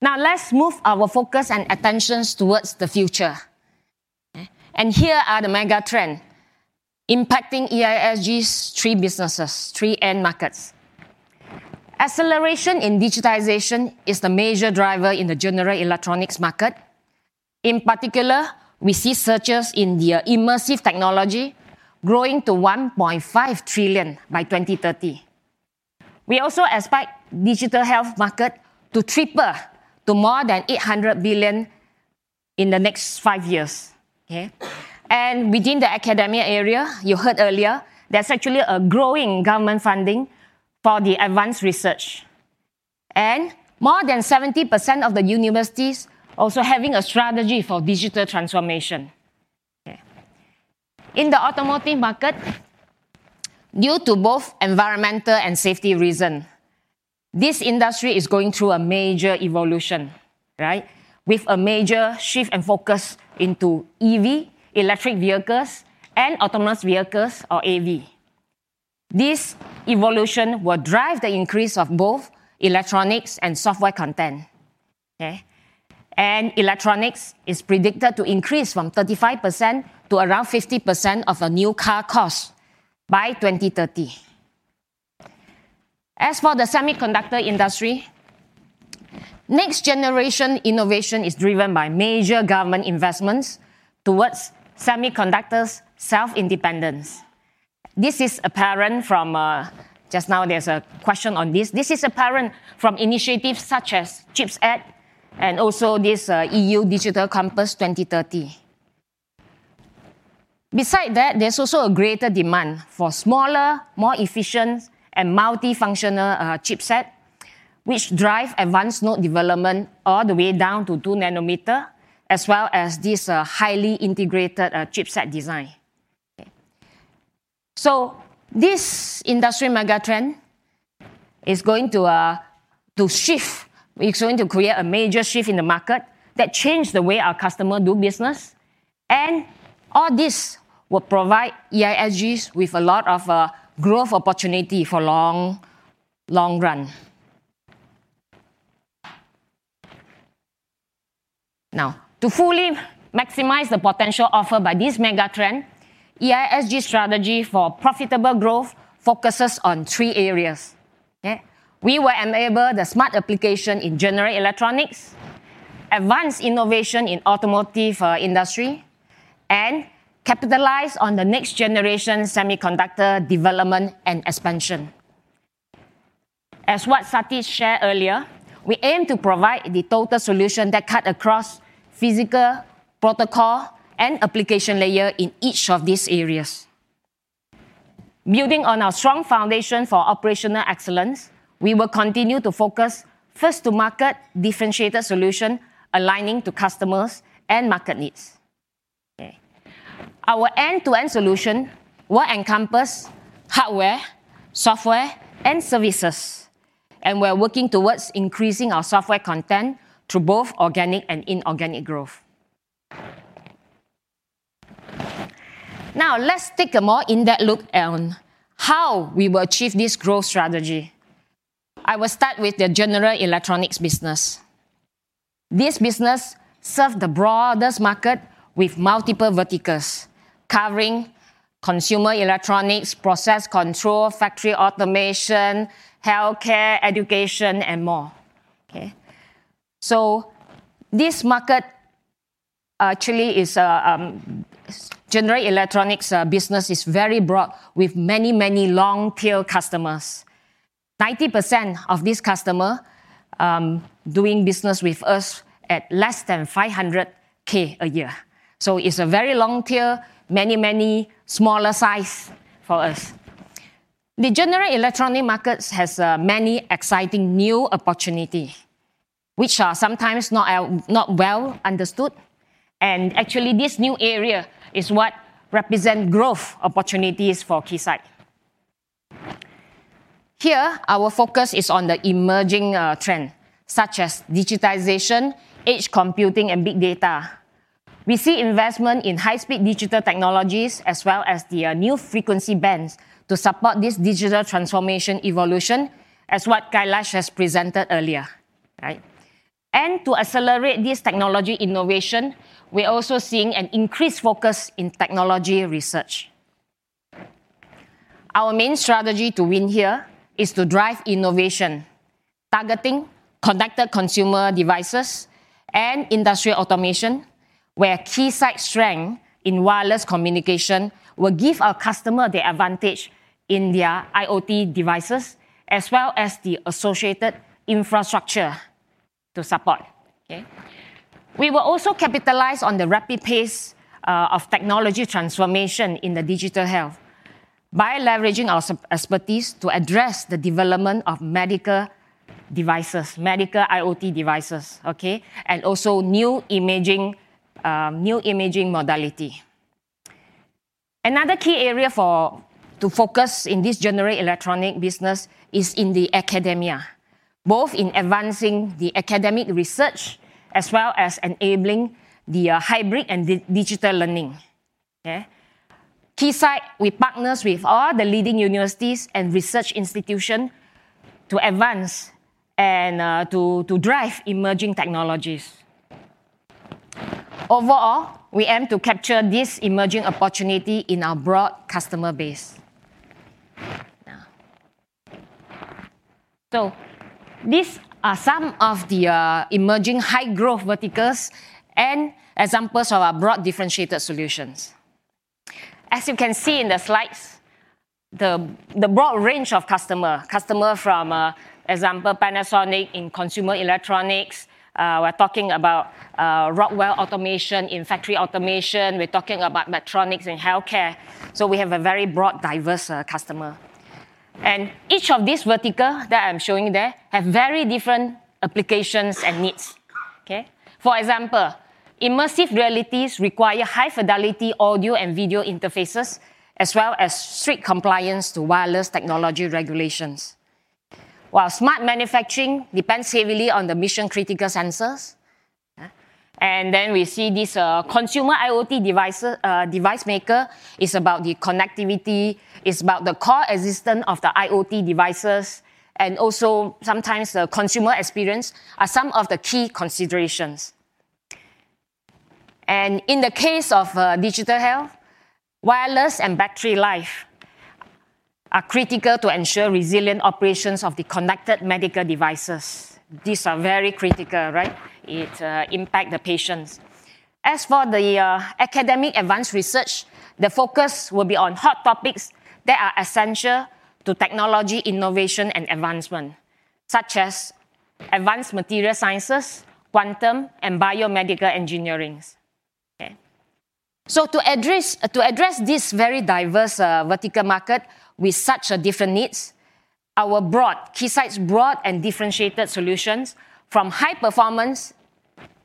Now let's move our focus and attentions towards the future. Here are the megatrend impacting EISG's three businesses, three end markets. Acceleration in digitization is the major driver in the general electronics market. In particular, we see searches in the immersive technology growing to $1.5 trillion by 2030. We also expect digital health market to triple to more than $800 billion in the next 5 years. Okay? Within the academia area, you heard earlier, there's actually a growing government funding for the advanced research, and more than 70% of the universities also having a strategy for digital transformation. Okay. In the automotive market, due to both environmental and safety reason, this industry is going through a major evolution, right, with a major shift and focus into EV, and AV. This evolution will drive the increase of both electronics and software content. Okay? Electronics is predicted to increase from 35% to around 50% of a new car cost by 2030. As for the semiconductor industry, next generation innovation is driven by major government investments towards semiconductors self-independence. This is apparent from just now there's a question on this. This is apparent from initiatives such as CHIPS Act and also this EU Digital Compass 2030. Beside that, there's also a greater demand for smaller, more efficient and multifunctional chipset, which drive advanced node development all the way down to 2 nanometer, as well as this highly integrated chipset design. Okay. This industry megatrend is going to shift. It's going to create a major shift in the market that change the way our customer do business. All this will provide EISGs with a lot of growth opportunity for long, long run. Now, to fully maximize the potential offer by this megatrend, EISG strategy for profitable growth focuses on three areas. Okay? We will enable the smart application in general electronics, advance innovation in automotive industry, and capitalize on the next generation semiconductor development and expansion. As what Satish shared earlier, we aim to provide the total solution that cut across physical, protocol, and application layer in each of these areas. Building on our strong foundation for operational excellence, we will continue to focus first to market differentiator solution aligning to customers and market needs. Okay. Our end-to-end solution will encompass hardware, software, and services, and we're working towards increasing our software content through both organic and inorganic growth. Let's take a more in-depth look on how we will achieve this growth strategy. I will start with the general electronics business. This business serve the broadest market with multiple verticals covering consumer electronics, process control, factory automation, healthcare, education, and more. Okay. This market actually is general electronics business is very broad with many, many long tail customers. 90% of this customer doing business with us at less than $500K a year. It's a very long tail, many, many smaller size for us. The general electronic markets has many exciting new opportunity, which are sometimes not well understood. Actually this new area is what represent growth opportunities for Keysight. Here, our focus is on the emerging trend such as digitization, edge computing, and big data. We see investment in high-speed digital technologies as well as the new frequency bands to support this digital transformation evolution as what Kailash has presented earlier. Right? To accelerate this technology innovation, we're also seeing an increased focus in technology research. Our main strategy to win here is to drive innovation, targeting connected consumer devices and industrial automation, where Keysight strength in wireless communication will give our customer the advantage in their IoT devices as well as the associated infrastructure to support. Okay? We will also capitalize on the rapid pace of technology transformation in the digital health by leveraging our expertise to address the development of medical devices, medical IoT devices, okay? Also new imaging, new imaging modality. Another key area for to focus in this general electronic business is in the academia, both in advancing the academic research as well as enabling the hybrid and digital learning. Okay? Keysight, we partners with all the leading universities and research institution to advance and to drive emerging technologies. Overall, we aim to capture this emerging opportunity in our broad customer base. Now... These are some of the emerging high growth verticals and examples of our broad differentiated solutions. As you can see in the slides, the broad range of customer from example, Panasonic in consumer electronics, we're talking about Rockwell Automation in factory automation. We're talking about Medtronic in healthcare. We have a very broad diverse customer. Each of these vertical that I'm showing you there have very different applications and needs. Okay? For example, immersive realities require high fidelity audio and video interfaces as well as strict compliance to wireless technology regulations. While smart manufacturing depends heavily on the mission-critical sensors. We see this consumer IoT device maker is about the connectivity, is about the core existence of the IoT devices, and also sometimes the consumer experience are some of the key considerations. In the case of digital health, wireless and battery life are critical to ensure resilient operations of the connected medical devices. These are very critical, right? It impact the patients. As for the academic advanced research, the focus will be on hot topics that are essential to technology innovation and advancement, such as advanced material sciences, quantum, and biomedical engineerings. Okay. To address this very diverse vertical market with such a different needs, Keysight's broad and differentiated solutions from high-performance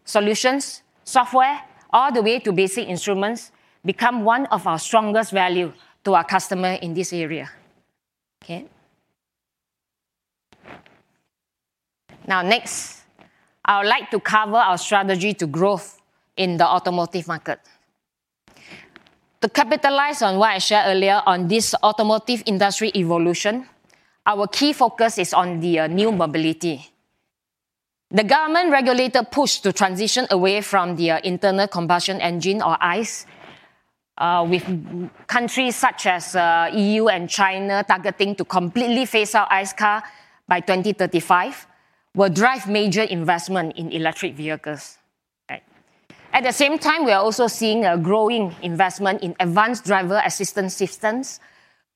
solutions, software, all the way to basic instruments, become one of our strongest value to our customer in this area. Okay? Next, I would like to cover our strategy to growth in the automotive market. To capitalize on what I shared earlier on this automotive industry evolution, our key focus is on the new mobility. The government regulator push to transition away from the internal combustion engine or ICE, with countries such as EU and China targeting to completely phase out ICE car by 2035 will drive major investment in electric vehicles. Right. At the same time, we are also seeing a growing investment in advanced driver assistance systems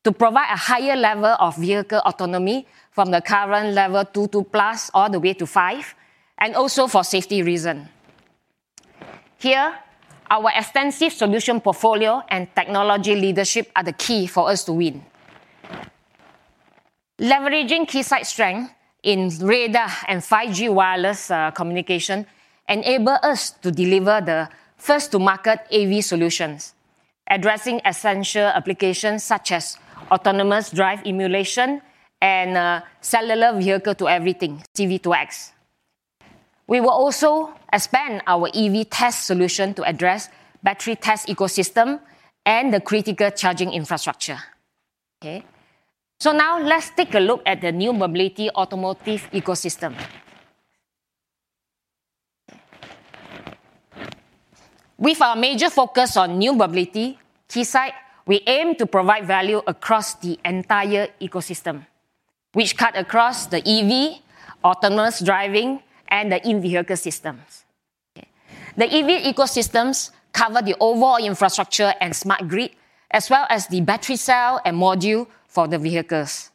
to provide a higher level of vehicle autonomy from the current level two to plus all the way to five, and also for safety reason. Here, our extensive solution portfolio and technology leadership are the key for us to win. Leveraging Keysight strength in radar and 5G wireless communication enable us to deliver the first-to-market AV solutions, addressing essential applications such as autonomous drive emulation and cellular vehicle-to-everything, C-V2X. We will also expand our EV test solution to address battery test ecosystem and the critical charging infrastructure. Okay. Now let's take a look at the new mobility automotive ecosystem. With our major focus on new mobility, Keysight, we aim to provide value across the entire ecosystem, which cut across the EV, autonomous driving, and the in-vehicle systems. Okay. The EV ecosystems cover the overall infrastructure and smart grid, as well as the battery cell and module for the vehicles.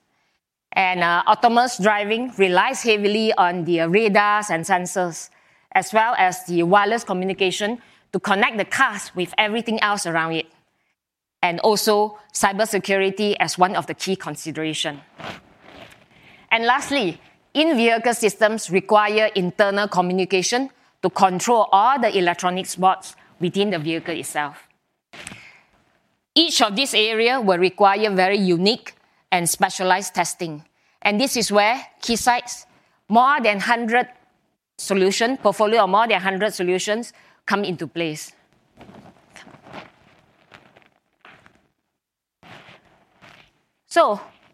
Autonomous driving relies heavily on the radars and sensors, as well as the wireless communication to connect the cars with everything else around it. Also cybersecurity as one of the key consideration. Lastly, in-vehicle systems require internal communication to control all the electronic spots within the vehicle itself. Each of this area will require very unique and specialized testing. This is where Keysight's more than 100 solutions come into place.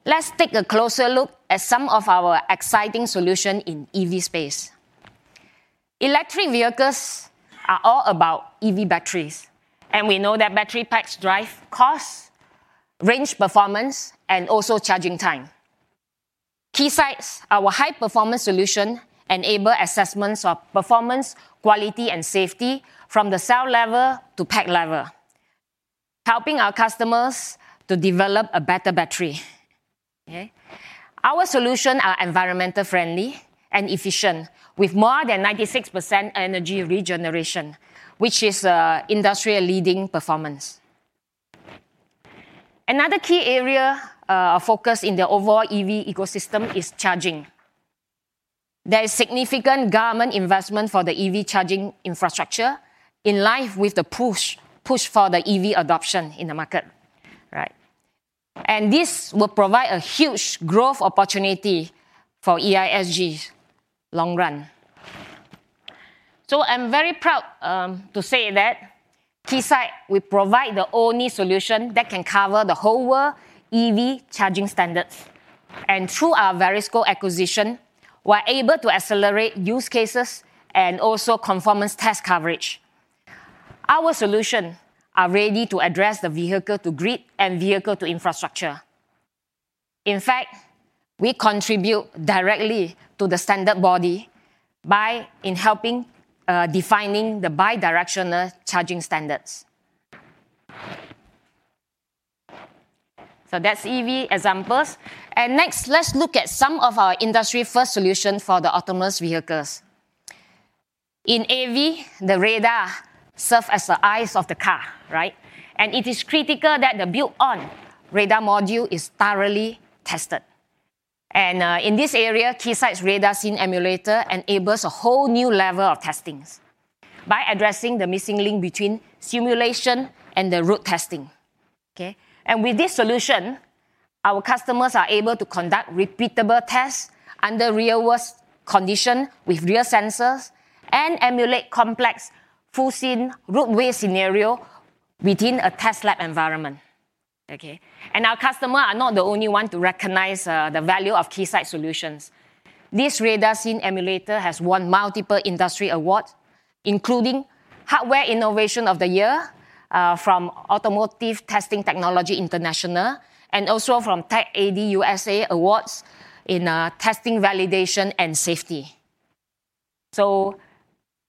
Let's take a closer look at some of our exciting solution in EV space. Electric vehicles are all about EV batteries, and we know that battery packs drive costs, range performance, and also charging time. Keysight's, our high performance solution enable assessments of performance, quality, and safety from the cell level to pack level, helping our customers to develop a better battery. Okay? Our solution are environmental friendly and efficient with more than 96% energy regeneration, which is industry-leading performance. Another key area of focus in the overall EV ecosystem is charging. There is significant government investment for the EV charging infrastructure in line with the push for the EV adoption in the market, right? This will provide a huge growth opportunity for EISG long run. I'm very proud to say that Keysight, we provide the only solution that can cover the whole world EV charging standards. Through our Erisys acquisition, we're able to accelerate use cases and also conformance test coverage. Our solution are ready to address the vehicle to grid and vehicle to infrastructure. In fact, we contribute directly to the standard body by helping defining the bi-directional charging standards. That's EV examples. Next, let's look at some of our industry-first solution for the autonomous vehicles. In AV, the radar serve as the eyes of the car, right? It is critical that the built-on radar module is thoroughly tested. In this area, Keysight's Radar Scene Emulator enables a whole new level of testings by addressing the missing link between simulation and the route testing. Okay? With this solution, our customers are able to conduct repeatable tests under real-world condition with real sensors and emulate complex full scene roadway scenario within a test lab environment, okay? Our customers are not the only one to recognize the value of Keysight solutions. This Radar Scene Emulator has won multiple industry awards, including Hardware Innovation of the Year, from Automotive Testing Technology International, and also from Tech.AD USA awards in testing, validation, and safety.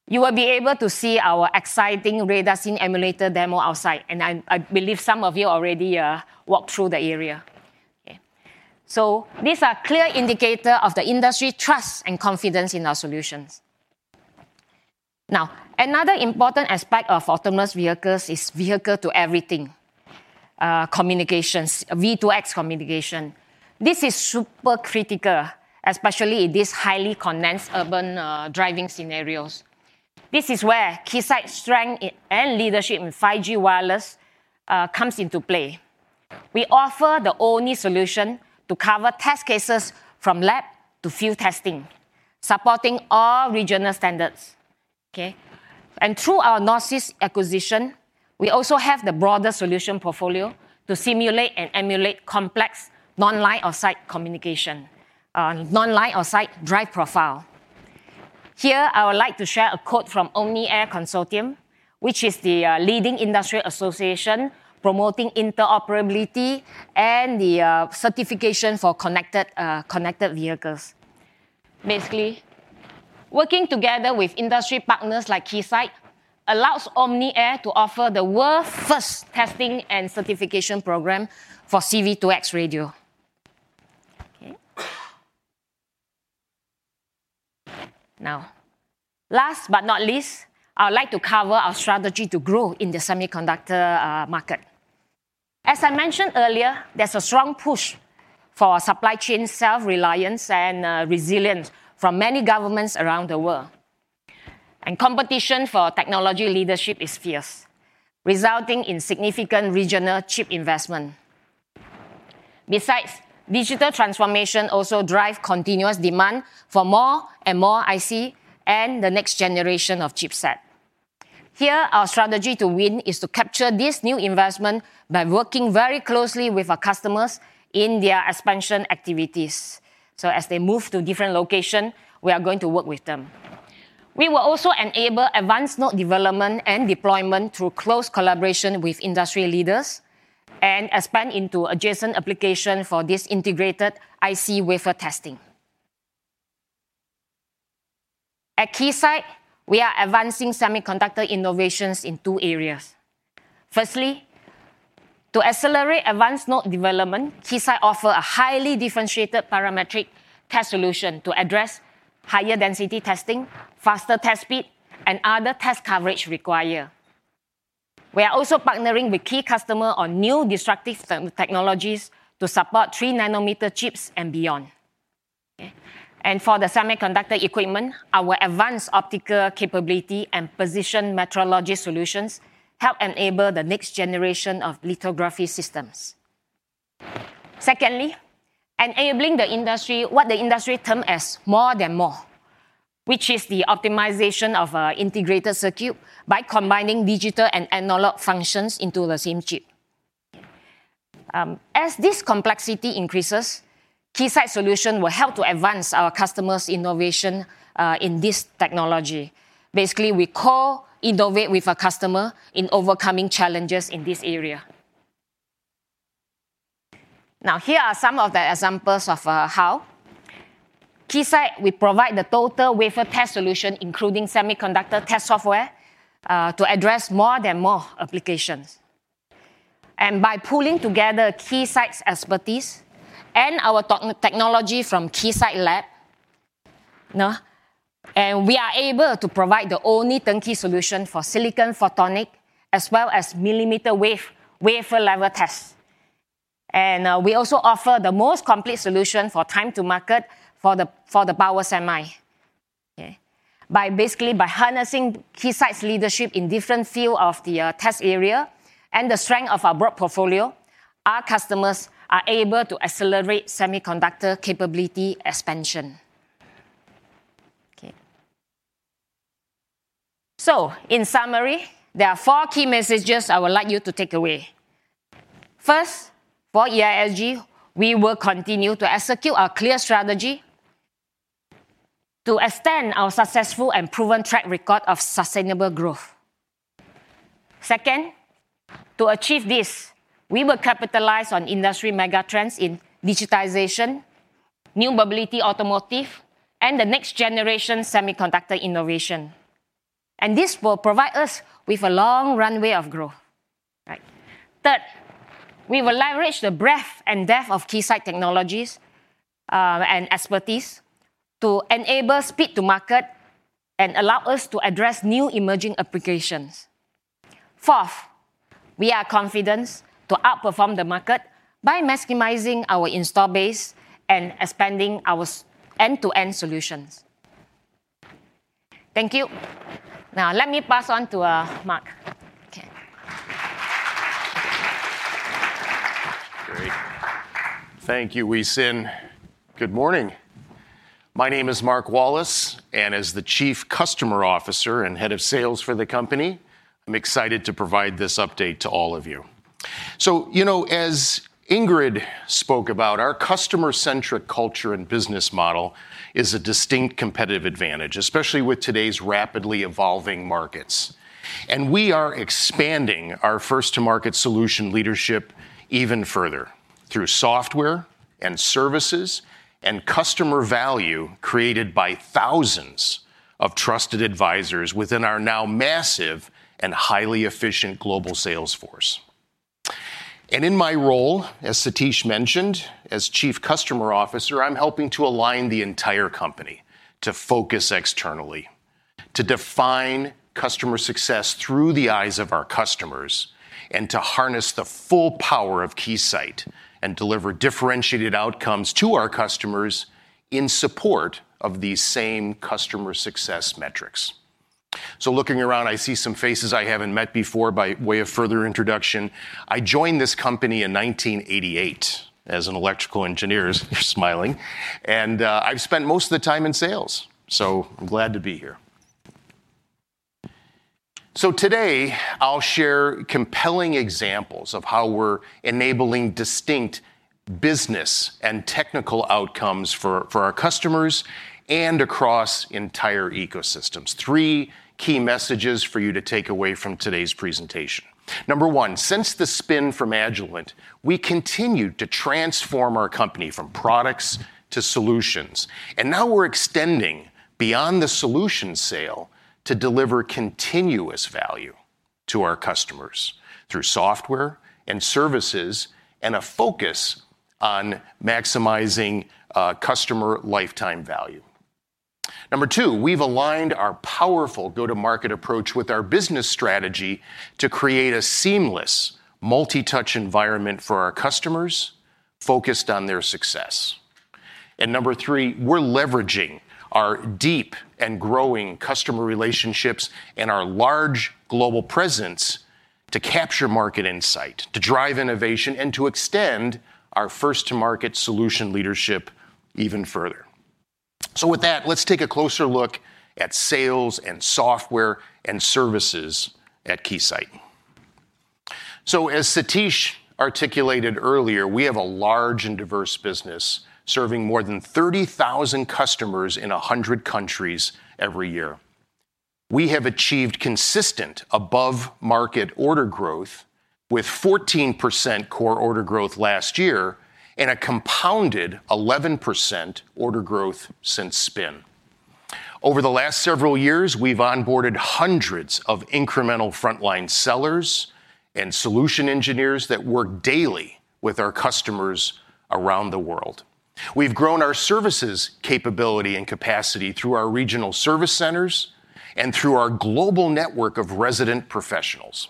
You will be able to see our exciting Radar Scene Emulator demo outside, and I believe some of you already walked through the area. Okay. These are clear indicators of the industry trust and confidence in our solutions. Now, another important aspect of autonomous vehicles is vehicle to everything communications, V2X communication. This is super critical, especially in this highly condensed urban driving scenarios. This is where Keysight's strength and leadership in 5G wireless comes into play. We offer the only solution to cover test cases from lab to field testing, supporting all regional standards. Okay? Through our Erisys acquisition, we also have the broader solution portfolio to simulate and emulate complex non-line of sight communication non-line of sight drive profile. Here, I would like to share a quote from OmniAir Consortium, which is the leading industry association promoting interoperability and the certification for connected connected vehicles. Basically, working together with industry partners like Keysight allows OmniAir to offer the world's first testing and certification program for C-V2X radio. Okay. Last but not least, I would like to cover our strategy to grow in the semiconductor market. As I mentioned earlier, there's a strong push for supply chain self-reliance and resilience from many governments around the world. Competition for technology leadership is fierce, resulting in significant regional chip investment. Besides, digital transformation also drive continuous demand for more and more IC and the next generation of chipset. Here, our strategy to win is to capture this new investment by working very closely with our customers in their expansion activities. As they move to different location, we are going to work with them. We will also enable advanced node development and deployment through close collaboration with industry leaders and expand into adjacent application for this integrated IC wafer testing. At Keysight, we are advancing semiconductor innovations in two areas. Firstly, to accelerate advanced node development, Keysight offer a highly differentiated parametric test solution to address higher density testing, faster test speed, and other test coverage required. We are also partnering with key customer on new disruptive technologies to support three nanometer chips and beyond. For the semiconductor equipment, our advanced optical capability and position metrology solutions help enable the next generation of lithography systems. Secondly, enabling the industry, what the industry term as More than Moore, which is the optimization of our integrated circuit by combining digital and analog functions into the same chip. As this complexity increases, Keysight solution will help to advance our customers' innovation in this technology. Basically, we co-innovate with our customer in overcoming challenges in this area. Here are some of the examples of how. Keysight, we provide the total wafer test solution, including semiconductor test software, to address More than Moore applications. By pooling together Keysight's expertise and our technology from Keysight Lab, we are able to provide the only turnkey solution for silicon photonic, as well as millimeter wave, wafer level tests. We also offer the most complete solution for time to market for the power semi. By harnessing Keysight's leadership in different field of the test area and the strength of our broad portfolio, our customers are able to accelerate semiconductor capability expansion. In summary, there are 4 key messages I would like you to take away. First, for EISG, we will continue to execute our clear strategy to extend our successful and proven track record of sustainable growth. Second, to achieve this, we will capitalize on industry mega trends in digitization, new mobility automotive, and the next generation semiconductor innovation. This will provide us with a long runway of growth. Right. Third, we will leverage the breadth and depth of Keysight Technologies and expertise to enable speed to market and allow us to address new emerging applications. Fourth, we are confident to outperform the market by maximizing our install base and expanding our end-to-end solutions. Thank you. Now let me pass on to Mark. Okay. Great. Thank you, Huei Sin. Good morning. My name is Mark Wallace, as the Chief Customer Officer and head of sales for the company, I'm excited to provide this update to all of you. You know, as Ingrid spoke about, our customer-centric culture and business model is a distinct competitive advantage, especially with today's rapidly evolving markets. We are expanding our first to market solution leadership even further through software and services and customer value created by thousands of trusted advisors within our now massive and highly efficient global sales force. In my role, as Satish mentioned, as Chief Customer Officer, I'm helping to align the entire company to focus externally, to define customer success through the eyes of our customers, and to harness the full power of Keysight and deliver differentiated outcomes to our customers in support of these same customer success metrics. Looking around, I see some faces I haven't met before by way of further introduction. I joined this company in 1988 as an electrical engineer, you're smiling, and I've spent most of the time in sales, so I'm glad to be here. Today, I'll share compelling examples of how we're enabling distinct business and technical outcomes for our customers and across entire ecosystems. Three key messages for you to take away from today's presentation. Number one, since the spin from Agilent, we continue to transform our company from products to solutions, and now we're extending beyond the solution sale to deliver continuous value to our customers through software and services and a focus on maximizing customer lifetime value. Number two, we've aligned our powerful go-to-market approach with our business strategy to create a seamless multi-touch environment for our customers focused on their success. Number 3, we're leveraging our deep and growing customer relationships and our large global presence to capture market insight, to drive innovation, and to extend our first time market solution leadership even further. With that, let's take a closer look at sales and software and services at Keysight. As Satish articulated earlier, we have a large and diverse business serving more than 30,000 customers in 100 countries every year. We have achieved consistent above market order growth with 14% core order growth last year and a compounded 11% order growth since spin. Over the last several years, we've onboarded hundreds of incremental frontline sellers and solution engineers that work daily with our customers around the world. We've grown our services capability and capacity through our regional service centers and through our global network of resident professionals.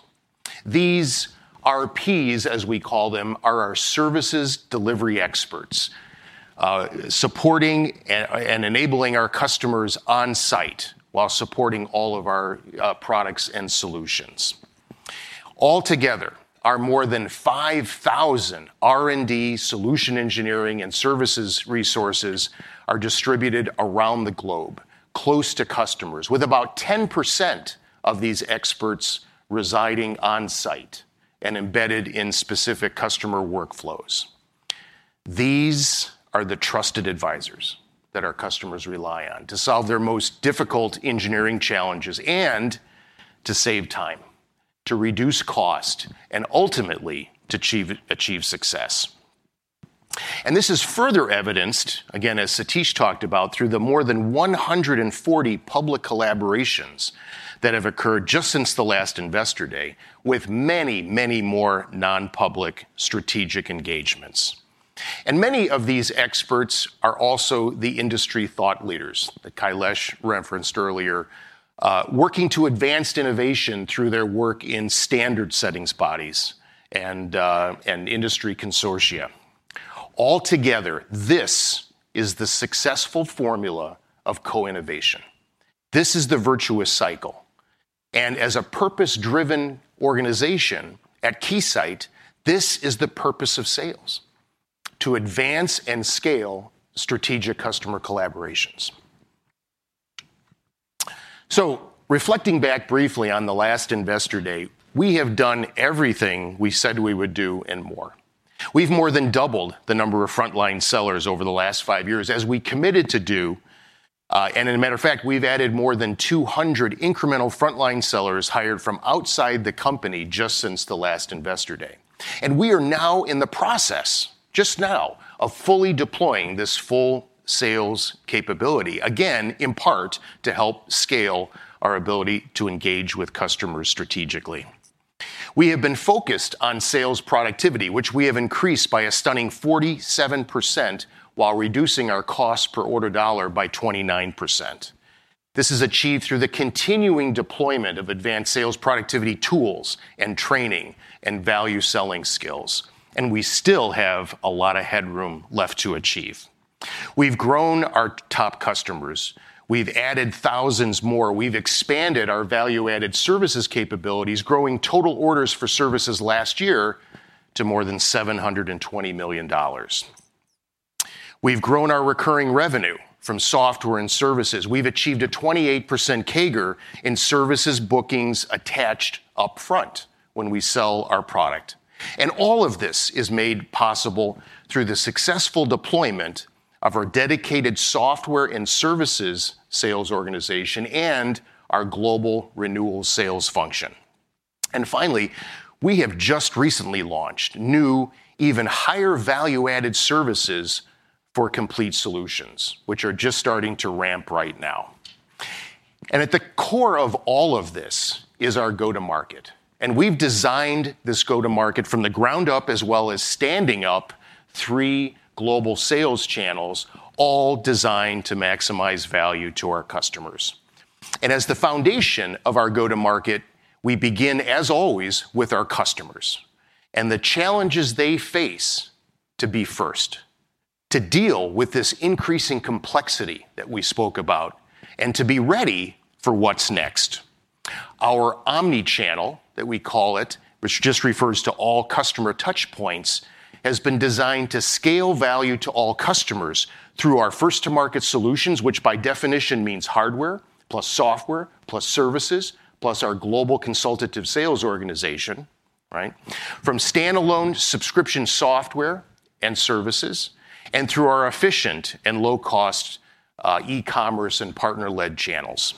These RPs, as we call them, are our services delivery experts, supporting and enabling our customers on-site while supporting all of our products and solutions. Altogether, our more than 5,000 R&D solution engineering and services resources are distributed around the globe, close to customers, with about 10% of these experts residing on-site and embedded in specific customer workflows. These are the trusted advisors that our customers rely on to solve their most difficult engineering challenges and to save time, to reduce cost, and ultimately to achieve success. This is further evidenced, again, as Satish talked about, through the more than 140 public collaborations that have occurred just since the last Investor Day, with many, many more non-public strategic engagements. Many of these experts are also the industry thought leaders that Kailash referenced earlier, working to advanced innovation through their work in standard settings bodies and industry consortia. Altogether, this is the successful formula of co-innovation. This is the virtuous cycle. As a purpose-driven organization at Keysight, this is the purpose of sales: to advance and scale strategic customer collaborations. Reflecting back briefly on the last Investor Day, we have done everything we said we would do and more. We've more than doubled the number of frontline sellers over the last five years, as we committed to do. As a matter of fact, we've added more than 200 incremental frontline sellers hired from outside the company just since the last Investor Day. We are now in the process, just now, of fully deploying this full sales capability, again, in part, to help scale our ability to engage with customers strategically. We have been focused on sales productivity, which we have increased by a stunning 47% while reducing our cost per order dollar by 29%. This is achieved through the continuing deployment of advanced sales productivity tools and training and value selling skills, and we still have a lot of headroom left to achieve. We've grown our top customers. We've added thousands more. We've expanded our value-added services capabilities, growing total orders for services last year to more than $720 million. We've grown our recurring revenue from software and services. We've achieved a 28% CAGR in services bookings attached up-front when we sell our product. All of this is made possible through the successful deployment of our dedicated software and services sales organization and our global renewal sales function. Finally, we have just recently launched new, even higher value-added services for complete solutions, which are just starting to ramp right now. At the core of all of this is our go-to-market. We've designed this go-to-market from the ground up, as well as standing up three global sales channels, all designed to maximize value to our customers. As the foundation of our go-to-market, we begin, as always, with our customers and the challenges they face to be first, to deal with this increasing complexity that we spoke about, and to be ready for what's next. Our omnichannel, that we call it, which just refers to all customer touch points, has been designed to scale value to all customers through our first-to-market solutions, which by definition means hardware plus software, plus services, plus our global consultative sales organization, right? From standalone subscription software and services, and through our efficient and low-cost e-commerce and partner-led channels.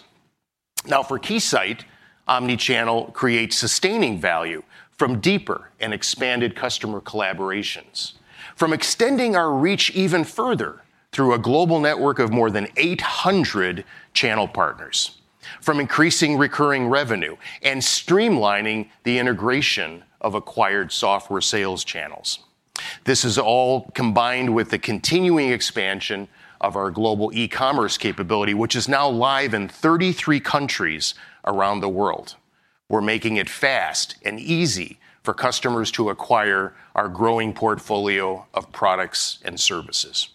Now, for Keysight, omnichannel creates sustaining value from deeper and expanded customer collaborations, from extending our reach even further through a global network of more than 800 channel partners, from increasing recurring revenue and streamlining the integration of acquired software sales channels. This is all combined with the continuing expansion of our global e-commerce capability, which is now live in 33 countries around the world. We're making it fast and easy for customers to acquire our growing portfolio of products and services.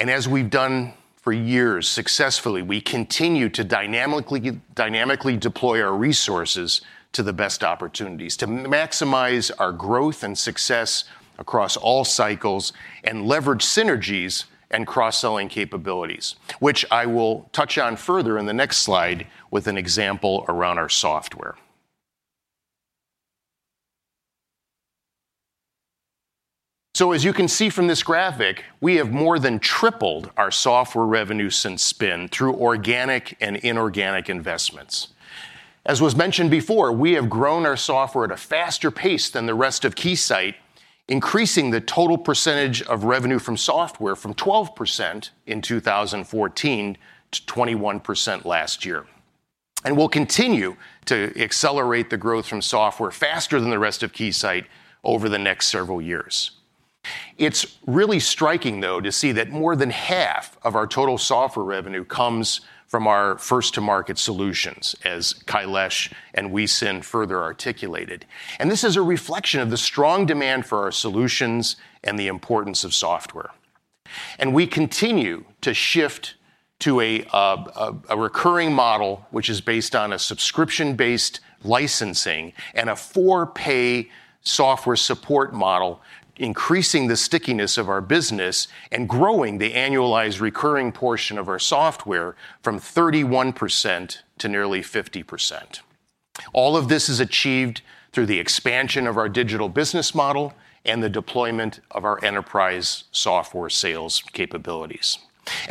As we've done for years successfully, we continue to dynamically deploy our resources to the best opportunities to maximize our growth and success across all cycles and leverage synergies and cross-selling capabilities, which I will touch on further in the next slide with an example around our software. As you can see from this graphic, we have more than tripled our software revenue since spin through organic and inorganic investments. As was mentioned before, we have grown our software at a faster pace than the rest of Keysight, increasing the total percentage of revenue from software from 12% in 2014 to 21% last year. We'll continue to accelerate the growth from software faster than the rest of Keysight over the next several years. It's really striking, though, to see that more than half of our total software revenue comes from our first-to-market solutions, as Kailash and Ee Huei Sin further articulated. This is a reflection of the strong demand for our solutions and the importance of software. We continue to shift to a recurring model, which is based on a subscription-based licensing and a for-pay software support model, increasing the stickiness of our business and growing the annualized recurring portion of our software from 31% to nearly 50%. All of this is achieved through the expansion of our digital business model and the deployment of our enterprise software sales capabilities.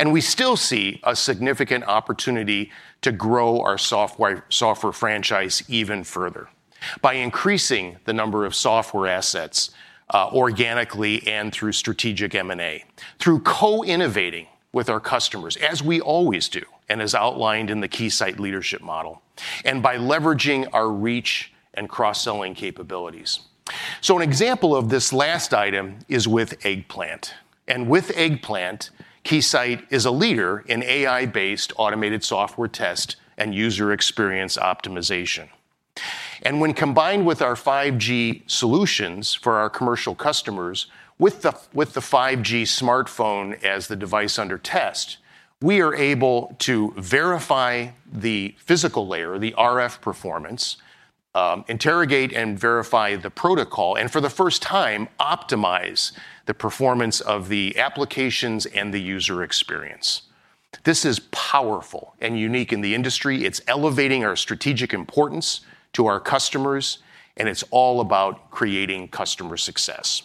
We still see a significant opportunity to grow our software franchise even further by increasing the number of software assets, organically and through strategic M&A, through co-innovating with our customers, as we always do and as outlined in the Keysight Leadership Model, and by leveraging our reach and cross-selling capabilities. An example of this last item is with Eggplant. With Eggplant, Keysight is a leader in AI-based automated software test and user experience optimization. When combined with our 5G solutions for our commercial customers, with the 5G smartphone as the device under test, we are able to verify the physical layer, the RF performance, interrogate and verify the protocol, and for the first time, optimize the performance of the applications and the user experience. This is powerful and unique in the industry. It's elevating our strategic importance to our customers, and it's all about creating customer success.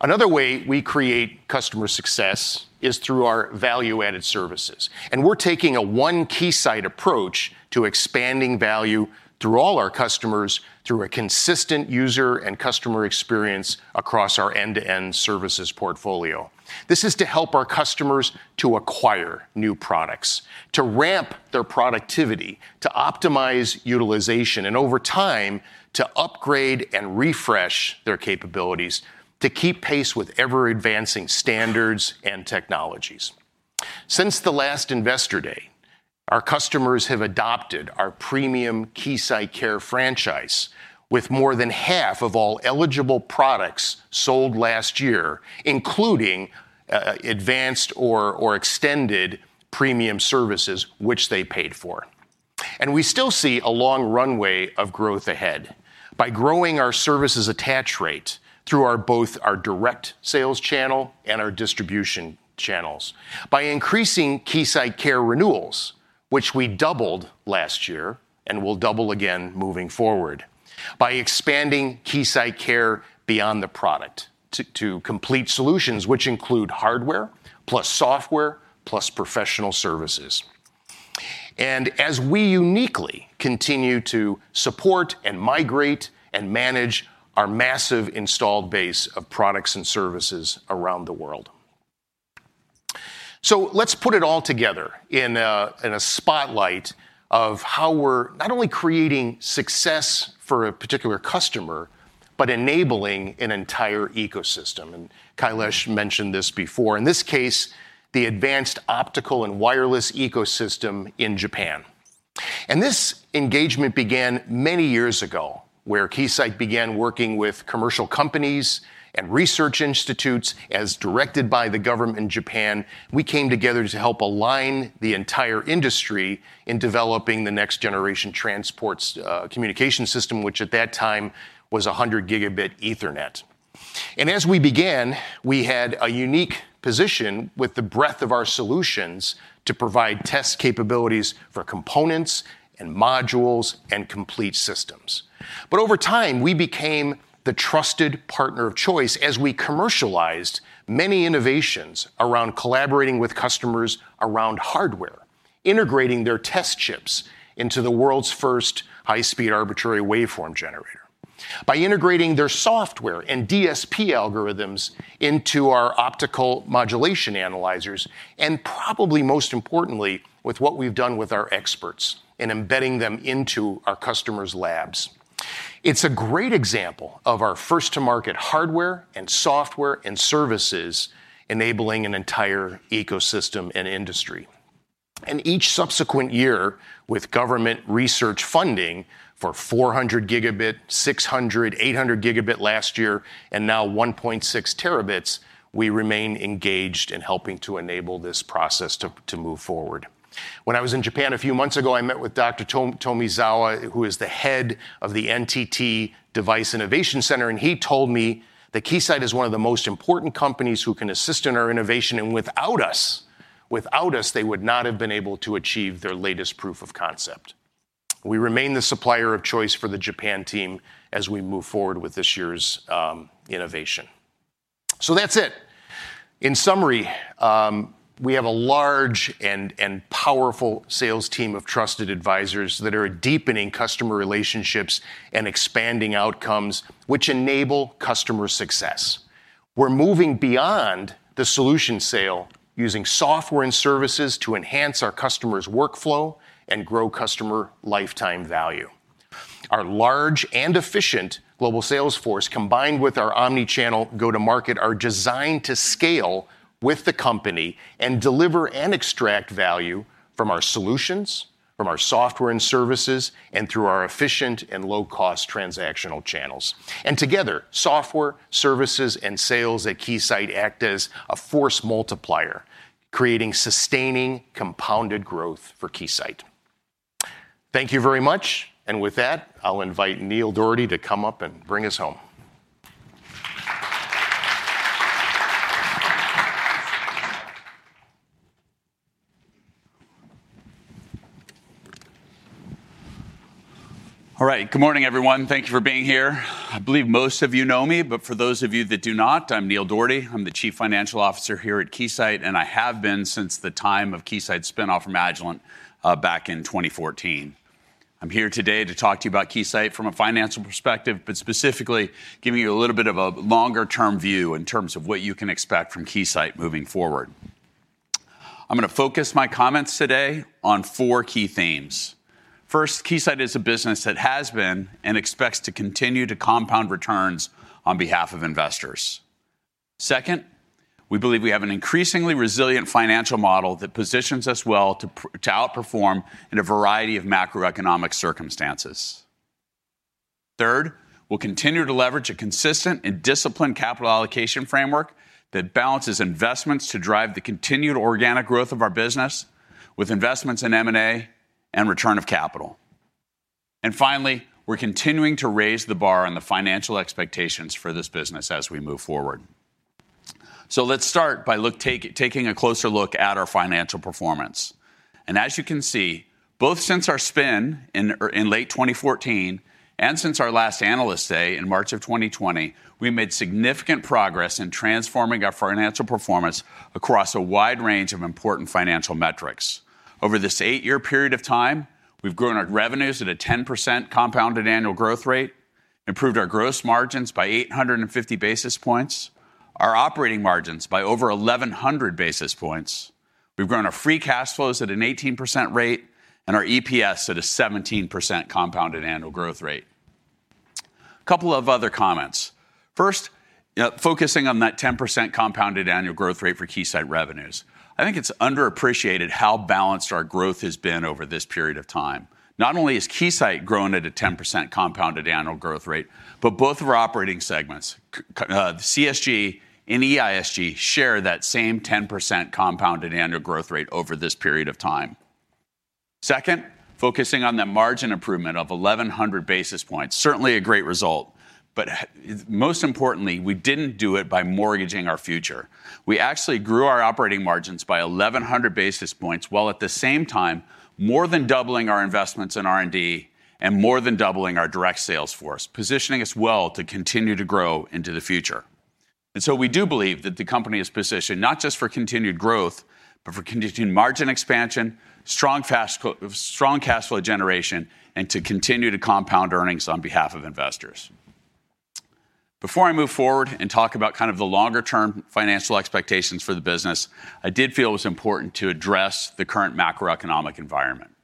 Another way we create customer success is through our value-added services. We're taking a 1 Keysight approach to expanding value through all our customers through a consistent user and customer experience across our end-to-end services portfolio. This is to help our customers to acquire new products, to ramp their productivity, to optimize utilization, and over time, to upgrade and refresh their capabilities to keep pace with ever-advancing standards and technologies. Since the last Investor Day, our customers have adopted our premium KeysightCare franchise with more than half of all eligible products sold last year, including advanced or extended premium services which they paid for. We still see a long runway of growth ahead by growing our services attach rate through our both our direct sales channel and our distribution channels, by increasing KeysightCare renewals, which we doubled last year and will double again moving forward, by expanding KeysightCare beyond the product to complete solutions which include hardware plus software plus professional services. As we uniquely continue to support and migrate and manage our massive installed base of products and services around the world. Let's put it all together in a, in a spotlight of how we're not only creating success for a particular customer, but enabling an entire ecosystem. Kailash mentioned this before. In this case, the advanced optical and wireless ecosystem in Japan. This engagement began many years ago, where Keysight began working with commercial companies and research institutes as directed by the government in Japan. We came together to help align the entire industry in developing the next generation transport communication system, which at that time was 100 gigabit Ethernet. As we began, we had a unique position with the breadth of our solutions to provide test capabilities for components and modules and complete systems. Over time, we became the trusted partner of choice as we commercialized many innovations around collaborating with customers around hardware, integrating their test chips into the world's first high-speed arbitrary waveform generator, by integrating their software and DSP algorithms into our optical modulation analyzers, and probably most importantly, with what we've done with our experts and embedding them into our customers' labs. It's a great example of our first-to-market hardware and software and services enabling an entire ecosystem and industry. Each subsequent year with government research funding for 400 gigabit, 600, 800 gigabit last year, and now 1.6 terabits, we remain engaged in helping to enable this process to move forward. When I was in Japan a few months ago, I met with Dr. Tomizawa, who is the head of the NTT Device Innovation Center. He told me that Keysight is one of the most important companies who can assist in our innovation, and without us, they would not have been able to achieve their latest proof of concept. We remain the supplier of choice for the Japan team as we move forward with this year's innovation. That's it. In summary, we have a large and powerful sales team of trusted advisors that are deepening customer relationships and expanding outcomes which enable customer success. We're moving beyond the solution sale using software and services to enhance our customers' workflow and grow customer lifetime value. Our large and efficient global sales force, combined with our omnichannel go-to-market, are designed to scale with the company and deliver and extract value from our solutions, from our software and services, and through our efficient and low-cost transactional channels. Together, software, services, and sales at Keysight act as a force multiplier, creating sustaining compounded growth for Keysight. Thank you very much. With that, I'll invite Neil Dougherty to come up and bring us home. All right. Good morning, everyone. Thank you for being here. I believe most of you know me, but for those of you that do not, I'm Neil Dougherty. I'm the Chief Financial Officer here at Keysight, and I have been since the time of Keysight's spin-off from Agilent, back in 2014. I'm here today to talk to you about Keysight from a financial perspective, but specifically giving you a little bit of a longer-term view in terms of what you can expect from Keysight moving forward. I'm gonna focus my comments today on 4 key themes. First, Keysight is a business that has been and expects to continue to compound returns on behalf of investors. Second, we believe we have an increasingly resilient financial model that positions us well to outperform in a variety of macroeconomic circumstances. Third, we'll continue to leverage a consistent and disciplined capital allocation framework that balances investments to drive the continued organic growth of our business with investments in M&A and return of capital. Finally, we're continuing to raise the bar on the financial expectations for this business as we move forward. Let's start by taking a closer look at our financial performance. As you can see, both since our spin in late 2014 and since our last Analyst Day in March of 2020, we made significant progress in transforming our financial performance across a wide range of important financial metrics. Over this eight-year period of time, we've grown our revenues at a 10% compounded annual growth rate, improved our gross margins by 850 basis points, our operating margins by over 1,100 basis points. We've grown our free cash flows at an 18% rate and our EPS at a 17% compounded annual growth rate. Couple of other comments. First, focusing on that 10% compounded annual growth rate for Keysight revenues. I think it's underappreciated how balanced our growth has been over this period of time. Not only has Keysight grown at a 10% compounded annual growth rate, but both of our operating segments, the CSG and EISG share that same 10% compounded annual growth rate over this period of time. Second, focusing on the margin improvement of 1,100 basis points, certainly a great result, but most importantly, we didn't do it by mortgaging our future. We actually grew our operating margins by 1,100 basis points, while at the same time, more than doubling our investments in R&D and more than doubling our direct sales force, positioning us well to continue to grow into the future. We do believe that the company is positioned not just for continued growth, but for continued margin expansion, strong cash flow generation, and to continue to compound earnings on behalf of investors. Before I move forward and talk about kind of the longer-term financial expectations for the business, I did feel it was important to address the current macroeconomic environment.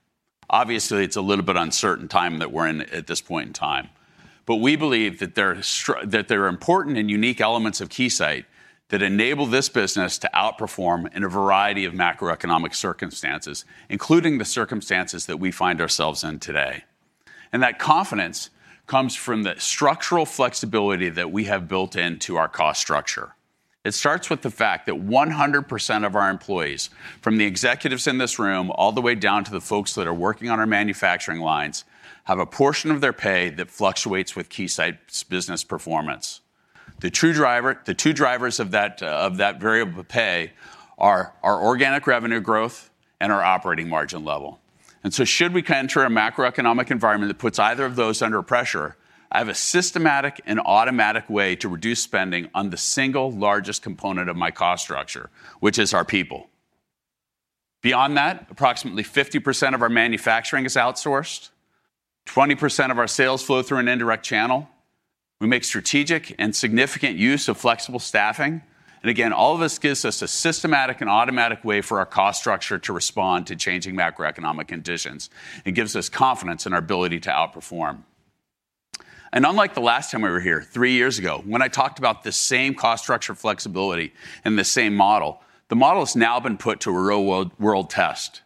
Obviously, it's a little bit uncertain time that we're in at this point in time, but we believe that there are important and unique elements of Keysight that enable this business to outperform in a variety of macroeconomic circumstances, including the circumstances that we find ourselves in today. That confidence comes from the structural flexibility that we have built into our cost structure. It starts with the fact that 100% of our employees, from the executives in this room all the way down to the folks that are working on our manufacturing lines, have a portion of their pay that fluctuates with Keysight's business performance. The two drivers of that variable pay are our organic revenue growth and our operating margin level. Should we enter a macroeconomic environment that puts either of those under pressure, I have a systematic and automatic way to reduce spending on the single largest component of my cost structure, which is our people. Beyond that, approximately 50% of our manufacturing is outsourced. 20% of our sales flow through an indirect channel. We make strategic and significant use of flexible staffing. Again, all of this gives us a systematic and automatic way for our cost structure to respond to changing macroeconomic conditions and gives us confidence in our ability to outperform. Unlike the last time we were here three years ago, when I talked about the same cost structure flexibility and the same model, the model has now been put to a real world test.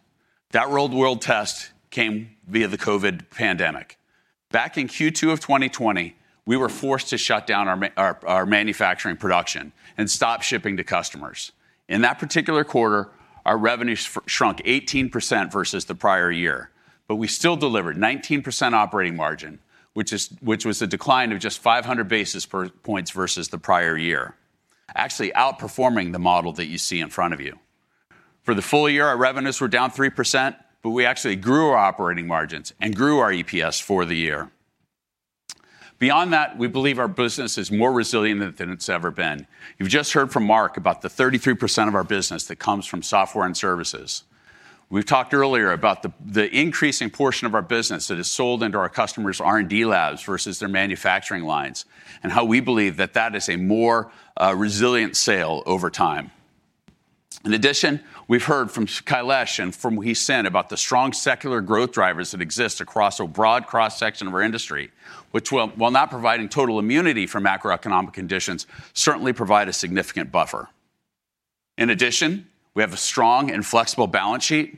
That real world test came via the COVID pandemic. Back in Q2 of 2020, we were forced to shut down our manufacturing production and stop shipping to customers. In that particular quarter, our revenues shrunk 18% versus the prior year, but we still delivered 19% operating margin, which was a decline of just 500 basis per points versus the prior year, actually outperforming the model that you see in front of you. For the full year, our revenues were down 3%, but we actually grew our operating margins and grew our EPS for the year. Beyond that, we believe our business is more resilient than it's ever been. You've just heard from Mark about the 33% of our business that comes from software and services. We've talked earlier about the increasing portion of our business that is sold into our customers' R&D labs versus their manufacturing lines, and how we believe that that is a more resilient sale over time. In addition, we've heard from Kailash and from what he said about the strong secular growth drivers that exist across a broad cross-section of our industry, which while not providing total immunity from macroeconomic conditions, certainly provide a significant buffer. In addition, we have a strong and flexible balance sheet,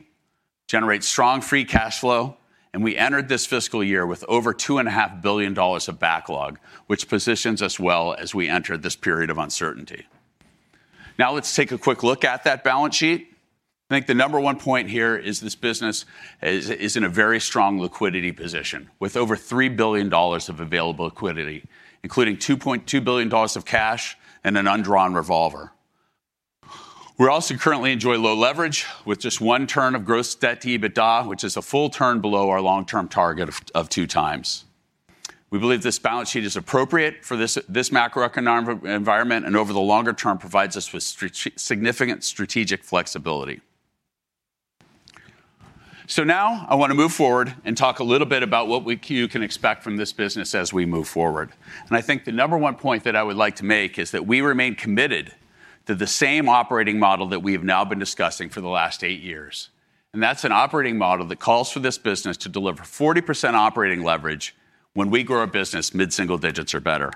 generate strong free cash flow, and we entered this fiscal year with over two and a half billion dollars of backlog, which positions us well as we enter this period of uncertainty. Now let's take a quick look at that balance sheet. I think the number one point here is this business is in a very strong liquidity position, with over $3 billion of available liquidity, including $2.2 billion of cash and an undrawn revolver. We also currently enjoy low leverage with just one turn of gross debt to EBITDA, which is a full turn below our long-term target of 2 times. We believe this balance sheet is appropriate for this macroeconomic environment and over the longer term, provides us with significant strategic flexibility. Now I want to move forward and talk a little bit about what you can expect from this business as we move forward. I think the number one point that I would like to make is that we remain committed to the same operating model that we have now been discussing for the last eight years. That's an operating model that calls for this business to deliver 40% operating leverage when we grow a business mid-single digits or better.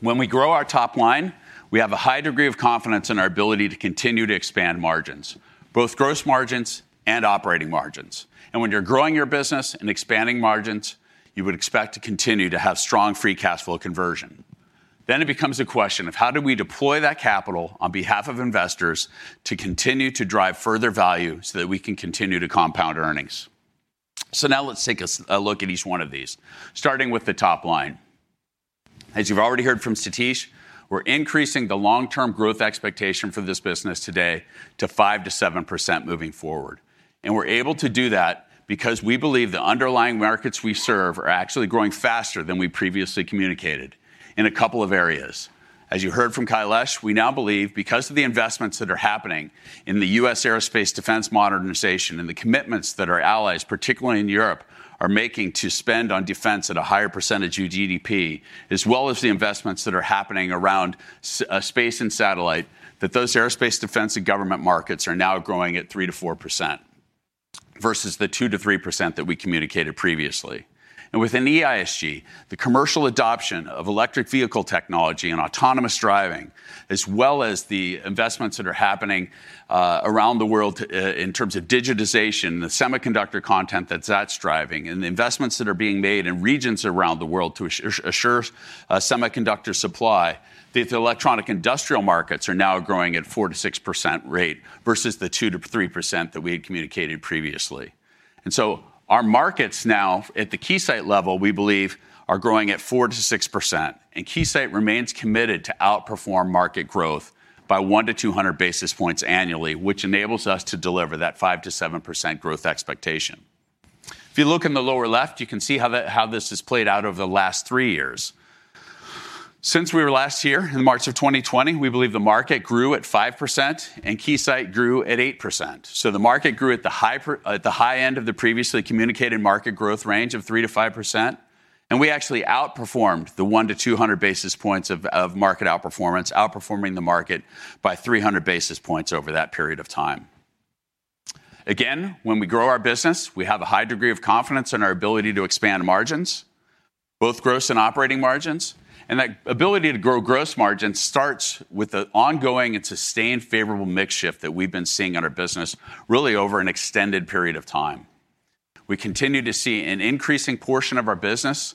When we grow our top line, we have a high degree of confidence in our ability to continue to expand margins, both gross margins and operating margins. When you're growing your business and expanding margins, you would expect to continue to have strong free cash flow conversion. It becomes a question of how do we deploy that capital on behalf of investors to continue to drive further value so that we can continue to compound earnings. Now let's take a look at each one of these, starting with the top line. As you've already heard from Satish, we're increasing the long-term growth expectation for this business today to 5%-7% moving forward. We're able to do that because we believe the underlying markets we serve are actually growing faster than we previously communicated in a couple of areas. As you heard from Kailash, we now believe because of the investments that are happening in the U.S. aerospace defense modernization and the commitments that our allies, particularly in Europe, are making to spend on defense at a higher percentage of GDP, as well as the investments that are happening around space and satellite, that those aerospace defense and government markets are now growing at 3%-4% versus the 2%-3% that we communicated previously. Within EISG, the commercial adoption of electric vehicle technology and autonomous driving, as well as the investments that are happening around the world, in terms of digitization, the semiconductor content that's driving, and the investments that are being made in regions around the world to assure a semiconductor supply, the electronic industrial markets are now growing at 4%-6% rate versus the 2%-3% that we had communicated previously. Our markets now at the Keysight level, we believe are growing at 4%-6%. Keysight remains committed to outperform market growth by 100-200 basis points annually, which enables us to deliver that 5%-7% growth expectation. If you look in the lower left, you can see how this has played out over the last three years. Since we were last here in March of 2020, we believe the market grew at 5% and Keysight grew at 8%. The market grew at the high end of the previously communicated market growth range of 3%-5%, we actually outperformed the 100-200 basis points of market outperformance, outperforming the market by 300 basis points over that period of time. Again, when we grow our business, we have a high degree of confidence in our ability to expand margins, both gross and operating margins. That ability to grow gross margins starts with the ongoing and sustained favorable mix shift that we've been seeing in our business really over an extended period of time. We continue to see an increasing portion of our business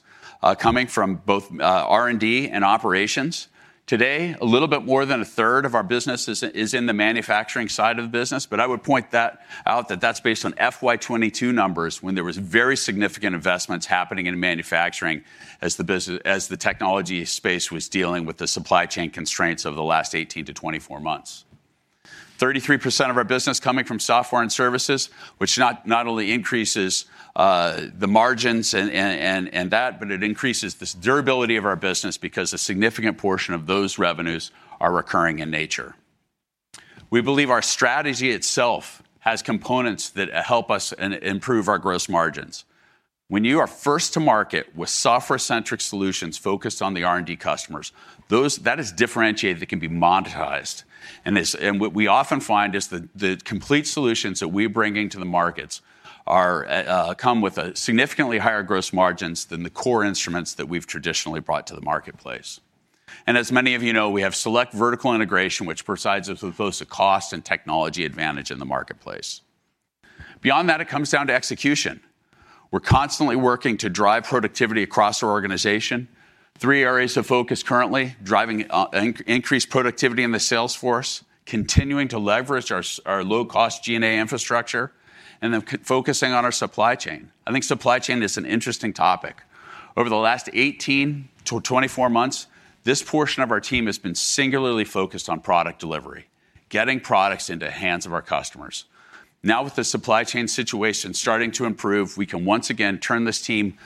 coming from both R&D and operations. Today, a little bit more than a third of our business is in the manufacturing side of the business. I would point that out that that's based on FY 2022 numbers when there was very significant investments happening in manufacturing as the technology space was dealing with the supply chain constraints over the last 18-24 months. 33% of our business coming from software and services, which not only increases the margins and that, it increases the durability of our business because a significant portion of those revenues are recurring in nature. We believe our strategy itself has components that help us improve our gross margins. When you are first to market with software-centric solutions focused on the R&D customers, that is differentiated, that can be monetized. What we often find is the complete solutions that we're bringing to the markets are come with significantly higher gross margins than the core instruments that we've traditionally brought to the marketplace. As many of you know, we have select vertical integration, which provides us with both the cost and technology advantage in the marketplace. Beyond that, it comes down to execution. We're constantly working to drive productivity across our organization. Three areas of focus currently, driving increased productivity in the sales force, continuing to leverage our low-cost G&A infrastructure, and then focusing on our supply chain. I think supply chain is an interesting topic. Over the last 18 to 24 months, this portion of our team has been singularly focused on product delivery, getting products into the hands of our customers. Now, with the supply chain situation starting to improve, we can once again turn this team,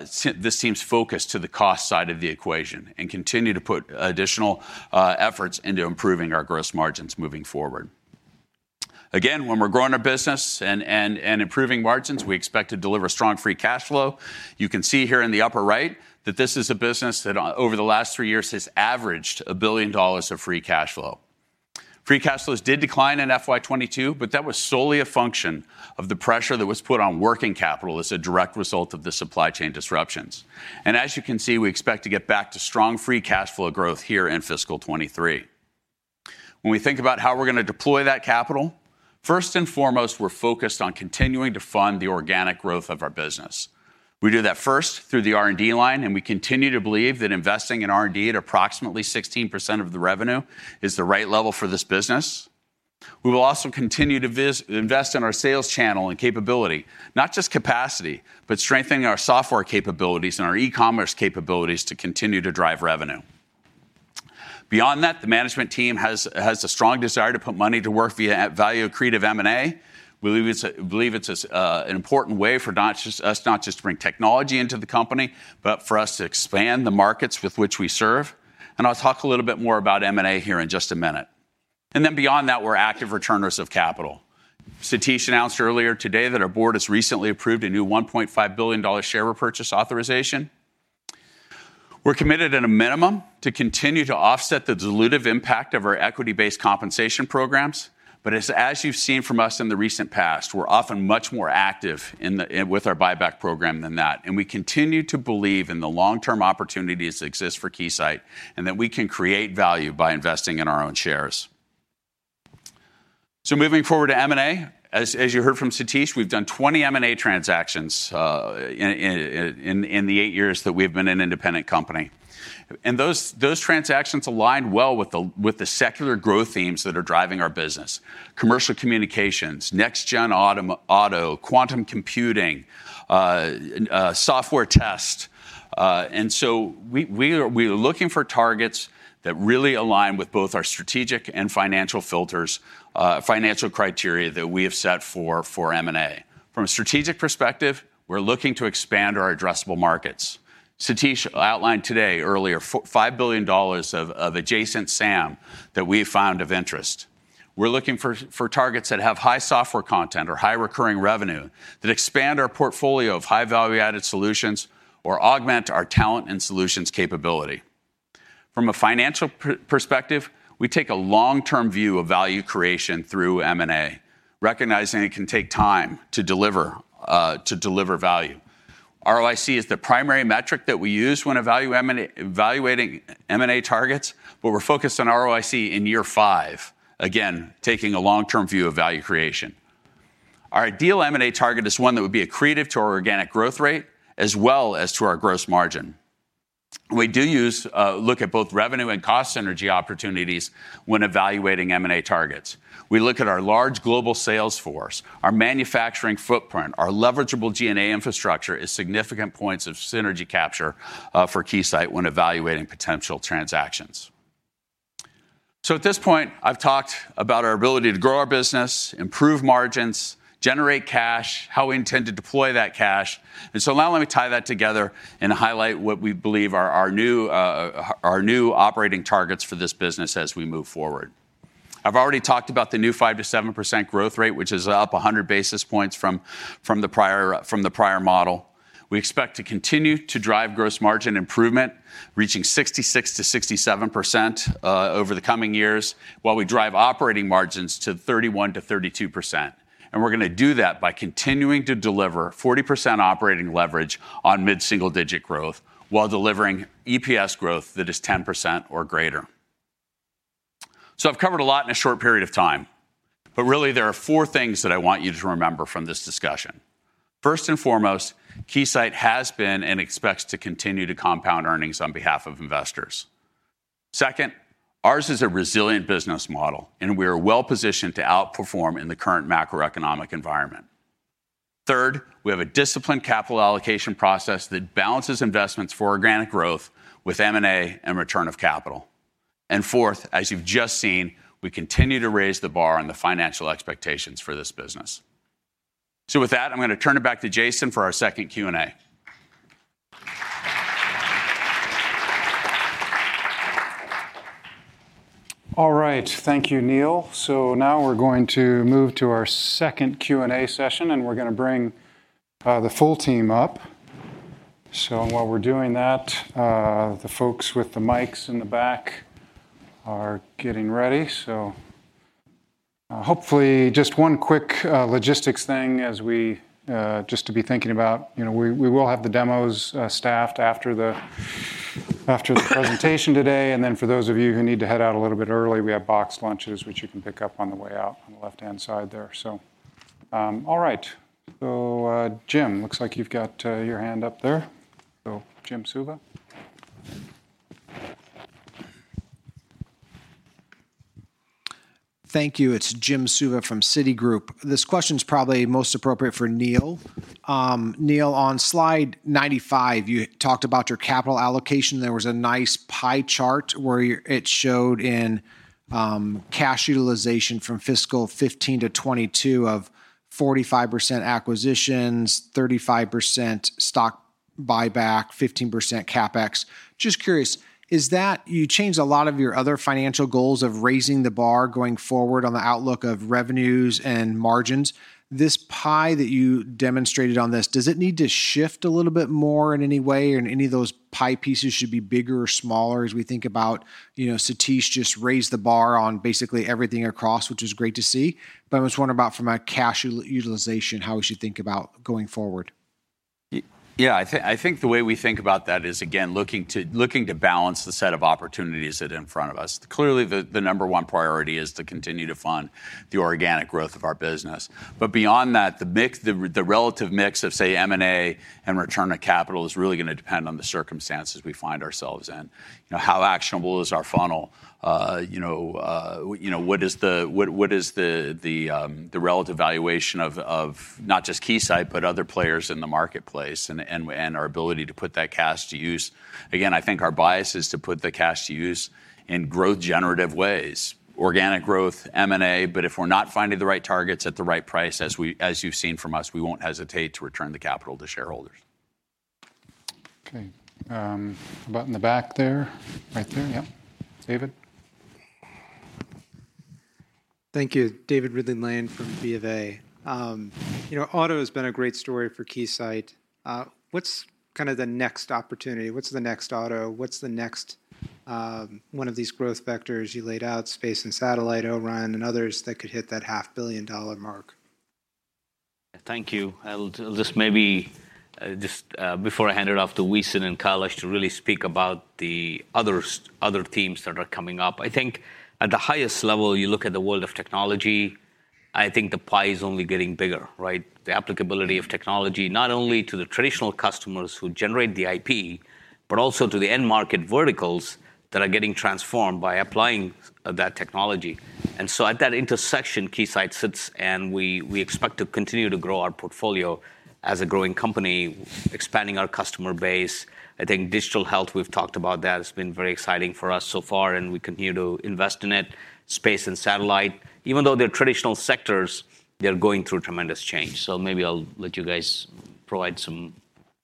this team's focus to the cost side of the equation and continue to put additional efforts into improving our gross margins moving forward. When we're growing our business and improving margins, we expect to deliver strong free cash flow. You can see here in the upper right that this is a business that over the last three years has averaged $1 billion of free cash flow. Free cash flows did decline in FY 2022, that was solely a function of the pressure that was put on working capital as a direct result of the supply chain disruptions. As you can see, we expect to get back to strong free cash flow growth here in fiscal 2023. When we think about how we're gonna deploy that capital, first and foremost, we're focused on continuing to fund the organic growth of our business. We do that first through the R&D line. We continue to believe that investing in R&D at approximately 16% of the revenue is the right level for this business. We will also continue to invest in our sales channel and capability, not just capacity, but strengthening our software capabilities and our e-commerce capabilities to continue to drive revenue. Beyond that, the management team has a strong desire to put money to work via a value-accretive M&A. We believe it's an important way for not just us to bring technology into the company, but for us to expand the markets with which we serve, and I'll talk a little bit more about M&A here in just a minute. Beyond that, we're active returners of capital. Satish announced earlier today that our board has recently approved a new $1.5 billion share repurchase authorization. We're committed at a minimum to continue to offset the dilutive impact of our equity-based compensation programs. As you've seen from us in the recent past, we're often much more active with our buyback program than that, and we continue to believe in the long-term opportunities that exist for Keysight and that we can create value by investing in our own shares. Moving forward to M&A, as you heard from Satish, we've done 20 M&A transactions in the 8 years that we've been an independent company. Those transactions align well with the secular growth themes that are driving our business: commercial communications, next-gen auto, quantum computing, software test. We are looking for targets that really align with both our strategic and financial filters, financial criteria that we have set for M&A. From a strategic perspective, we're looking to expand our addressable markets. Satish outlined today earlier $5 billion of adjacent SAM that we have found of interest. We're looking for targets that have high software content or high recurring revenue that expand our portfolio of high value-added solutions or augment our talent and solutions capability. From a financial perspective, we take a long-term view of value creation through M&A, recognizing it can take time to deliver, to deliver value. ROIC is the primary metric that we use when evaluating M&A targets, but we're focused on ROIC in year five, again, taking a long-term view of value creation. Our ideal M&A target is one that would be accretive to our organic growth rate as well as to our gross margin. We do use, look at both revenue and cost synergy opportunities when evaluating M&A targets. We look at our large global sales force, our manufacturing footprint, our leverageable G&A infrastructure as significant points of synergy capture for Keysight when evaluating potential transactions. At this point, I've talked about our ability to grow our business, improve margins, generate cash, how we intend to deploy that cash, now let me tie that together and highlight what we believe are our new operating targets for this business as we move forward. I've already talked about the new 5%-7% growth rate, which is up 100 basis points from the prior model. We expect to continue to drive gross margin improvement, reaching 66%-67% over the coming years, while we drive operating margins to 31%-32%. We're gonna do that by continuing to deliver 40% operating leverage on mid-single digit growth while delivering EPS growth that is 10% or greater. I've covered a lot in a short period of time, but really there are four things that I want you to remember from this discussion. First and foremost, Keysight has been and expects to continue to compound earnings on behalf of investors. Second, ours is a resilient business model, and we are well-positioned to outperform in the current macroeconomic environment. Third, we have a disciplined capital allocation process that balances investments for organic growth with M&A and return of capital. Fourth, as you've just seen, we continue to raise the bar on the financial expectations for this business. With that, I'm gonna turn it back to Jason for our second Q&A. All right. Thank you, Neil. Now we're going to move to our second Q&A session, and we're gonna bring the full team up. While we're doing that, the folks with the mics in the back are getting ready. Hopefully just one quick logistics thing as we just to be thinking about. You know, we will have the demos staffed after the presentation today. For those of you who need to head out a little bit early, we have boxed lunches which you can pick up on the way out on the left-hand side there. All right. Jim, looks like you've got your hand up there. Jim Suva? Thank you. It's Jim Suva from Citigroup. This question's probably most appropriate for Neil. Neil, on slide 95, you talked about your capital allocation. There was a nice pie chart where it showed in cash utilization from fiscal 15 to 22 of 45% acquisitions, 35% stock, buyback 15% CapEx. Just curious, is that you changed a lot of your other financial goals of raising the bar going forward on the outlook of revenues and margins? This pie that you demonstrated on this, does it need to shift a little bit more in any way or any of those pie pieces should be bigger or smaller as we think about, you know, Satish just raised the bar on basically everything across, which is great to see, but I was wondering about from a cash utilization, how we should think about going forward? Yeah. I think the way we think about that is, again, looking to balance the set of opportunities that are in front of us. Clearly, the number one priority is to continue to fund the organic growth of our business. Beyond that, the mix, the relative mix of, say, M&A and return on capital is really gonna depend on the circumstances we find ourselves in. You know, you know, what is the, what is the relative valuation of not just Keysight but other players in the marketplace and our ability to put that cash to use? I think our bias is to put the cash to use in growth-generative ways, organic growth, M&A, but if we're not finding the right targets at the right price, as we, as you've seen from us, we won't hesitate to return the capital to shareholders. Okay. How about in the back there? Right there. Yep. David? Thank you. David Ridley-Lane from BofA. You know, auto has been a great story for Keysight. What's kind of the next opportunity? What's the next auto? What's the next, one of these growth vectors you laid out, space and satellite O-RAN, and others that could hit that half-billion-dollar mark? Thank you. I'll just maybe, before I hand it off to Huei Sin and Kailash to really speak about the other teams that are coming up. I think at the highest level, you look at the world of technology, I think the pie is only getting bigger, right? The applicability of technology, not only to the traditional customers who generate the IP, but also to the end market verticals that are getting transformed by applying that technology. At that intersection, Keysight sits, and we expect to continue to grow our portfolio as a growing company, expanding our customer base. I think digital health, we've talked about that, has been very exciting for us so far, and we continue to invest in it. Space and satellite, even though they're traditional sectors, they're going through tremendous change. Maybe I'll let you guys provide some.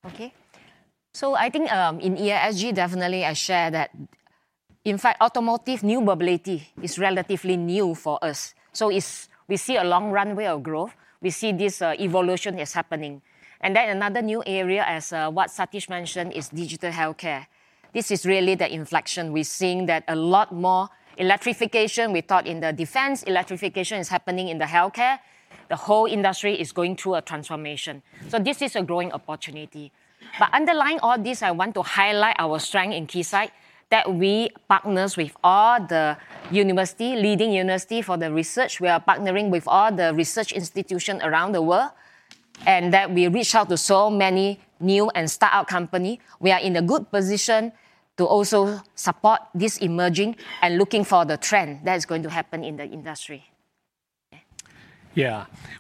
I think, in ESG, definitely I share that, in fact, automotive new mobility is relatively new for us. We see a long runway of growth. We see this evolution is happening. Another new area, as what Satish mentioned, is digital healthcare. This is really the inflection. We're seeing that a lot more electrification, we thought in the defense, electrification is happening in the healthcare. The whole industry is going through a transformation. This is a growing opportunity. Underlying all this, I want to highlight our strength in Keysight, that we partners with all the university, leading university for the research. We are partnering with all the research institution around the world, and that we reach out to so many new and startup company. We are in a good position to also support this emerging and looking for the trend that is going to happen in the industry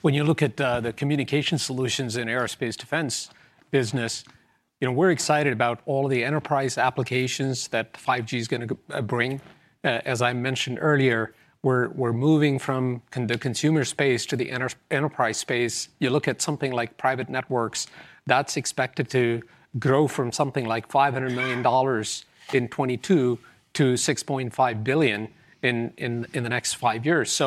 When you look at the communication solutions in aerospace defense business, you know, we're excited about all the enterprise applications that 5G is gonna bring. As I mentioned earlier, we're moving from the consumer space to the enterprise space. You look at something like private networks, that's expected to grow from something like $500 million in 2022 to $6.5 billion in the next five years.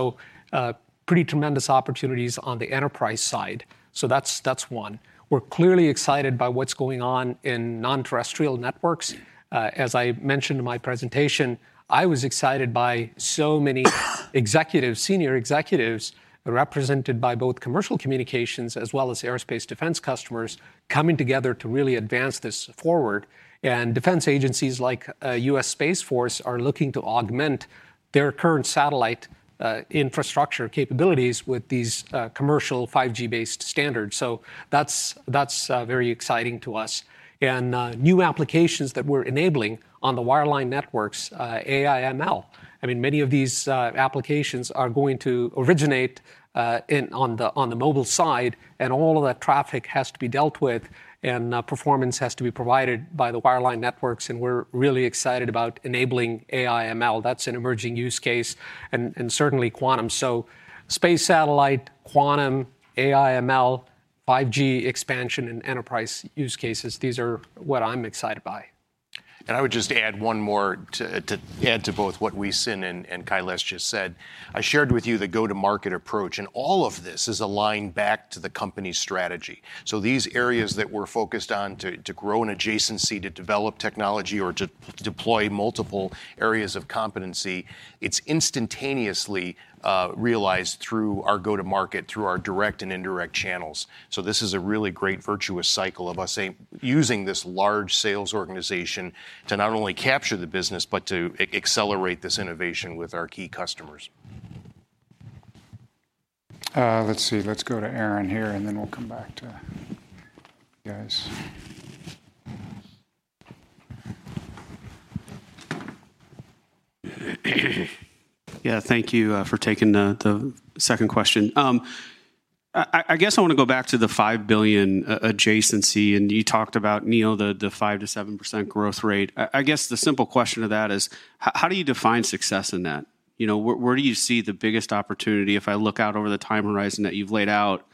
Pretty tremendous opportunities on the enterprise side. That's one. We're clearly excited by what's going on in non-terrestrial networks. As I mentioned in my presentation, I was excited by so many executives, senior executives represented by both commercial communications as well as aerospace defense customers coming together to really advance this forward. Defense agencies like U.S. Space Force are looking to augment their current satellite infrastructure capabilities with these commercial 5G-based standards. That's very exciting to us. New applications that we're enabling on the wireline networks, AI/ML. I mean, many of these applications are going to originate in, on the, on the mobile side, and all of that traffic has to be dealt with, and performance has to be provided by the wireline networks, and we're really excited about enabling AI/ML. That's an emerging use case and certainly quantum. Space satellite, quantum, AI/ML, 5G expansion, and enterprise use cases, these are what I'm excited by. I would just add one more to add to both what Huei Sin and Kailash just said. I shared with you the go-to-market approach, and all of this is aligned back to the company's strategy. These areas that we're focused on to grow an adjacency, to develop technology or to deploy multiple areas of competency, it's instantaneously realized through our go-to-market, through our direct and indirect channels. This is a really great virtuous cycle of us using this large sales organization to not only capture the business, but to accelerate this innovation with our key customers. Let's see. Let's go to Aaron here. Then we'll come back to you guys. Yeah, thank you for taking the second question. I guess I wanna go back to the $5 billion adjacency, and you talked about, Neil, the 5% to 7% growth rate. I guess the simple question to that is how do you define success in that? You know, where do you see the biggest opportunity? If I look out over the time horizon that you've laid out,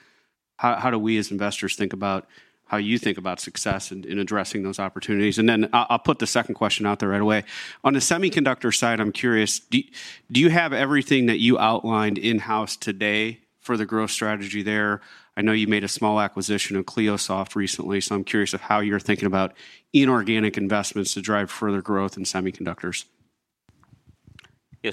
how do we as investors think about how you think about success in addressing those opportunities? Then I'll put the second question out there right away. On the semiconductor side, I'm curious, do you have everything that you outlined in-house today for the growth strategy there? I know you made a small acquisition of ClioSoft recently, so I'm curious of how you're thinking about inorganic investments to drive further growth in semiconductors. Yeah.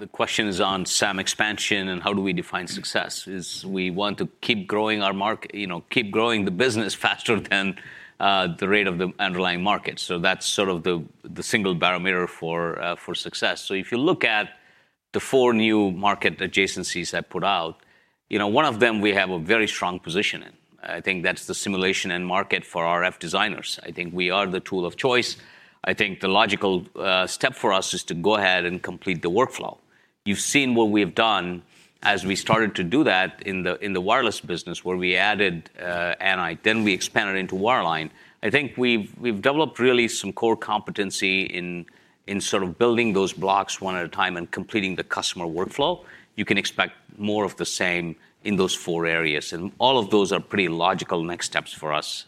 The question is on SAM expansion and how do we define success, is we want to keep growing our, you know, keep growing the business faster than the rate of the underlying market. That's sort of the single barometer for success. If you look at the four new market adjacencies I put out, you know, one of them we have a very strong position in. I think that's the simulation end market for RF designers. I think we are the tool of choice. I think the logical step for us is to go ahead and complete the workflow. You've seen what we have done as we started to do that in the, in the wireless business, where we added NI, then we expanded into wireline. I think we've developed really some core competency in sort of building those blocks 1 at a time and completing the customer workflow. You can expect more of the same in those 4 areas, and all of those are pretty logical next steps for us.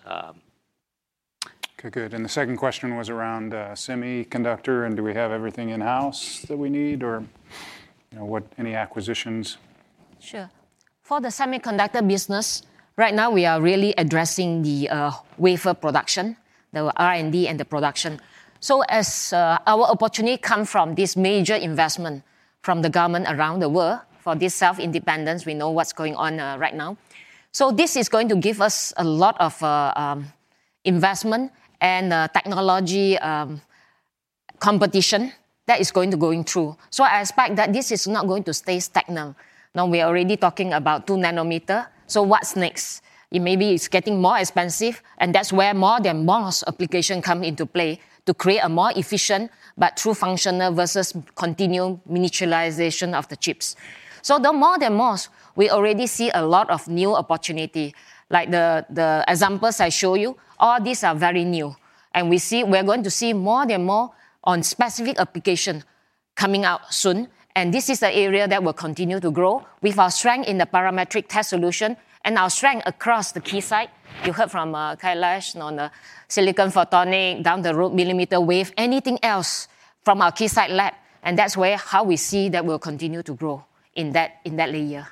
Okay, good. The second question was around semiconductor and do we have everything in-house that we need? Or, you know, any acquisitions? Sure. For the semiconductor business, right now we are really addressing the wafer production, the R&D and the production. As our opportunity come from this major investment from the government around the world for this self-independence, we know what's going on right now. This is going to give us a lot of investment and technology competition that is going to going through. I expect that this is not going to stay stagnant. Now we are already talking about two nanometer, so what's next? It may be it's getting more expensive, and that's where More than Moore application come into play to create a more efficient but true functional versus continual miniaturization of the chips. The More than Moore, we already see a lot of new opportunity. Like the examples I show you, all these are very new. We're going to see more and more on specific application coming out soon, and this is the area that will continue to grow with our strength in the parametric test solution and our strength across the Keysight. You heard from Kailash on the silicon photonics, down the road, millimeter wave, anything else from our Keysight lab. That's where how we see that we'll continue to grow in that layer.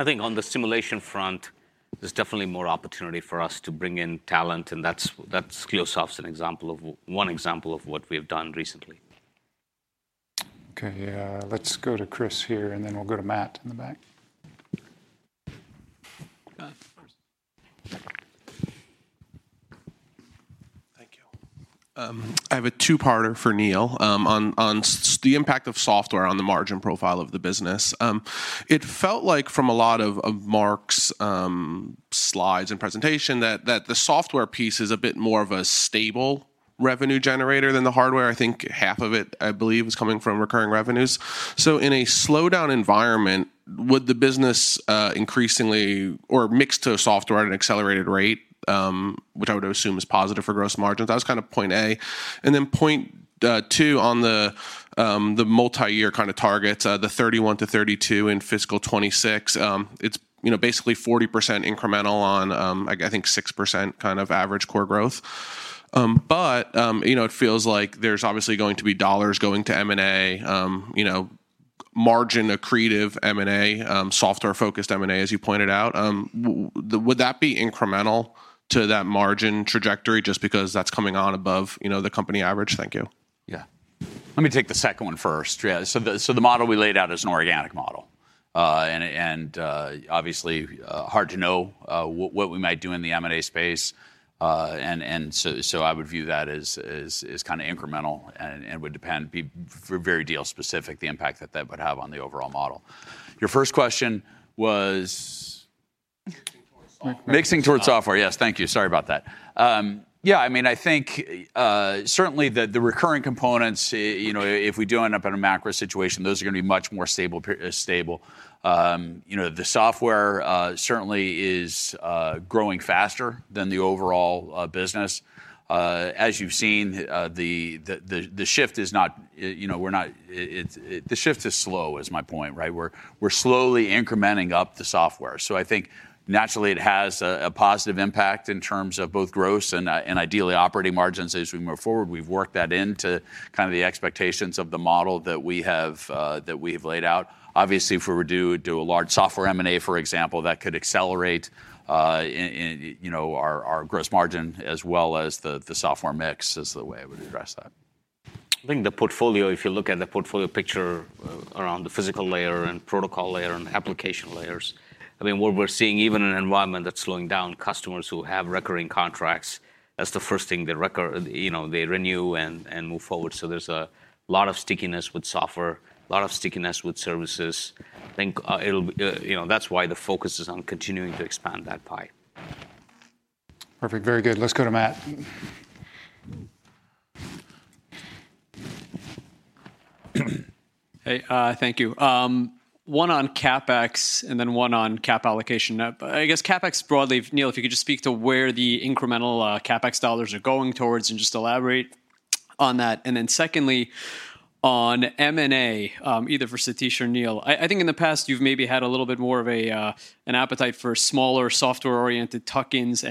Okay. I think on the simulation front, there's definitely more opportunity for us to bring in talent and that's ClioSoft's an example of one example of what we have done recently. Okay. Let's go to Chris here, and then we'll go to Matt in the back. Thank you. I have a two-parter for Neil on the impact of software on the margin profile of the business. It felt like from a lot of Mark's slides and presentation that the software piece is a bit more of a stable revenue generator than the hardware. I think half of it, I believe, is coming from recurring revenues. In a slowdown environment, would the business increasingly or mix to software at an accelerated rate, which I would assume is positive for gross margins? That was kind of point A. Point 2 on the multiyear kind of targets, the 31-32 in fiscal 2026. It's, you know, basically 40% incremental on I think 6% kind of average core growth. You know, it feels like there's obviously going to be dollars going to M&A, you know, margin accretive M&A, software-focused M&A, as you pointed out. Would that be incremental to that margin trajectory just because that's coming on above, you know, the company average? Thank you. Yeah. Let me take the second one first. Yeah, so the model we laid out is an organic model. Obviously, hard to know what we might do in the M&A space. I would view that as kind of incremental and would depend, be very deal specific, the impact that that would have on the overall model. Your first question was. Mixing towards software Mixing towards software. Yes. Thank you. Sorry about that. I mean, I think certainly the recurring components, you know, if we do end up in a macro situation, those are going to be much more stable stable. You know, the software certainly is growing faster than the overall business. As you've seen, the shift is not, you know, we're not the shift is slow is my point, right? We're slowly incrementing up the software. So I think naturally it has a positive impact in terms of both gross and ideally operating margins as we move forward. We've worked that into kind of the expectations of the model that we have that we have laid out. Obviously, if we were to do a large software M&A, for example, that could accelerate, you know, our gross margin as well as the software mix is the way I would address that. I think the portfolio, if you look at the portfolio picture around the physical layer and protocol layer and application layers, I mean, what we're seeing even in an environment that's slowing down, customers who have recurring contracts, that's the first thing, you know, they renew and move forward. There's a lot of stickiness with software, a lot of stickiness with services. I think it'll, you know, that's why the focus is on continuing to expand that pie. Perfect. Very good. Let's go to Matt. Hey, thank you. One on CapEx and then one on cap allocation. I guess CapEx broadly, if, Neil, if you could just speak to where the incremental CapEx dollars are going towards and just elaborate on that. Secondly, on M&A, either for Satish or Neil. I think in the past you've maybe had a little bit more of an appetite for smaller software-oriented tuck-ins.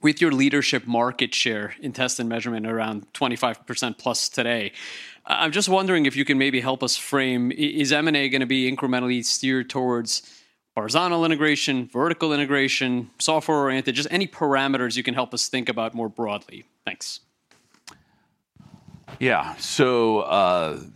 With your leadership market share in test and measurement around 25% plus today, I'm just wondering if you can maybe help us frame, is M&A gonna be incrementally steered towards horizontal integration, vertical integration, software-oriented? Just any parameters you can help us think about more broadly. Thanks. Yeah. first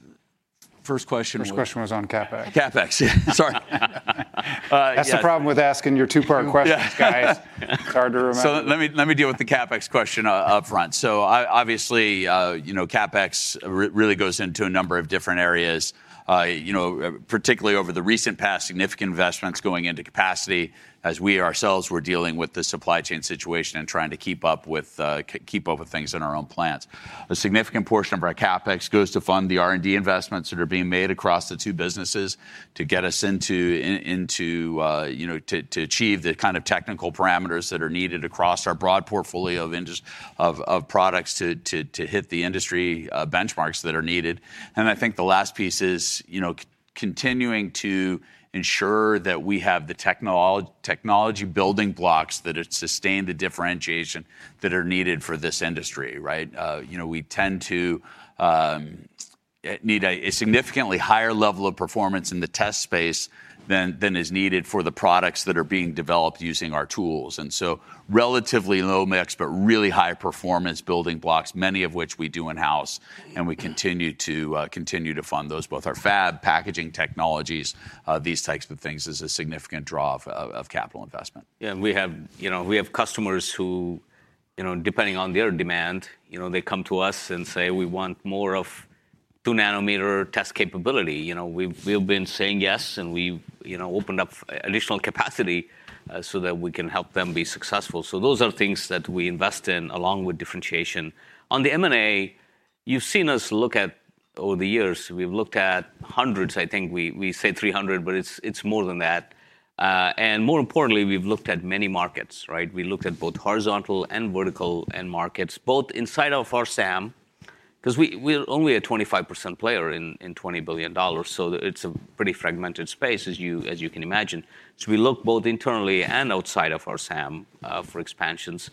question. First question was on CapEx. CapEx, yeah. Sorry. yeah. That's the problem with asking your two-part questions, guys. Yeah. It's hard to remember. Let me deal with the CapEx question up front. Obviously, you know, CapEx really goes into a number of different areas. You know, particularly over the recent past, significant investments going into capacity as we ourselves were dealing with the supply chain situation and trying to keep up with things in our own plants. A significant portion of our CapEx goes to fund the R&D investments that are being made across the two businesses to get us into, you know, to achieve the kind of technical parameters that are needed across our broad portfolio of products to hit the industry benchmarks that are needed. I think the last piece is, you know, continuing to ensure that we have the technology building blocks that sustain the differentiation that are needed for this industry, right? You know, we tend to need a significantly higher level of performance in the test space than is needed for the products that are being developed using our tools. Relatively low mix, but really high performance building blocks, many of which we do in-house, and we continue to fund those. Both our fab packaging technologies, these types of things is a significant draw of capital investment. Yeah, and we have, you know, we have customers who, you know, depending on their demand, you know, they come to us and say, "We want more of two nanometer test capability." You know, we've been saying yes, and we've, you know, opened up additional capacity so that we can help them be successful. So those are things that we invest in along with differentiation. On the M&A, you've seen us look at, over the years, we've looked at hundreds, I think we say 300, but it's more than that. And more importantly, we've looked at many markets, right? We looked at both horizontal and vertical end markets, both inside of our SAM, 'cause we're only a 25% player in $20 billion, so it's a pretty fragmented space as you, as you can imagine. We look both internally and outside of our SAM for expansions.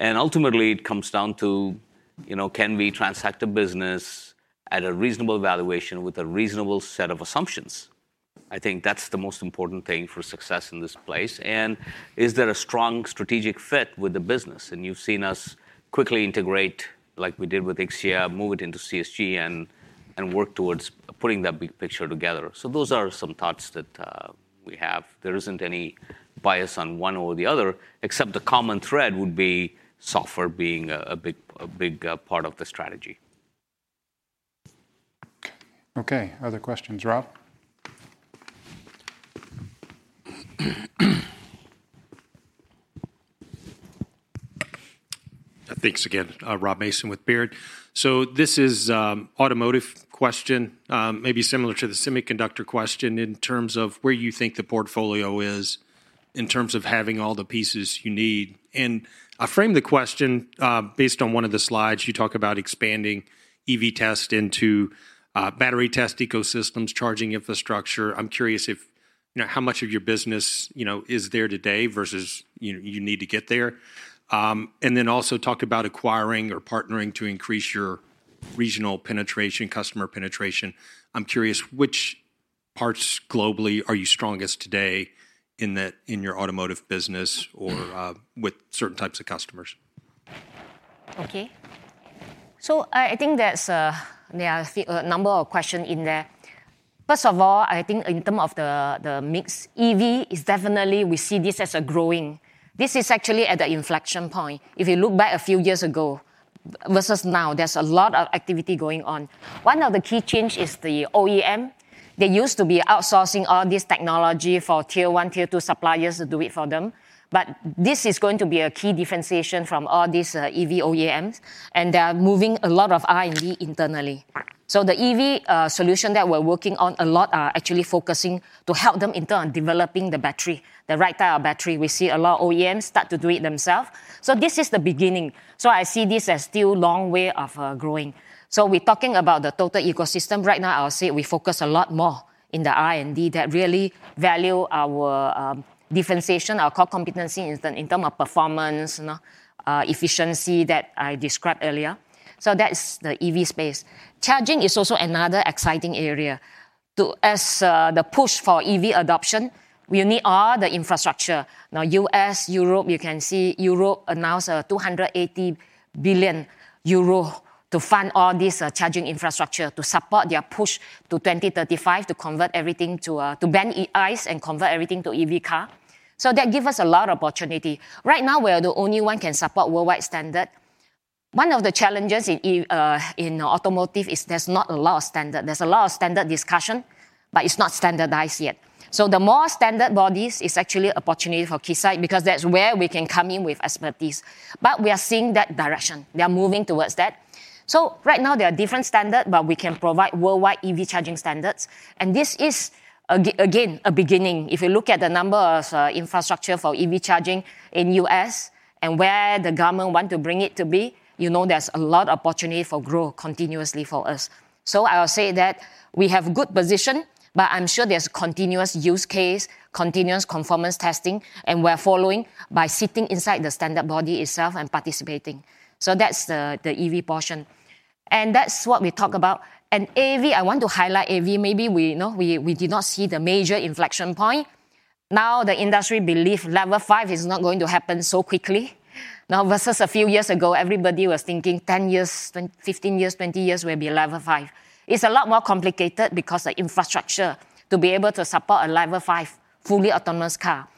Ultimately, it comes down to, you know, can we transact a business at a reasonable valuation with a reasonable set of assumptions? I think that's the most important thing for success in this place. Is there a strong strategic fit with the business? You've seen us quickly integrate, like we did with Ixia, move it into CSG, and work towards putting that big picture together. Those are some thoughts that we have. There isn't any bias on one or the other, except the common thread would be software being a big, a big part of the strategy. Okay. Other questions. Rob? Thanks again. Robert Mason with Baird. This is automotive question, maybe similar to the semiconductor question in terms of where you think the portfolio is in terms of having all the pieces you need. I frame the question based on one of the slides. You talk about expanding EV test into battery test ecosystems, charging infrastructure. I'm curious if, you know, how much of your business, you know, is there today versus you need to get there. Also talk about acquiring or partnering to increase your regional penetration, customer penetration. I'm curious which parts globally are you strongest today in your automotive business or with certain types of customers? Okay. I think there's, there are a number of question in there. First of all, I think in term of the mix, EV is definitely we see this as a growing. This is actually at the inflection point. If you look back a few years ago versus now, there's a lot of activity going on. One of the key change is the OEM. They used to be outsourcing all this technology for tier one, tier two suppliers to do it for them, but this is going to be a key differentiation from all these, EV OEMs, and they are moving a lot of R&D internally. The EV, solution that we're working on a lot are actually focusing to help them in turn developing the battery, the right type of battery. We see a lot of OEMs start to do it themself. This is the beginning. I see this as still long way of growing. We're talking about the total ecosystem right now. I will say we focus a lot more in the R&D that really value our differentiation, our core competency in term of performance and efficiency that I described earlier. That's the EV space. Charging is also another exciting area. As the push for EV adoption, we need all the infrastructure. Now, U.S., Europe, you can see Europe announce 280 billion euro to fund all this charging infrastructure to support their push to 2035 to convert everything to ban ICE and convert everything to EV car. That give us a lot of opportunity. Right now, we are the only one can support worldwide standard. One of the challenges in automotive is there's not a lot of standard. There's a lot of standard discussion. It's not standardized yet. The more standard bodies is actually opportunity for Keysight because that's where we can come in with expertise. We are seeing that direction. They are moving towards that. Right now there are different standard, but we can provide worldwide EV charging standards, and this is again, a beginning. If you look at the number of infrastructure for EV charging in U.S. and where the government want to bring it to be, you know there's a lot opportunity for grow continuously for us. I'll say that we have good position, but I'm sure there's continuous use case, continuous conformance testing, and we're following by sitting inside the standard body itself and participating. That's the EV portion. That's what we talk about. AV, I want to highlight AV, maybe we, you know, we did not see the major inflection point. Now the industry believe Level 5 is not going to happen so quickly. Now versus a few years ago, everybody was thinking 10 years, 15 years, 20 years will be Level 5. It's a lot more complicated because the infrastructure to be able to support a Level 5 fully autonomous car.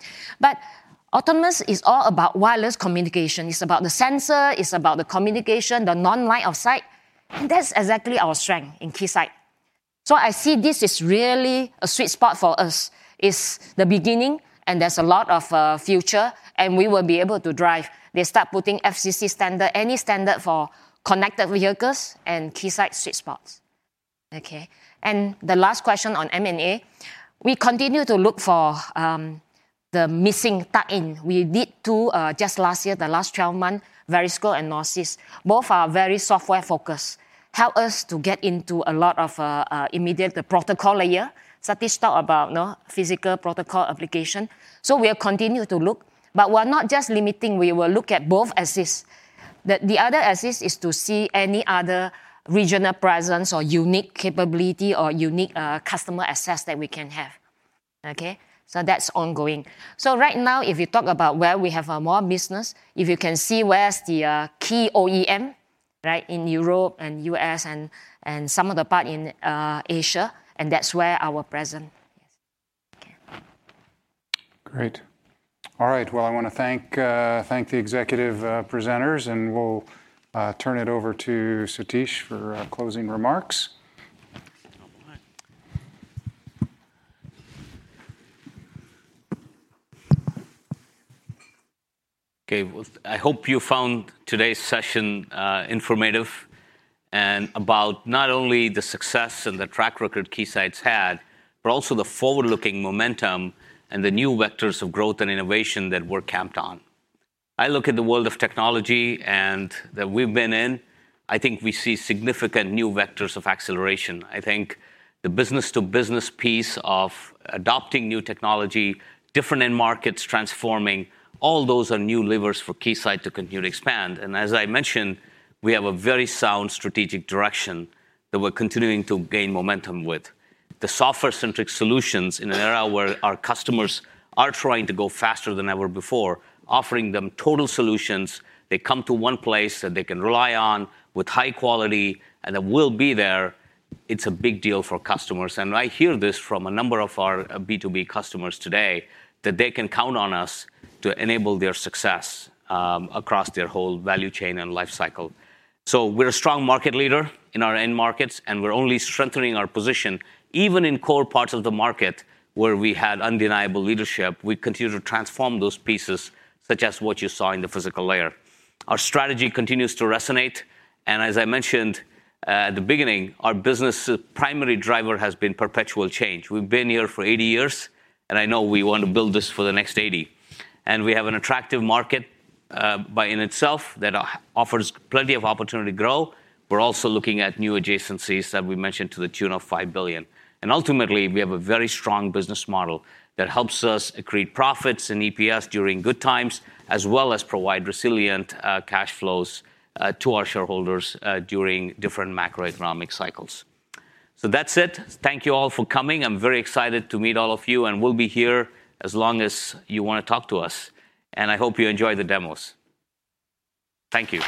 Autonomous is all about wireless communication. It's about the sensor, it's about the communication, the non-line of sight, and that's exactly our strength in Keysight. I see this as really a sweet spot for us. It's the beginning, and there's a lot of future, and we will be able to drive. They start putting FCC standard, any standard for connected vehicles and Keysight sweet spots. Okay? The last question on M&A, we continue to look for the missing tie-in. We did two just last year, the last 12 months, Erisys and Nohau. Both are very software focused, help us to get into a lot of immediate protocol layer. Satish talk about, you know, physical protocol application. We are continue to look, but we're not just limiting. We will look at both assets. The other assets is to see any other regional presence or unique capability or unique customer assets that we can have. Okay. That's ongoing. Right now, if you talk about where we have more business, if you can see where's the key OEM, right, in Europe and U.S. and some other part in Asia, and that's where our present is. Okay. Great. All right. Well, I want to thank the executive, presenters, and we'll turn it over to Satish for closing remarks. All right. Okay. Well, I hope you found today's session, informative and about not only the success and the track record Keysight's had, but also the forward-looking momentum and the new vectors of growth and innovation that we're camped on. I look at the world of technology and that we've been in, I think we see significant new vectors of acceleration. I think the business to business piece of adopting new technology, different end markets transforming, all those are new levers for Keysight to continue to expand. As I mentioned, we have a very sound strategic direction that we're continuing to gain momentum with. The software centric solutions in an era where our customers are trying to go faster than ever before, offering them total solutions they come to one place that they can rely on with high quality and that will be there, it's a big deal for customers. I hear this from a number of our B2B customers today that they can count on us to enable their success, across their whole value chain and life cycle. We're a strong market leader in our end markets, and we're only strengthening our position. Even in core parts of the market where we had undeniable leadership, we continue to transform those pieces such as what you saw in the physical layer. Our strategy continues to resonate, and as I mentioned at the beginning, our business' primary driver has been perpetual change. We've been here for 80 years, and I know we want to build this for the next 80. We have an attractive market, by in itself that offers plenty of opportunity to grow. We're also looking at new adjacencies that we mentioned to the tune of $5 billion. Ultimately, we have a very strong business model that helps us accrete profits and EPS during good times, as well as provide resilient cash flows to our shareholders during different macroeconomic cycles. That's it. Thank you all for coming. I'm very excited to meet all of you, and we'll be here as long as you want to talk to us. I hope you enjoy the demos. Thank you.